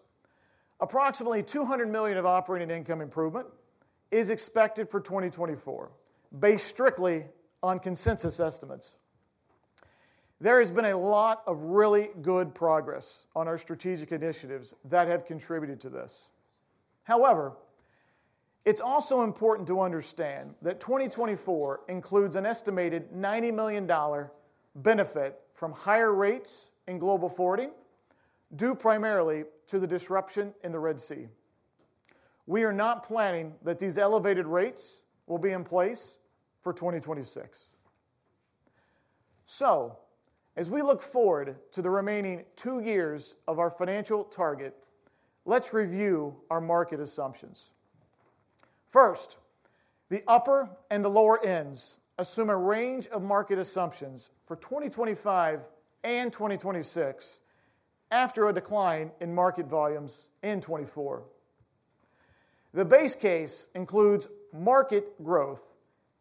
approximately 200 million of operating income improvement is expected for 2024, based strictly on consensus estimates. There has been a lot of really good progress on our strategic initiatives that have contributed to this. However, it's also important to understand that 2024 includes an estimated $90 million benefit from higher rates in Global Forwarding due primarily to the disruption in the Red Sea. We are not planning that these elevated rates will be in place for 2026. So as we look forward to the remaining two years of our financial target, let's review our market assumptions. First, the upper and the lower ends assume a range of market assumptions for 2025 and 2026 after a decline in market volumes in 2024. The base case includes market growth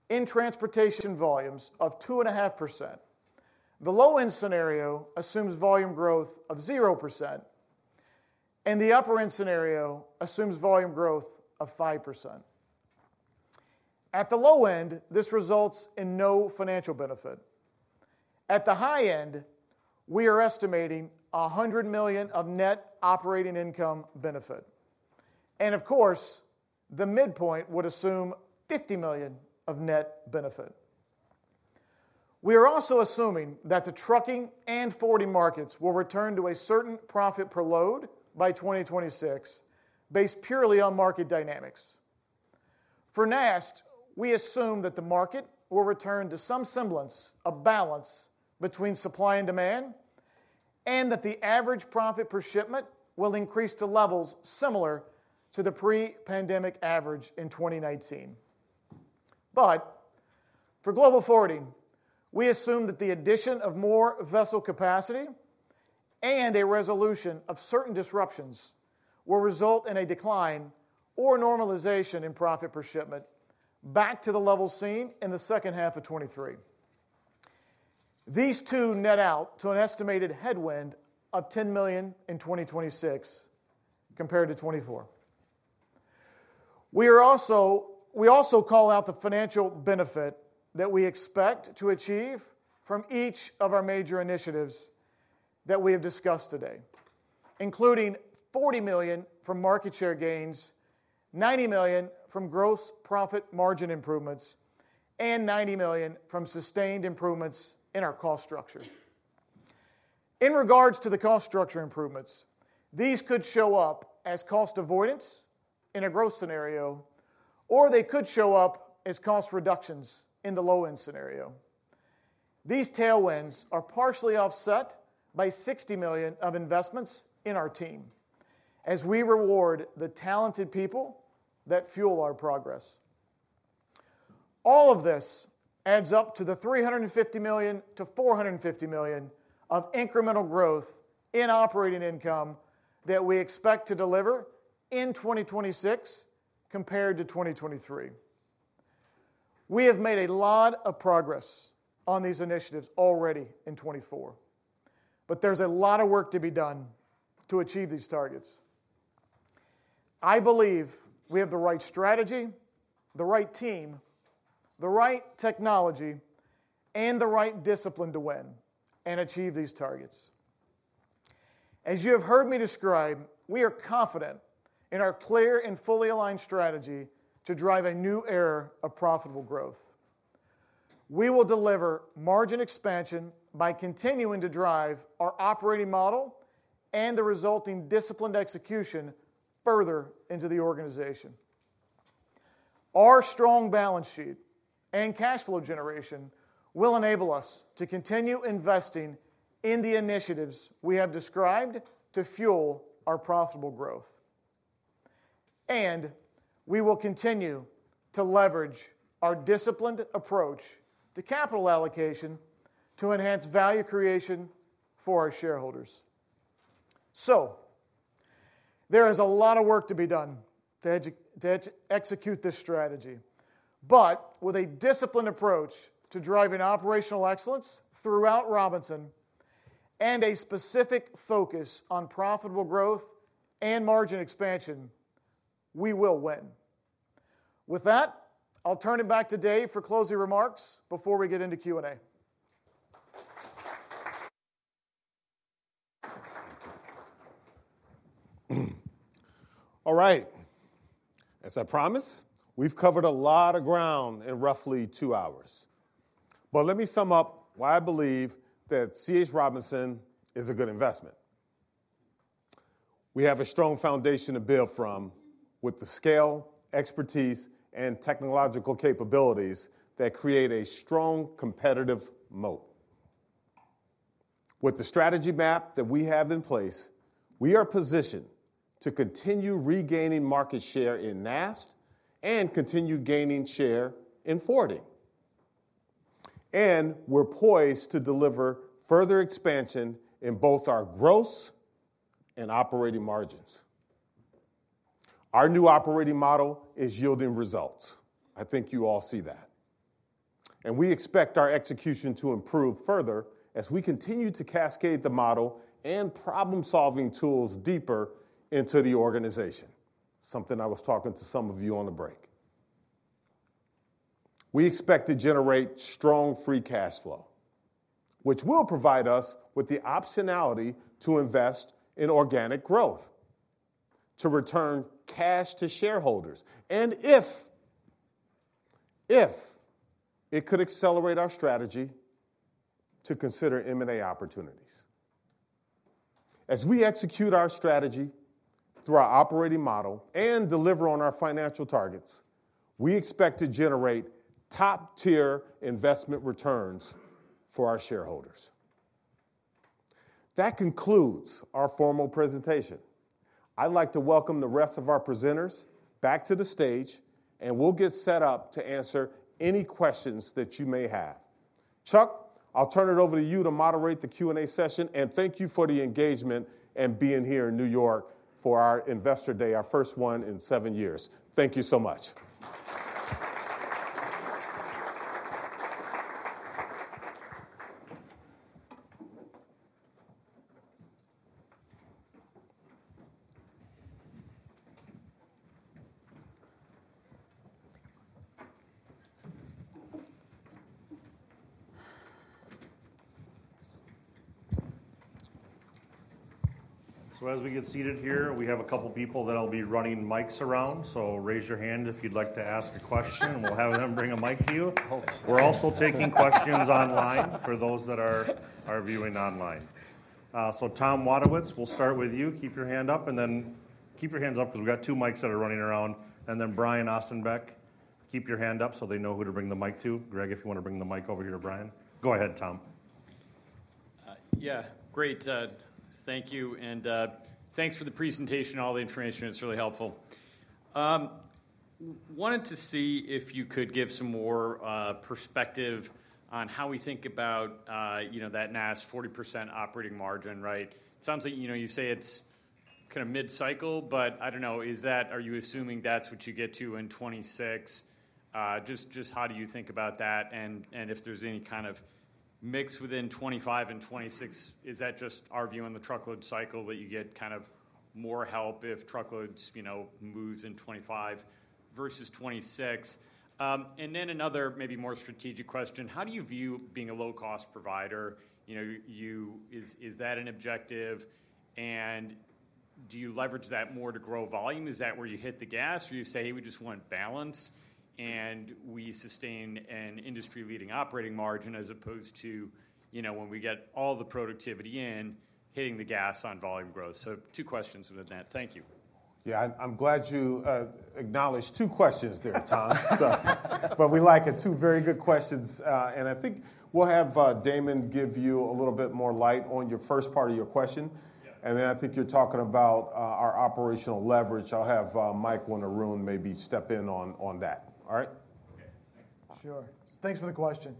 in transportation volumes of 2.5%. The low-end scenario assumes volume growth of 0%, and the upper-end scenario assumes volume growth of 5%. At the low end, this results in no financial benefit. At the high end, we are estimating $100 million of net operating income benefit. And of course, the midpoint would assume $50 million of net benefit. We are also assuming that the trucking and forwarding markets will return to a certain profit per load by 2026, based purely on market dynamics. For NAST, we assume that the market will return to some semblance of balance between supply and demand and that the average profit per shipment will increase to levels similar to the pre-pandemic average in 2019. But for Global Forwarding, we assume that the addition of more vessel capacity and a resolution of certain disruptions will result in a decline or normalization in profit per shipment back to the levels seen in the second half of 2023. These two net out to an estimated headwind of $10 million in 2026 compared to 2024. We also call out the financial benefit that we expect to achieve from each of our major initiatives that we have discussed today, including $40 million from market share gains, $90 million from gross profit margin improvements, and $90 million from sustained improvements in our cost structure. In regards to the cost structure improvements, these could show up as cost avoidance in a gross scenario, or they could show up as cost reductions in the low-end scenario. These tailwinds are partially offset by $60 million of investments in our team as we reward the talented people that fuel our progress. All of this adds up to the $350 million-$450 million of incremental growth in operating income that we expect to deliver in 2026 compared to 2023. We have made a lot of progress on these initiatives already in 2024, but there's a lot of work to be done to achieve these targets. I believe we have the right strategy, the right team, the right technology, and the right discipline to win and achieve these targets. As you have heard me describe, we are confident in our clear and fully aligned strategy to drive a new era of profitable growth. We will deliver margin expansion by continuing to drive our operating model and the resulting disciplined execution further into the organization. Our strong balance sheet and cash flow generation will enable us to continue investing in the initiatives we have described to fuel our profitable growth. And we will continue to leverage our disciplined approach to capital allocation to enhance value creation for our shareholders. So there is a lot of work to be done to execute this strategy. But with a disciplined approach to driving operational excellence throughout Robinson and a specific focus on profitable growth and margin expansion, we will win. With that, I'll turn it back to Dave for closing remarks before we get into Q&A. All right. As I promised, we've covered a lot of ground in roughly two hours. But let me sum up why I believe that C.H. Robinson is a good investment. We have a strong foundation to build from with the scale, expertise, and technological capabilities that create a strong competitive moat. With the strategy map that we have in place, we are positioned to continue regaining market share in NAST and continue gaining share in Forwarding. And we're poised to deliver further expansion in both our gross and operating margins. Our new operating model is yielding results. I think you all see that, and we expect our execution to improve further as we continue to cascade the model and problem-solving tools deeper into the organization, something I was talking to some of you on the break. We expect to generate strong free cash flow, which will provide us with the optionality to invest in organic growth, to return cash to shareholders, and if it could accelerate our strategy to consider M&A opportunities. As we execute our strategy through our operating model and deliver on our financial targets, we expect to generate top-tier investment returns for our shareholders. That concludes our formal presentation. I'd like to welcome the rest of our presenters back to the stage, and we'll get set up to answer any questions that you may have. Chuck, I'll turn it over to you to moderate the Q&A session. Thank you for the engagement and being here in New York for our Investor Day, our first one in seven years. Thank you so much. As we get seated here, we have a couple of people that will be running mics around. Raise your hand if you'd like to ask a question, and we'll have them bring a mic to you. We're also taking questions online for those that are viewing online. Tom Wadewitz, we'll start with you. Keep your hand up, and then keep your hands up because we've got two mics that are running around. Brian Ossenbeck, keep your hand up so they know who to bring the mic to. Greg, if you want to bring the mic over here to Brian. Go ahead, Tom. Yeah, great. Thank you. Thanks for the presentation, all the information. It's really helpful. Wanted to see if you could give some more perspective on how we think about that NAST 40% operating margin, right? It sounds like you say it's kind of mid-cycle, but I don't know, are you assuming that's what you get to in 2026? Just how do you think about that? And if there's any kind of mix within 2025 and 2026, is that just our view on the truckload cycle that you get kind of more help if truckloads move in 2025 versus 2026? And then another maybe more strategic question, how do you view being a low-cost provider? Is that an objective? And do you leverage that more to grow volume? Is that where you hit the gas? Or you say, "Hey, we just want balance and we sustain an industry-leading operating margin as opposed to when we get all the productivity in, hitting the gas on volume growth?" So two questions within that. Thank you. Yeah, I'm glad you acknowledged two questions there, Tom. But we like it. Two very good questions. And I think we'll have Damon give you a little bit more light on your first part of your question. And then I think you're talking about our operational leverage. I'll have Michael and Arun maybe step in on that. All right? Okay. Thanks. Sure. Thanks for the question.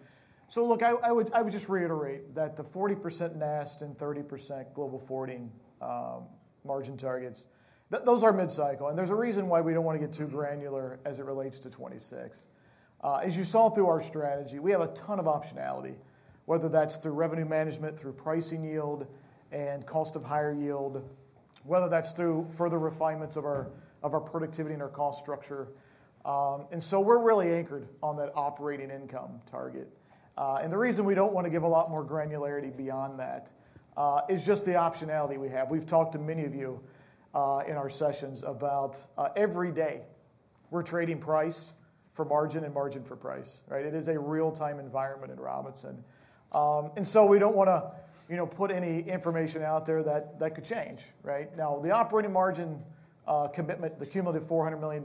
So look, I would just reiterate that the 40% NAST and 30% Global Forwarding margin targets, those are mid-cycle. And there's a reason why we don't want to get too granular as it relates to 2026. As you saw through our strategy, we have a ton of optionality, whether that's through revenue management, through pricing yield, and cost of higher yield, whether that's through further refinements of our productivity and our cost structure, and so we're really anchored on that operating income target, and the reason we don't want to give a lot more granularity beyond that is just the optionality we have, we've talked to many of you in our sessions about every day we're trading price for margin and margin for price, right? It is a real-time environment at Robinson, and so we don't want to put any information out there that could change, right? Now, the operating margin commitment, the cumulative $400 million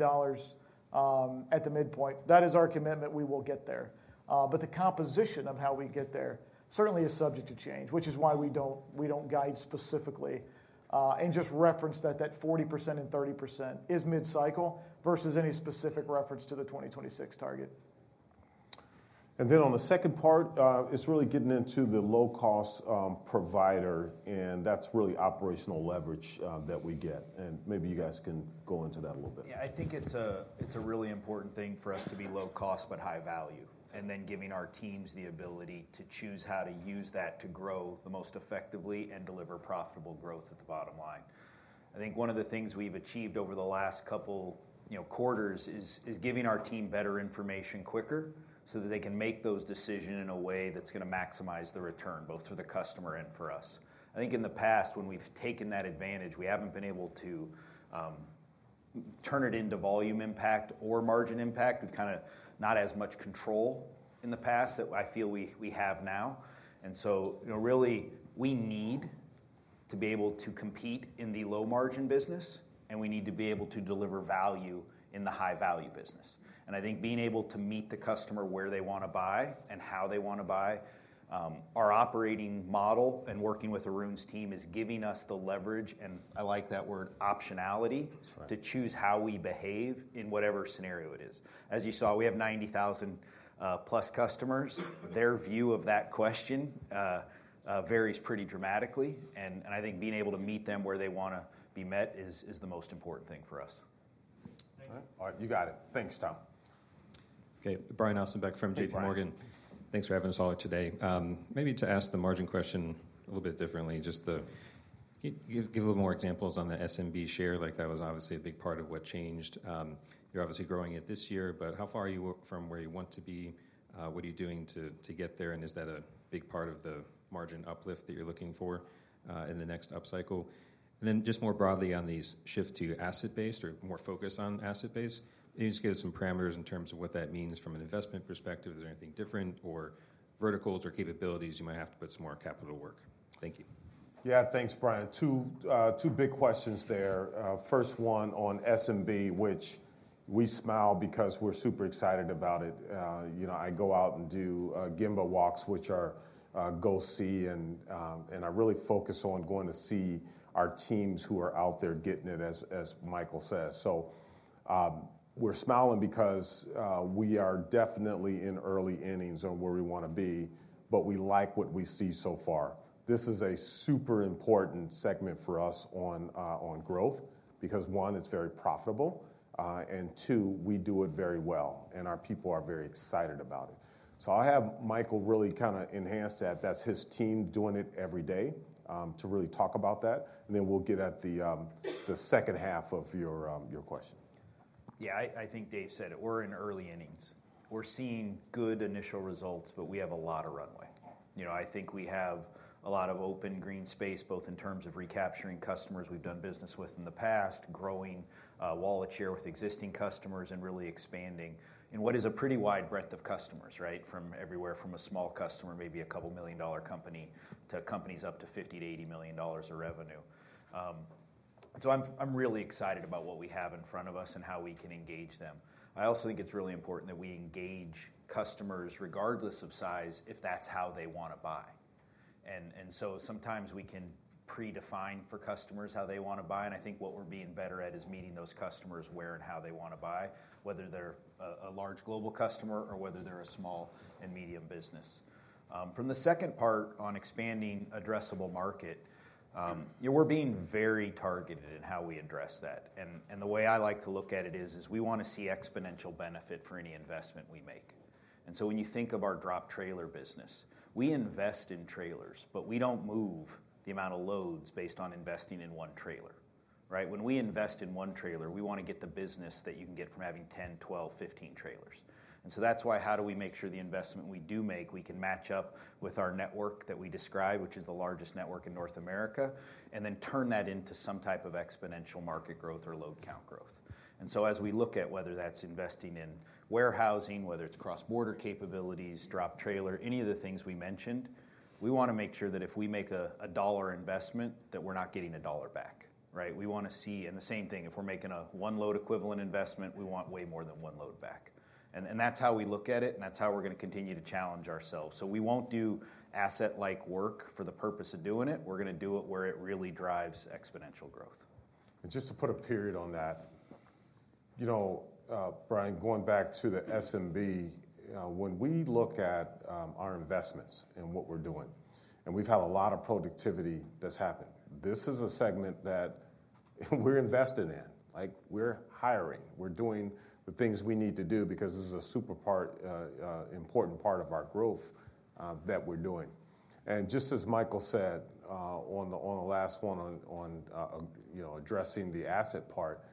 at the midpoint, that is our commitment. We will get there. But the composition of how we get there certainly is subject to change, which is why we don't guide specifically and just reference that 40% and 30% is mid-cycle versus any specific reference to the 2026 target. And then on the second part, it's really getting into the low-cost provider. And that's really operational leverage that we get. And maybe you guys can go into that a little bit. Yeah, I think it's a really important thing for us to be low-cost but high-value, and then giving our teams the ability to choose how to use that to grow the most effectively and deliver profitable growth at the bottom line. I think one of the things we've achieved over the last couple of quarters is giving our team better information quicker so that they can make those decisions in a way that's going to maximize the return both for the customer and for us. I think in the past, when we've taken that advantage, we haven't been able to turn it into volume impact or margin impact. We've kind of not had as much control in the past that I feel we have now, and so really, we need to be able to compete in the low-margin business, and we need to be able to deliver value in the high-value business. And I think being able to meet the customer where they want to buy and how they want to buy, our operating model and working with Arun's team is giving us the leverage, and I like that word, optionality to choose how we behave in whatever scenario it is. As you saw, we have 90,000+ customers. Their view of that question varies pretty dramatically. And I think being able to meet them where they want to be met is the most important thing for us. All right. You got it. Thanks, Tom. Okay. Brian Ossenbeck from J.P. Morgan. Thanks for having us all today. Maybe to ask the margin question a little bit differently, just to give a little more examples on the SMB share. That was obviously a big part of what changed. You're obviously growing it this year, but how far are you from where you want to be? What are you doing to get there? And is that a big part of the margin uplift that you're looking for in the next upcycle? And then just more broadly on these shifts to asset-based or more focus on asset-based, just give us some parameters in terms of what that means from an investment perspective. Is there anything different or verticals or capabilities you might have to put some more capital work? Thank you. Yeah, thanks, Brian. Two big questions there. First one on SMB, which we smile because we're super excited about it. I go out and do gemba walks, which are go see, and I really focus on going to see our teams who are out there getting it, as Michael says. So we're smiling because we are definitely in early innings on where we want to be, but we like what we see so far. This is a super important segment for us on growth because, one, it's very profitable, and two, we do it very well, and our people are very excited about it. So I'll have Michael really kind of enhance that. That's his team doing it every day to really talk about that. And then we'll get at the second half of your question. Yeah, I think Dave said it. We're in early innings. We're seeing good initial results, but we have a lot of runway. I think we have a lot of open green space, both in terms of recapturing customers we've done business with in the past, growing wallet share with existing customers, and really expanding in what is a pretty wide breadth of customers, right, from everywhere from a small customer, maybe a couple million-dollar company, to companies up to $50-$80 million of revenue. So I'm really excited about what we have in front of us and how we can engage them. I also think it's really important that we engage customers regardless of size if that's how they want to buy. And so sometimes we can predefine for customers how they want to buy. And I think what we're being better at is meeting those customers where and how they want to buy, whether they're a large global customer or whether they're a small and medium business. From the second part on expanding addressable market, we're being very targeted in how we address that, and the way I like to look at it is we want to see exponential benefit for any investment we make, and so when you think of our drop trailer business, we invest in trailers, but we don't move the amount of loads based on investing in one trailer, right? When we invest in one trailer, we want to get the business that you can get from having 10, 12, 15 trailers, and so that's why how do we make sure the investment we do make we can match up with our network that we describe, which is the largest network in North America, and then turn that into some type of exponential market growth or load count growth. And so as we look at whether that's investing in warehousing, whether it's cross-border capabilities, drop trailer, any of the things we mentioned, we want to make sure that if we make a dollar investment, that we're not getting a dollar back, right? We want to see and the same thing, if we're making a one-load equivalent investment, we want way more than one load back. And that's how we look at it, and that's how we're going to continue to challenge ourselves. So we won't do asset-like work for the purpose of doing it. We're going to do it where it really drives exponential growth. And just to put a period on that, Brian, going back to the SMB, when we look at our investments and what we're doing, and we've had a lot of productivity that's happened, this is a segment that we're invested in. We're hiring. We're doing the things we need to do because this is a super important part of our growth that we're doing. And just as Michael said on the last one on addressing the asset part,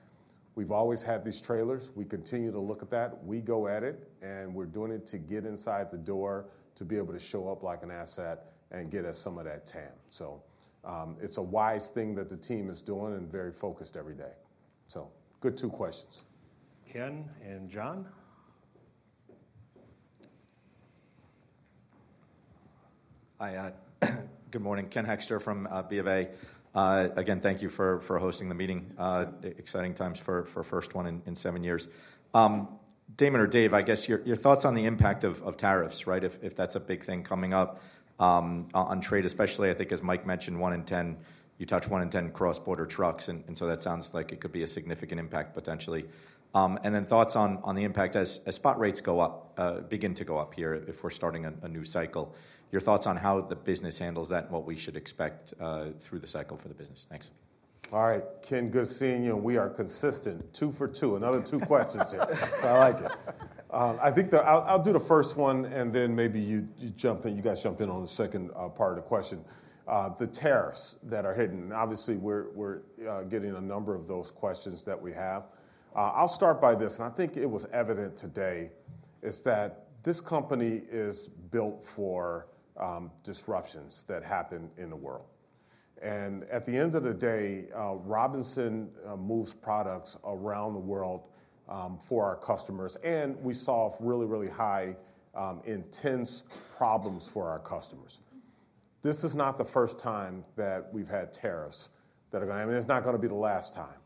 we've always had these trailers. We continue to look at that. We go at it, and we're doing it to get inside the door to be able to show up like an asset and get us some of that TAM. So it's a wise thing that the team is doing and very focused every day. So good two questions. Ken and Jon. Hi. Good morning. Ken Hoexter from B of A. Again, thank you for hosting the meeting. Exciting times for the first one in seven years. Damon or Dave, I guess your thoughts on the impact of tariffs, right, if that's a big thing coming up on trade, especially I think as Mike mentioned, one in ten, you touched one in ten cross-border trucks. And so that sounds like it could be a significant impact potentially. And then thoughts on the impact as spot rates begin to go up here if we're starting a new cycle. Your thoughts on how the business handles that and what we should expect through the cycle for the business. Thanks. All right. Ken, good seeing you. And we are consistent. Two for two. Another two questions here. So I like it. I think I'll do the first one, and then maybe you guys jump in on the second part of the question. The tariffs that are hidden. Obviously, we're getting a number of those questions that we have. I'll start by this, and I think it was evident today that this company is built for disruptions that happen in the world. At the end of the day, Robinson moves products around the world for our customers, and we solve really, really high-intensity problems for our customers. This is not the first time that we've had tariffs that are going to, I mean, it's not going to be the last time.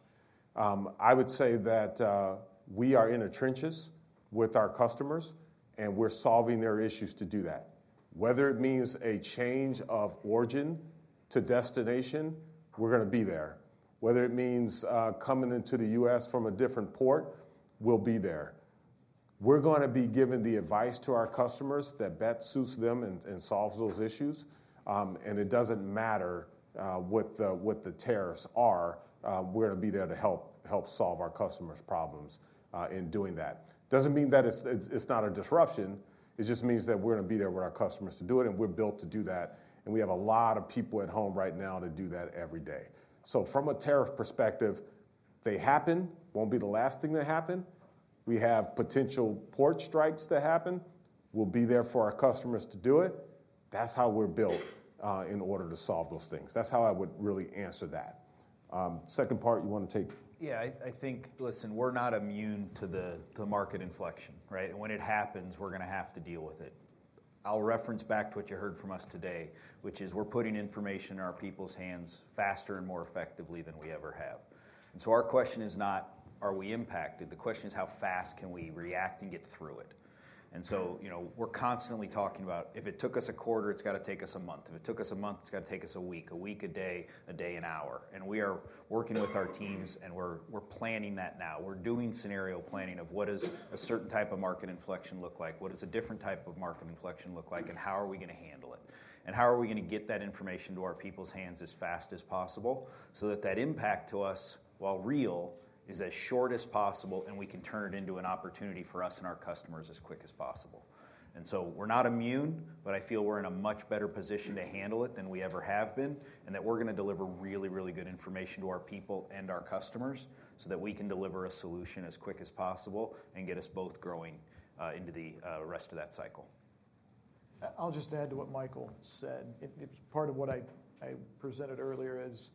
I would say that we are in the trenches with our customers, and we're solving their issues to do that. Whether it means a change of origin to destination, we're going to be there. Whether it means coming into the U.S. from a different port, we'll be there. We're going to be giving the advice to our customers that best suits them and solves those issues, and it doesn't matter what the tariffs are. We're going to be there to help solve our customers' problems in doing that. Doesn't mean that it's not a disruption. It just means that we're going to be there with our customers to do it. And we're built to do that. And we have a lot of people at home right now to do that every day. So from a tariff perspective, they happen. Won't be the last thing that happen. We have potential port strikes that happen. We'll be there for our customers to do it. That's how we're built in order to solve those things. That's how I would really answer that. Second part, you want to take? Yeah. I think, listen, we're not immune to the market inflection, right? And when it happens, we're going to have to deal with it. I'll reference back to what you heard from us today, which is we're putting information in our people's hands faster and more effectively than we ever have. And so our question is not, are we impacted? The question is, how fast can we react and get through it? And so we're constantly talking about, if it took us a quarter, it's got to take us a month. If it took us a month, it's got to take us a week, a week, a day, a day, an hour. And we are working with our teams, and we're planning that now. We're doing scenario planning of what does a certain type of market inflection look like, what does a different type of market inflection look like, and how are we going to handle it? And how are we going to get that information to our people's hands as fast as possible so that that impact to us, while real, is as short as possible, and we can turn it into an opportunity for us and our customers as quick as possible? And so we're not immune, but I feel we're in a much better position to handle it than we ever have been, and that we're going to deliver really, really good information to our people and our customers so that we can deliver a solution as quick as possible and get us both growing into the rest of that cycle. I'll just add to what Michael said. It was part of what I presented earlier is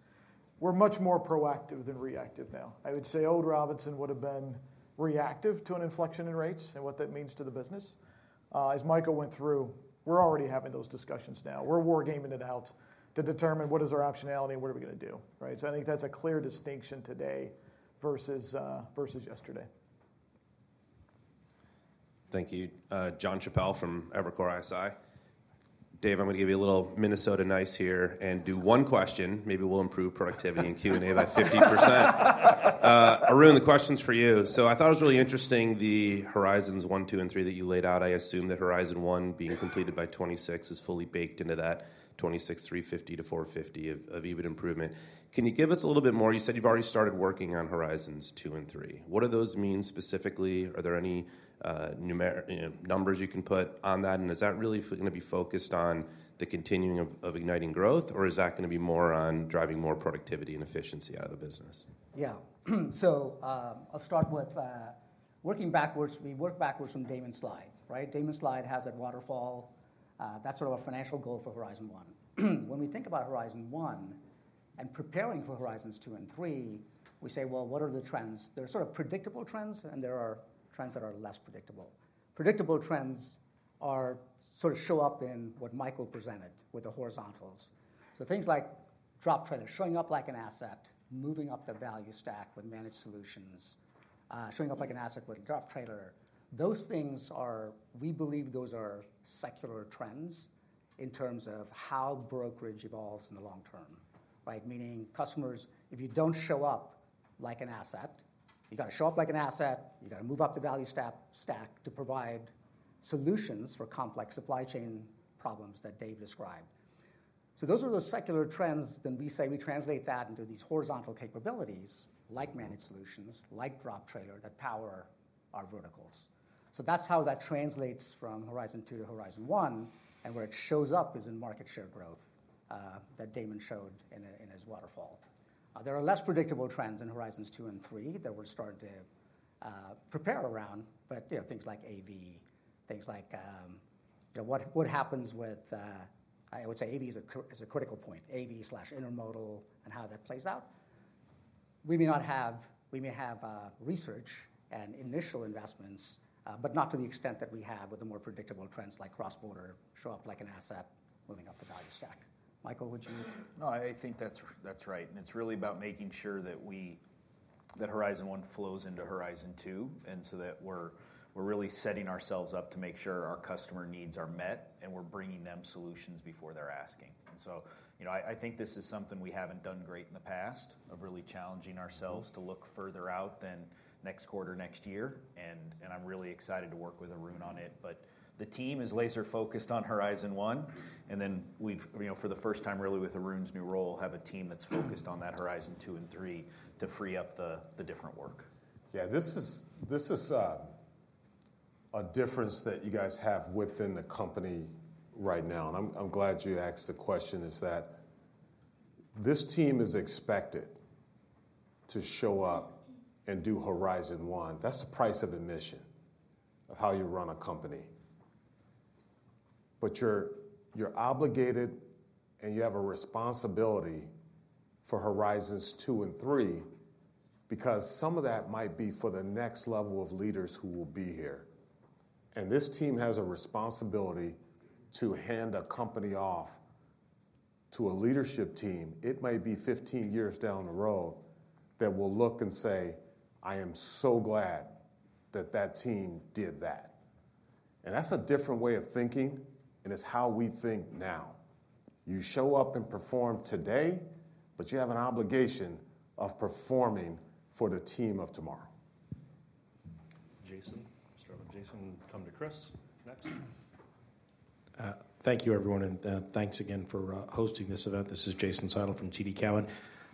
we're much more proactive than reactive now. I would say old Robinson would have been reactive to an inflection in rates and what that means to the business. As Michael went through, we're already having those discussions now. We're wargaming it out to determine what is our optionality and what are we going to do, right? So I think that's a clear distinction today versus yesterday. Thank you. Jon Chappell from Evercore ISI. Dave, I'm going to give you a little Minnesota nice here and do one question. Maybe we'll improve productivity in Q&A by 50%. Arun, the question's for you. So I thought it was really interesting the horizons one, two, and three that you laid out. I assume that horizon one being completed by 2026 is fully baked into that 2026, 350-450 of EBITDA improvement. Can you give us a little bit more? You said you've already started working on horizons two and three. What do those mean specifically? Are there any numbers you can put on that? And is that really going to be focused on the continuing of igniting growth, or is that going to be more on driving more productivity and efficiency out of the business? Yeah. So I'll start with working backwards. We work backwards from Damon's slide, right? Damon's slide has that waterfall. That's sort of our financial goal for horizon one. When we think about horizon one and preparing for horizons two and three, we say, well, what are the trends? There are sort of predictable trends, and there are trends that are less predictable. Predictable trends sort of show up in what Michael presented with the horizons. So things like drop trailer showing up like an asset, moving up the value stack with managed solutions, showing up like an asset with drop trailer. Those things are, we believe those are secular trends in terms of how brokerage evolves in the long term, right? Meaning customers, if you don't show up like an asset, you got to show up like an asset. You got to move up the value stack to provide solutions for complex supply chain problems that Dave described. So those are those secular trends. Then we say we translate that into these horizontal capabilities like managed solutions, like drop trailer that power our verticals. So that's how that translates from horizon two to horizon one. And where it shows up is in market share growth that Damon showed in his waterfall. There are less predictable trends in horizons two and three that we're starting to prepare around, but things like AV, things like what happens with. I would say AV is a critical point, AV slash intermodal and how that plays out. We may not have research and initial investments, but not to the extent that we have with the more predictable trends like cross-border show up like an asset moving up the value stack. Michael, would you? No, I think that's right. And it's really about making sure that horizon one flows into horizon two and so that we're really setting ourselves up to make sure our customer needs are met and we're bringing them solutions before they're asking. And so I think this is something we haven't done great in the past of really challenging ourselves to look further out than next quarter, next year. And I'm really excited to work with Arun on it. But the team is laser-focused on Horizon One. And then for the first time really with Arun's new role, have a team that's focused on that Horizon Two and Three to free up the different work. Yeah, this is a difference that you guys have within the company right now. And I'm glad you asked the question is that this team is expected to show up and do Horizon One. That's the price of admission of how you run a company. But you're obligated and you have a responsibility for Horizons Two and Three because some of that might be for the next level of leaders who will be here. And this team has a responsibility to hand a company off to a leadership team. It might be 15 years down the road that will look and say, "I am so glad that that team did that." And that's a different way of thinking, and it's how we think now. You show up and perform today, but you have an obligation of performing for the team of tomorrow. Jason, come to Chris next. Thank you, everyone. And thanks again for hosting this event. This is Jason Seidl from TD Cowen.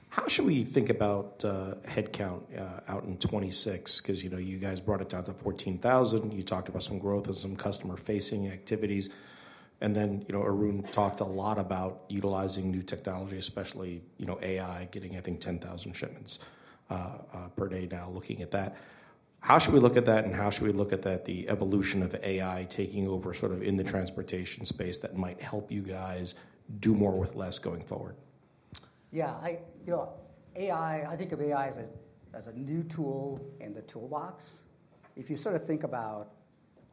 How should we think about headcount out in 2026? Because you guys brought it down to 14,000. You talked about some growth and some customer-facing activities. And then Arun talked a lot about utilizing new technology, especially AI, getting, I think, 10,000 shipments per day now looking at that. How should we look at that and how should we look at the evolution of AI taking over sort of in the transportation space that might help you guys do more with less going forward? Yeah. I think of AI as a new tool in the toolbox. If you sort of think about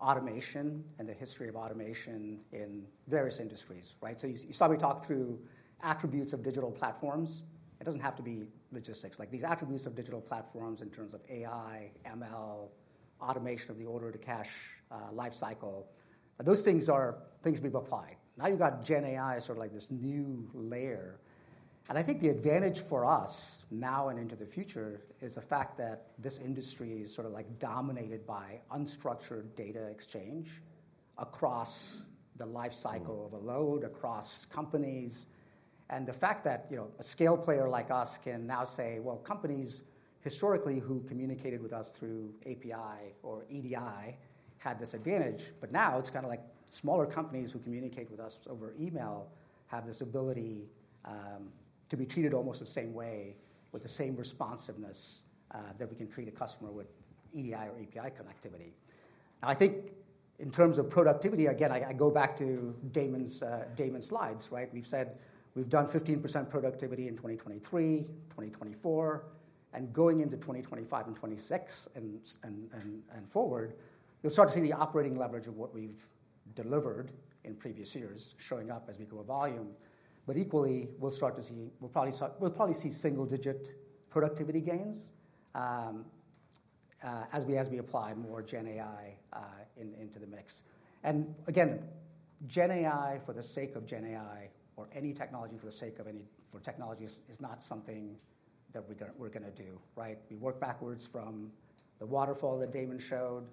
automation and the history of automation in various industries, right? So you saw me talk through attributes of digital platforms. It doesn't have to be logistics. These attributes of digital platforms in terms of AI, ML, automation of the order to cash lifecycle, those things are things we've applied. Now you've got GenAI, sort of like this new layer. And I think the advantage for us now and into the future is the fact that this industry is sort of like dominated by unstructured data exchange across the lifecycle of a load across companies. And the fact that a scale player like us can now say, well, companies historically who communicated with us through API or EDI had this advantage. But now it's kind of like smaller companies who communicate with us over email have this ability to be treated almost the same way with the same responsiveness that we can treat a customer with EDI or API connectivity. Now, I think in terms of productivity, again, I go back to Damon's slides, right? We've said we've done 15% productivity in 2023, 2024. And going into 2025 and 2026 and forward, you'll start to see the operating leverage of what we've delivered in previous years showing up as we grow volume. But equally, we'll probably see single-digit productivity gains as we apply more GenAI into the mix. And again, GenAI for the sake of GenAI or any technology for the sake of any technology is not something that we're going to do, right? We work backwards from the waterfall that Damon showed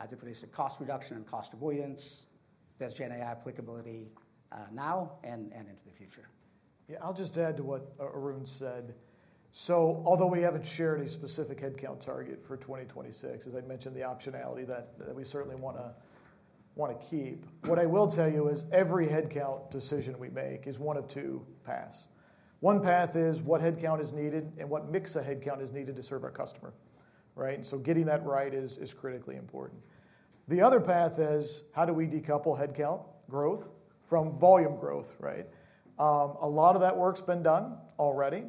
as it relates to cost reduction and cost avoidance. There's GenAI applicability now and into the future. Yeah, I'll just add to what Arun said. So although we haven't shared a specific headcount target for 2026, as I mentioned, the optionality that we certainly want to keep, what I will tell you is every headcount decision we make is one of two paths. One path is what headcount is needed and what mix of headcount is needed to serve our customer, right? And so getting that right is critically important. The other path is how do we decouple headcount growth from volume growth, right? A lot of that work's been done already.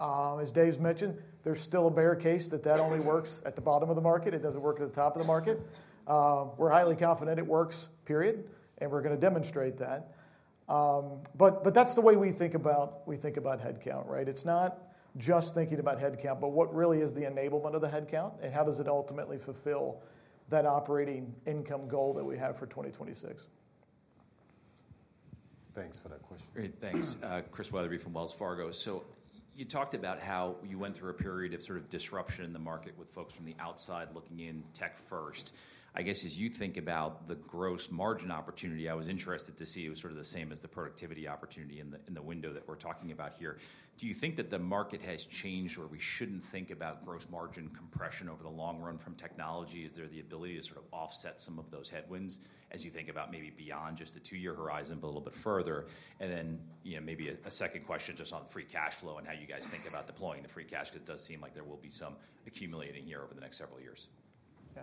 As Dave's mentioned, there's still a bear case that that only works at the bottom of the market. It doesn't work at the top of the market. We're highly confident it works, period. And we're going to demonstrate that. But that's the way we think about headcount, right? It's not just thinking about headcount, but what really is the enablement of the headcount and how does it ultimately fulfill that operating income goal that we have for 2026? Thanks for that question. Great. Thanks. Chris Wetherbee from Wells Fargo. So you talked about how you went through a period of sort of disruption in the market with folks from the outside looking in tech first. I guess as you think about the gross margin opportunity, I was interested to see it was sort of the same as the productivity opportunity in the window that we're talking about here. Do you think that the market has changed where we shouldn't think about gross margin compression over the long run from technology? Is there the ability to sort of offset some of those headwinds as you think about maybe beyond just a two-year horizon, but a little bit further? And then maybe a second question just on free cash flow and how you guys think about deploying the free cash because it does seem like there will be some accumulating here over the next several years.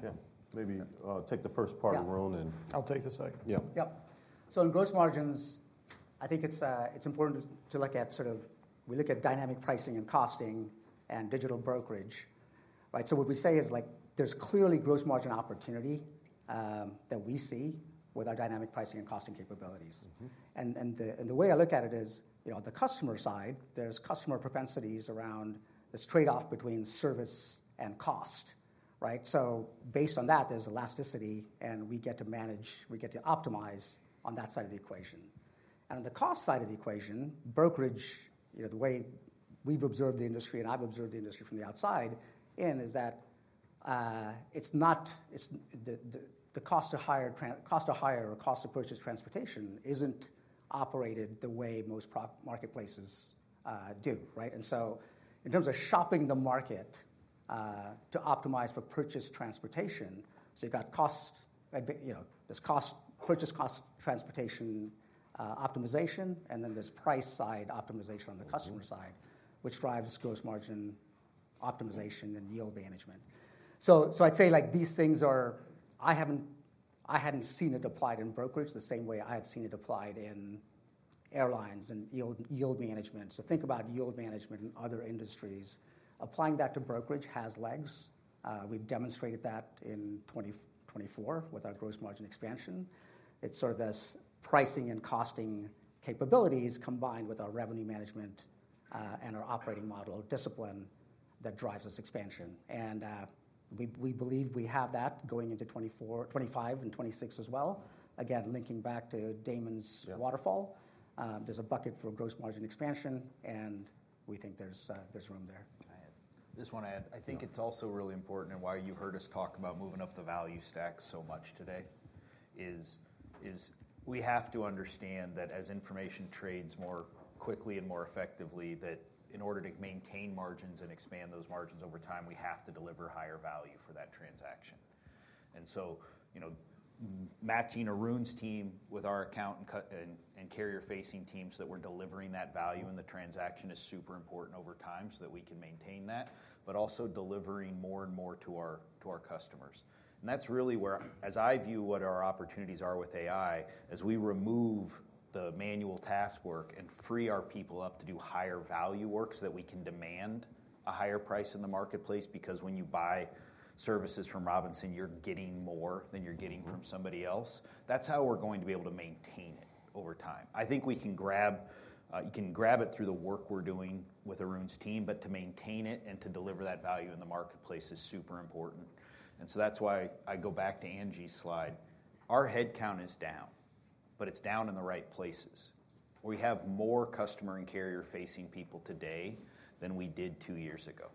Yeah. Maybe take the first part, Arun, and I'll take the second. Yeah. So in gross margins, I think it's important to look at sort of we look at dynamic pricing and costing and digital brokerage, right? So what we say is there's clearly gross margin opportunity that we see with our dynamic pricing and costing capabilities. The way I look at it is on the customer side, there's customer propensities around this trade-off between service and cost, right? Based on that, there's elasticity, and we get to manage, we get to optimize on that side of the equation. On the cost side of the equation, brokerage, the way we've observed the industry and I've observed the industry from the outside in is that the cost to hire or cost to purchase transportation isn't operated the way most marketplaces do, right? In terms of shopping the market to optimize for purchase transportation, so you've got cost, there's cost purchase cost transportation optimization, and then there's price side optimization on the customer side, which drives gross margin optimization and yield management. So, I'd say these things are. I hadn't seen it applied in brokerage the same way I had seen it applied in airlines and yield management. So, think about yield management in other industries. Applying that to brokerage has legs. We've demonstrated that in 2024 with our gross margin expansion. It's sort of this pricing and costing capabilities combined with our revenue management and our operating model discipline that drives this expansion. And we believe we have that going into 2025 and 2026 as well. Again, linking back to Damon's waterfall, there's a bucket for gross margin expansion, and we think there's room there. I just want to add, I think it's also really important and why you've heard us talk about moving up the value stack so much today is we have to understand that as information trades more quickly and more effectively, that in order to maintain margins and expand those margins over time, we have to deliver higher value for that transaction, and so matching Arun's team with our account and carrier-facing teams so that we're delivering that value in the transaction is super important over time so that we can maintain that, but also delivering more and more to our customers. And that's really where, as I view what our opportunities are with AI, as we remove the manual task work and free our people up to do higher value work so that we can demand a higher price in the marketplace because when you buy services from Robinson, you're getting more than you're getting from somebody else. That's how we're going to be able to maintain it over time. I think we can grab it through the work we're doing with Arun's team, but to maintain it and to deliver that value in the marketplace is super important. And so that's why I go back to Angie's slide. Our headcount is down, but it's down in the right places. We have more customer and carrier-facing people today than we did two years ago.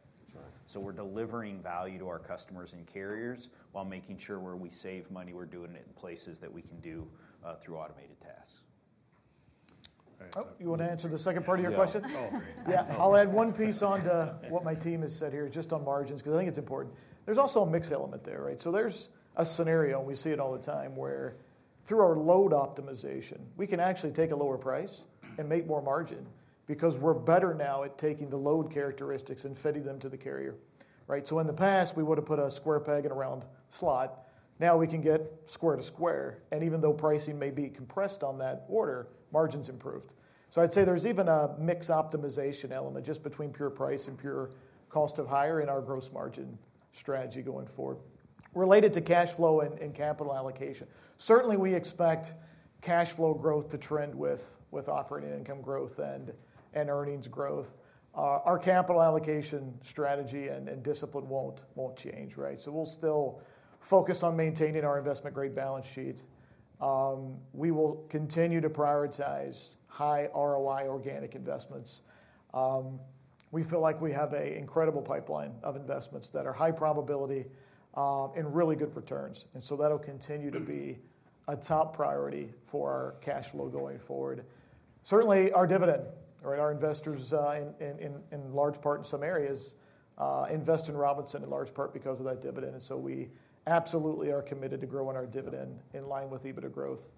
So we're delivering value to our customers and carriers while making sure where we save money, we're doing it in places that we can do through automated tasks. You want to answer the second part of your question? Yeah. I'll add one piece on to what my team has said here just on margins because I think it's important. There's also a mixed element there, right? So there's a scenario, and we see it all the time where through our load optimization, we can actually take a lower price and make more margin because we're better now at taking the load characteristics and fitting them to the carrier, right? So in the past, we would have put a square peg in a round slot. Now we can get square to square. And even though pricing may be compressed on that order, margin's improved. So I'd say there's even a mixed optimization element just between pure price and pure cost of hire in our gross margin strategy going forward. Related to cash flow and capital allocation, certainly we expect cash flow growth to trend with operating income growth and earnings growth. Our capital allocation strategy and discipline won't change, right? So we'll still focus on maintaining our investment-grade balance sheets. We will continue to prioritize high ROI organic investments. We feel like we have an incredible pipeline of investments that are high probability and really good returns. And so that'll continue to be a top priority for our cash flow going forward. Certainly, our dividend, right? Our investors, in large part in some areas, invest in Robinson in large part because of that dividend. And so we absolutely are committed to growing our dividend in line with EBITDA growth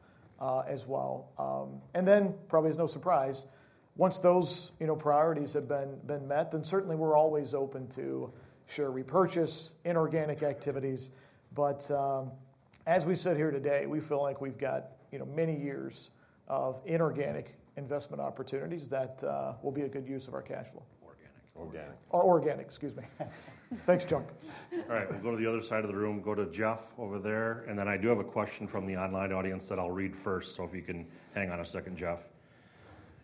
as well. And then probably as no surprise, once those priorities have been met, then certainly we're always open to share repurchase inorganic activities. But as we sit here today, we feel like we've got many years of inorganic investment opportunities that will be a good use of our cash flow. Organic. Organic. Or organic, excuse me. Thanks, Jon. All right. We'll go to the other side of the room, go to Jeff over there. And then I do have a question from the online audience that I'll read first. So if you can hang on a second, Jeff.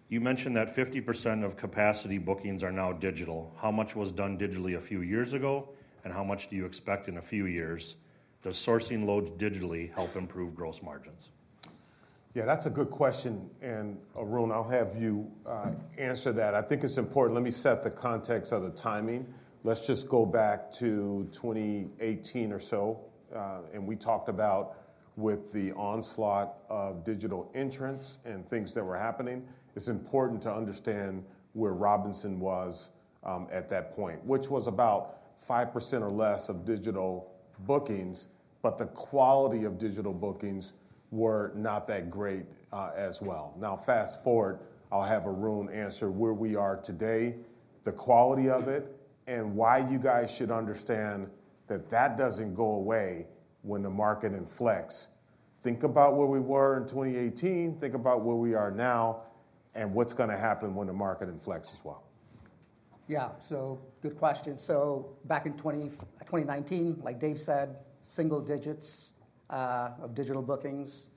You mentioned that 50% of capacity bookings are now digital. How much was done digitally a few years ago, and how much do you expect in a few years? Does sourcing loads digitally help improve gross margins? Yeah, that's a good question. And Arun, I'll have you answer that. I think it's important. Let me set the context of the timing. Let's just go back to 2018 or so. And we talked about with the onslaught of digital entrants and things that were happening, it's important to understand where Robinson was at that point, which was about 5% or less of digital bookings, but the quality of digital bookings were not that great as well. Now, fast forward, I'll have Arun answer where we are today, the quality of it, and why you guys should understand that that doesn't go away when the market inflects. Think about where we were in 2018. Think about where we are now and what's going to happen when the market inflects as well. Yeah. So good question. So back in 2019, like Dave said, single digits of digital bookings.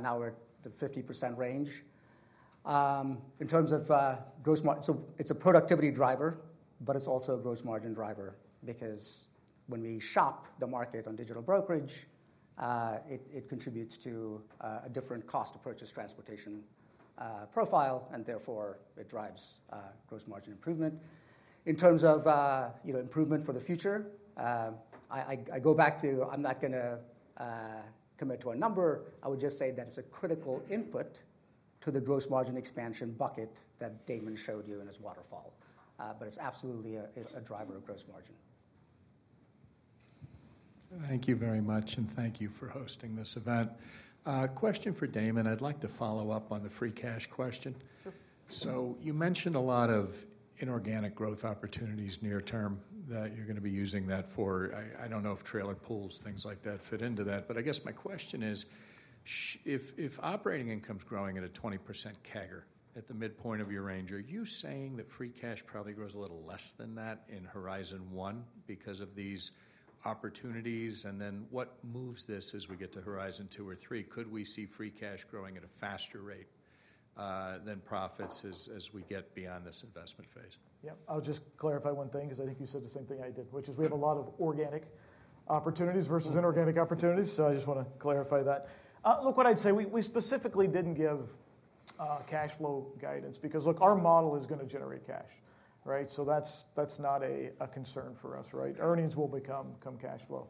Now we're at the 50% range. In terms of gross margin, so it's a productivity driver, but it's also a gross margin driver because when we shop the market on digital brokerage, it contributes to a different cost to purchase transportation profile, and therefore it drives gross margin improvement. In terms of improvement for the future, I go back to, I'm not going to commit to a number. I would just say that it's a critical input to the gross margin expansion bucket that Damon showed you in his waterfall, but it's absolutely a driver of gross margin. Thank you very much, and thank you for hosting this event. Question for Damon. I'd like to follow up on the free cash question. So you mentioned a lot of inorganic growth opportunities near term that you're going to be using that for. I don't know if trailer pulls, things like that fit into that, but I guess my question is, if operating income's growing at a 20% CAGR, at the midpoint of your range, are you saying that free cash probably grows a little less than that in Horizon One because of these opportunities? And then what moves this as we get to Horizon Two or Three? Could we see free cash growing at a faster rate than profits as we get beyond this investment phase? Yeah. I'll just clarify one thing because I think you said the same thing I did, which is we have a lot of organic opportunities versus inorganic opportunities. So I just want to clarify that. Look what I'd say. We specifically didn't give cash flow guidance because look, our model is going to generate cash, right? So that's not a concern for us, right? Earnings will become cash flow.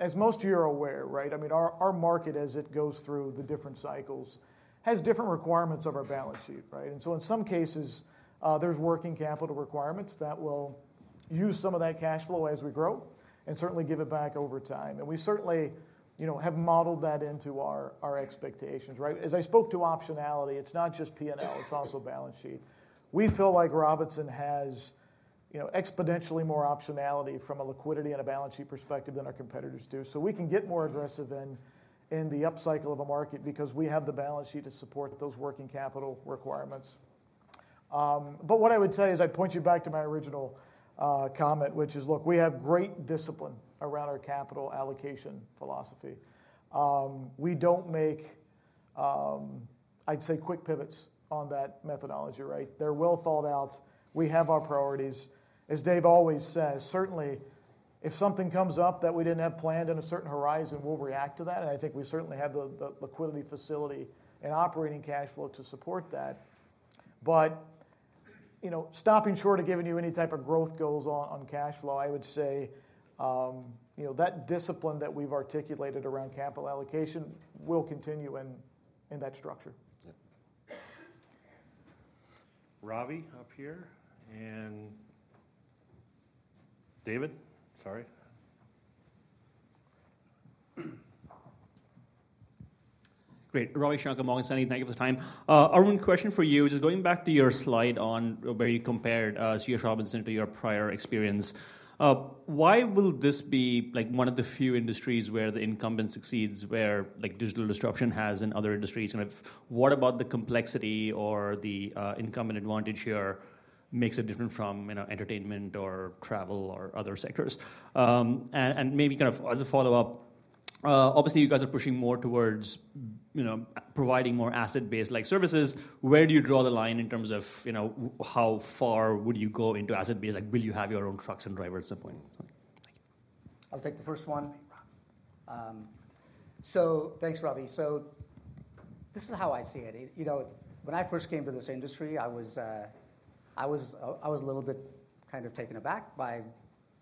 As most of you are aware, right? I mean, our market, as it goes through the different cycles, has different requirements of our balance sheet, right? And so in some cases, there's working capital requirements that will use some of that cash flow as we grow and certainly give it back over time. And we certainly have modeled that into our expectations, right? As I spoke to optionality, it's not just P&L, it's also balance sheet. We feel like Robinson has exponentially more optionality from a liquidity and a balance sheet perspective than our competitors do. So we can get more aggressive in the upcycle of a market because we have the balance sheet to support those working capital requirements. But what I would say is I'd point you back to my original comment, which is look, we have great discipline around our capital allocation philosophy. We don't make, I'd say, quick pivots on that methodology, right? There will fallouts. We have our priorities. As Dave always says, certainly if something comes up that we didn't have planned in a certain horizon, we'll react to that. And I think we certainly have the liquidity facility and operating cash flow to support that. But stopping short of giving you any type of growth goals on cash flow, I would say that discipline that we've articulated around capital allocation will continue in that structure. Ravi up here and David, sorry. Great. Ravi Shanker, Morgan Stanley, thank you for the time. Arun, question for you is going back to your slide on where you compared C.H. Robinson to your prior experience. Why will this be one of the few industries where the incumbent succeeds where digital disruption has in other industries? And what about the complexity or the incumbent advantage here makes it different from entertainment or travel or other sectors? And maybe kind of as a follow-up, obviously you guys are pushing more towards providing more asset-based services. Where do you draw the line in terms of how far would you go into asset-based? Will you have your own trucks and drivers at some point? I'll take the first one. So thanks, Ravi. So this is how I see it. When I first came to this industry, I was a little bit kind of taken aback by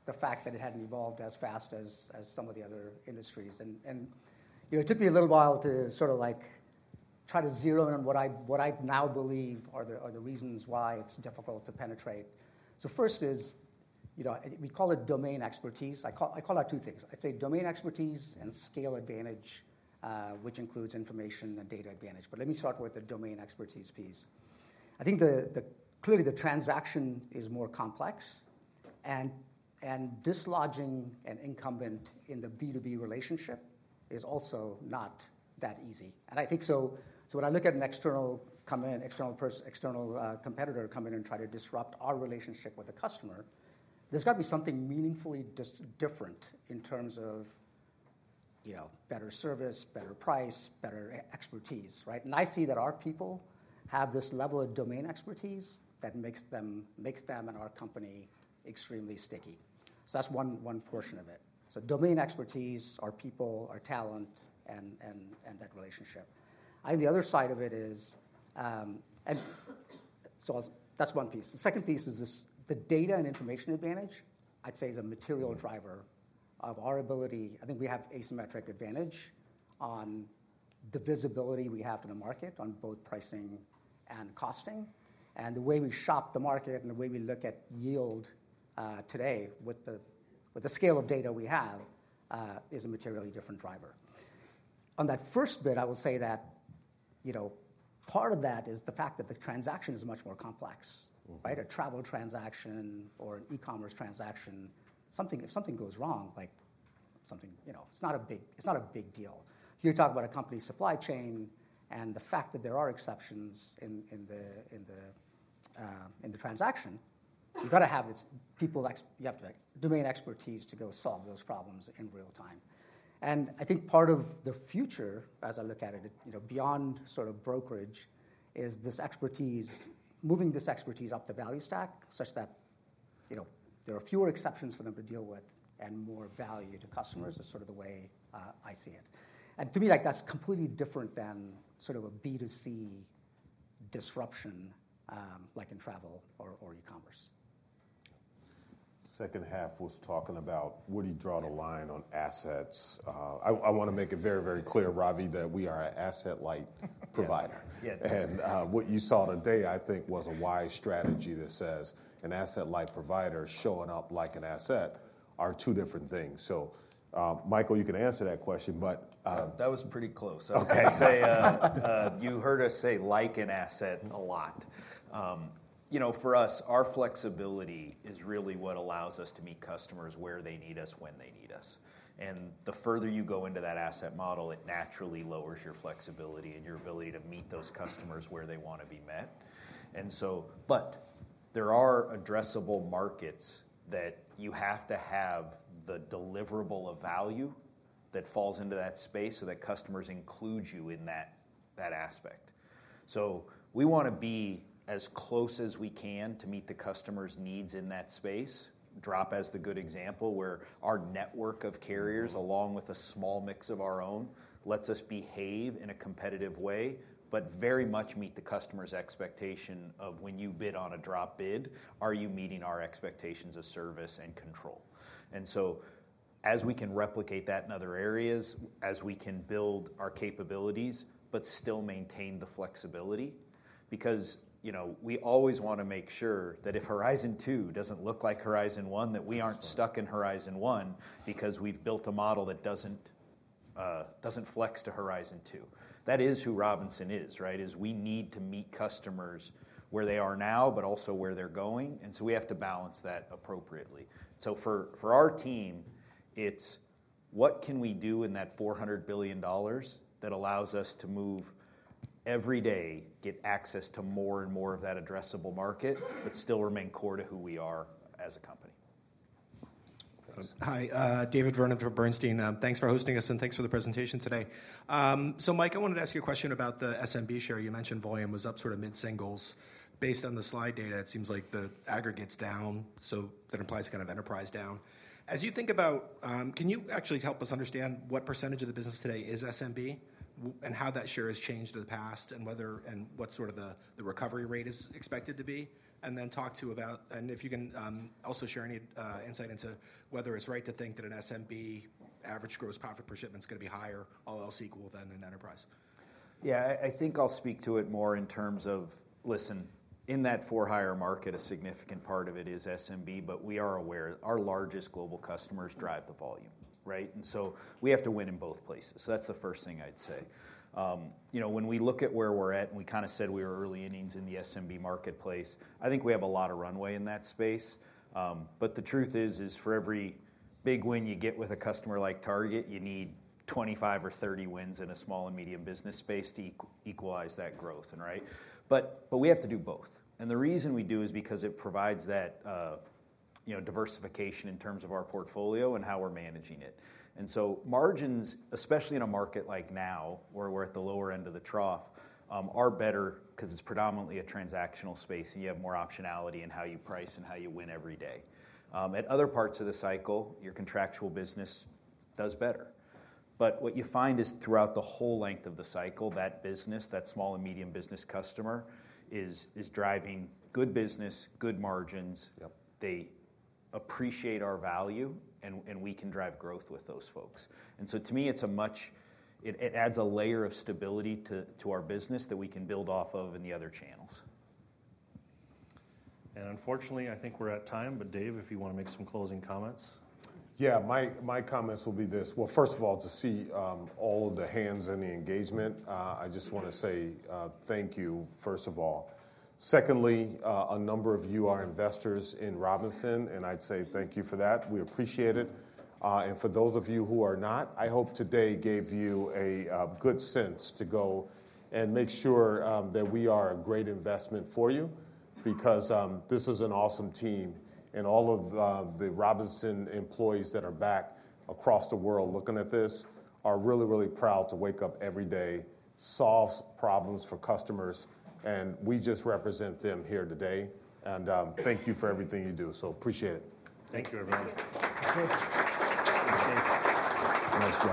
the fact that it hadn't evolved as fast as some of the other industries. And it took me a little while to sort of try to zero in on what I now believe are the reasons why it's difficult to penetrate. So first is we call it domain expertise. I call it two things. I'd say domain expertise and scale advantage, which includes information and data advantage. But let me start with the domain expertise piece. I think clearly the transaction is more complex, and dislodging an incumbent in the B2B relationship is also not that easy. And I think so when I look at an external competitor come in and try to disrupt our relationship with the customer, there's got to be something meaningfully different in terms of better service, better price, better expertise, right? And I see that our people have this level of domain expertise that makes them and our company extremely sticky. So that's one portion of it. So, domain expertise, our people, our talent, and that relationship. I think the other side of it is, and so that's one piece. The second piece is the data and information advantage. I'd say it is a material driver of our ability. I think we have asymmetric advantage on the visibility we have to the market on both pricing and costing. And the way we shop the market and the way we look at yield today with the scale of data we have is a materially different driver. On that first bit, I will say that part of that is the fact that the transaction is much more complex, right? A travel transaction or an e-commerce transaction, if something goes wrong, it's not a big deal. You're talking about a company's supply chain and the fact that there are exceptions in the transaction. You've got to have people. You have domain expertise to go solve those problems in real time. And I think part of the future, as I look at it, beyond sort of brokerage, is moving this expertise up the value stack such that there are fewer exceptions for them to deal with, and more value to customers is sort of the way I see it. And to me, that's completely different than sort of a B2C disruption like in travel or e-commerce. Second half was talking about where do you draw the line on assets. I want to make it very, very clear, Ravi, that we are an asset-light provider. What you saw today, I think, was a wise strategy that says an asset-light provider showing up like an asset are two different things. So Michael, you can answer that question, but that was pretty close. I'd say you heard us say like an asset a lot. For us, our flexibility is really what allows us to meet customers where they need us, when they need us. And the further you go into that asset model, it naturally lowers your flexibility and your ability to meet those customers where they want to be met. And so, but there are addressable markets that you have to have the deliverable of value that falls into that space so that customers include you in that aspect. So we want to be as close as we can to meet the customer's needs in that space. Drop as the good example where our network of carriers, along with a small mix of our own, lets us behave in a competitive way, but very much meet the customer's expectation of when you bid on a drop bid, are you meeting our expectations of service and control? And so as we can replicate that in other areas, as we can build our capabilities, but still maintain the flexibility because we always want to make sure that if Horizon Two doesn't look like Horizon One, that we aren't stuck in Horizon One because we've built a model that doesn't flex to Horizon Two. That is who Robinson is, right? Is we need to meet customers where they are now, but also where they're going. And so we have to balance that appropriately. So for our team, it's what can we do in that $400 billion that allows us to move every day, get access to more and more of that addressable market, but still remain core to who we are as a company. Hi, David Vernon from Bernstein. Thanks for hosting us and thanks for the presentation today. So Mike, I wanted to ask you a question about the SMB share. You mentioned volume was up sort of mid-singles. Based on the slide data, it seems like the aggregate's down. So that implies kind of enterprise down. As you think about, can you actually help us understand what percentage of the business today is SMB and how that share has changed in the past and what sort of the recovery rate is expected to be? And then talk to about, and if you can also share any insight into whether it's right to think that an SMB average gross profit per shipment is going to be higher, all else equal than an enterprise? Yeah, I think I'll speak to it more in terms of, listen, in that for-hire market, a significant part of it is SMB, but we are aware our largest global customers drive the volume, right? And so we have to win in both places. So that's the first thing I'd say. When we look at where we're at, and we kind of said we were early innings in the SMB marketplace, I think we have a lot of runway in that space. But the truth is, for every big win you get with a customer like Target, you need 25 or 30 wins in a small and medium business space to equalize that growth, right? But we have to do both. And the reason we do is because it provides that diversification in terms of our portfolio and how we're managing it. And so margins, especially in a market like now where we're at the lower end of the trough, are better because it's predominantly a transactional space and you have more optionality in how you price and how you win every day. At other parts of the cycle, your contractual business does better. But what you find is throughout the whole length of the cycle, that business, that small and medium business customer is driving good business, good margins. They appreciate our value and we can drive growth with those folks. And so to me, it adds a layer of stability to our business that we can build off of in the other channels. And unfortunately, I think we're at time, but Dave, if you want to make some closing comments? Yeah, my comments will be this. Well, first of all, to see all of the hands in the engagement, I just want to say thank you, first of all. Secondly, a number of you are investors in Robinson, and I'd say thank you for that. We appreciate it. And for those of you who are not, I hope today gave you a good sense to go and make sure that we are a great investment for you because this is an awesome team. And all of the Robinson employees that are back across the world looking at this are really, really proud to wake up every day, solve problems for customers, and we just represent them here today. And thank you for everything you do. So appreciate it. Thank you, everyone. Thanks.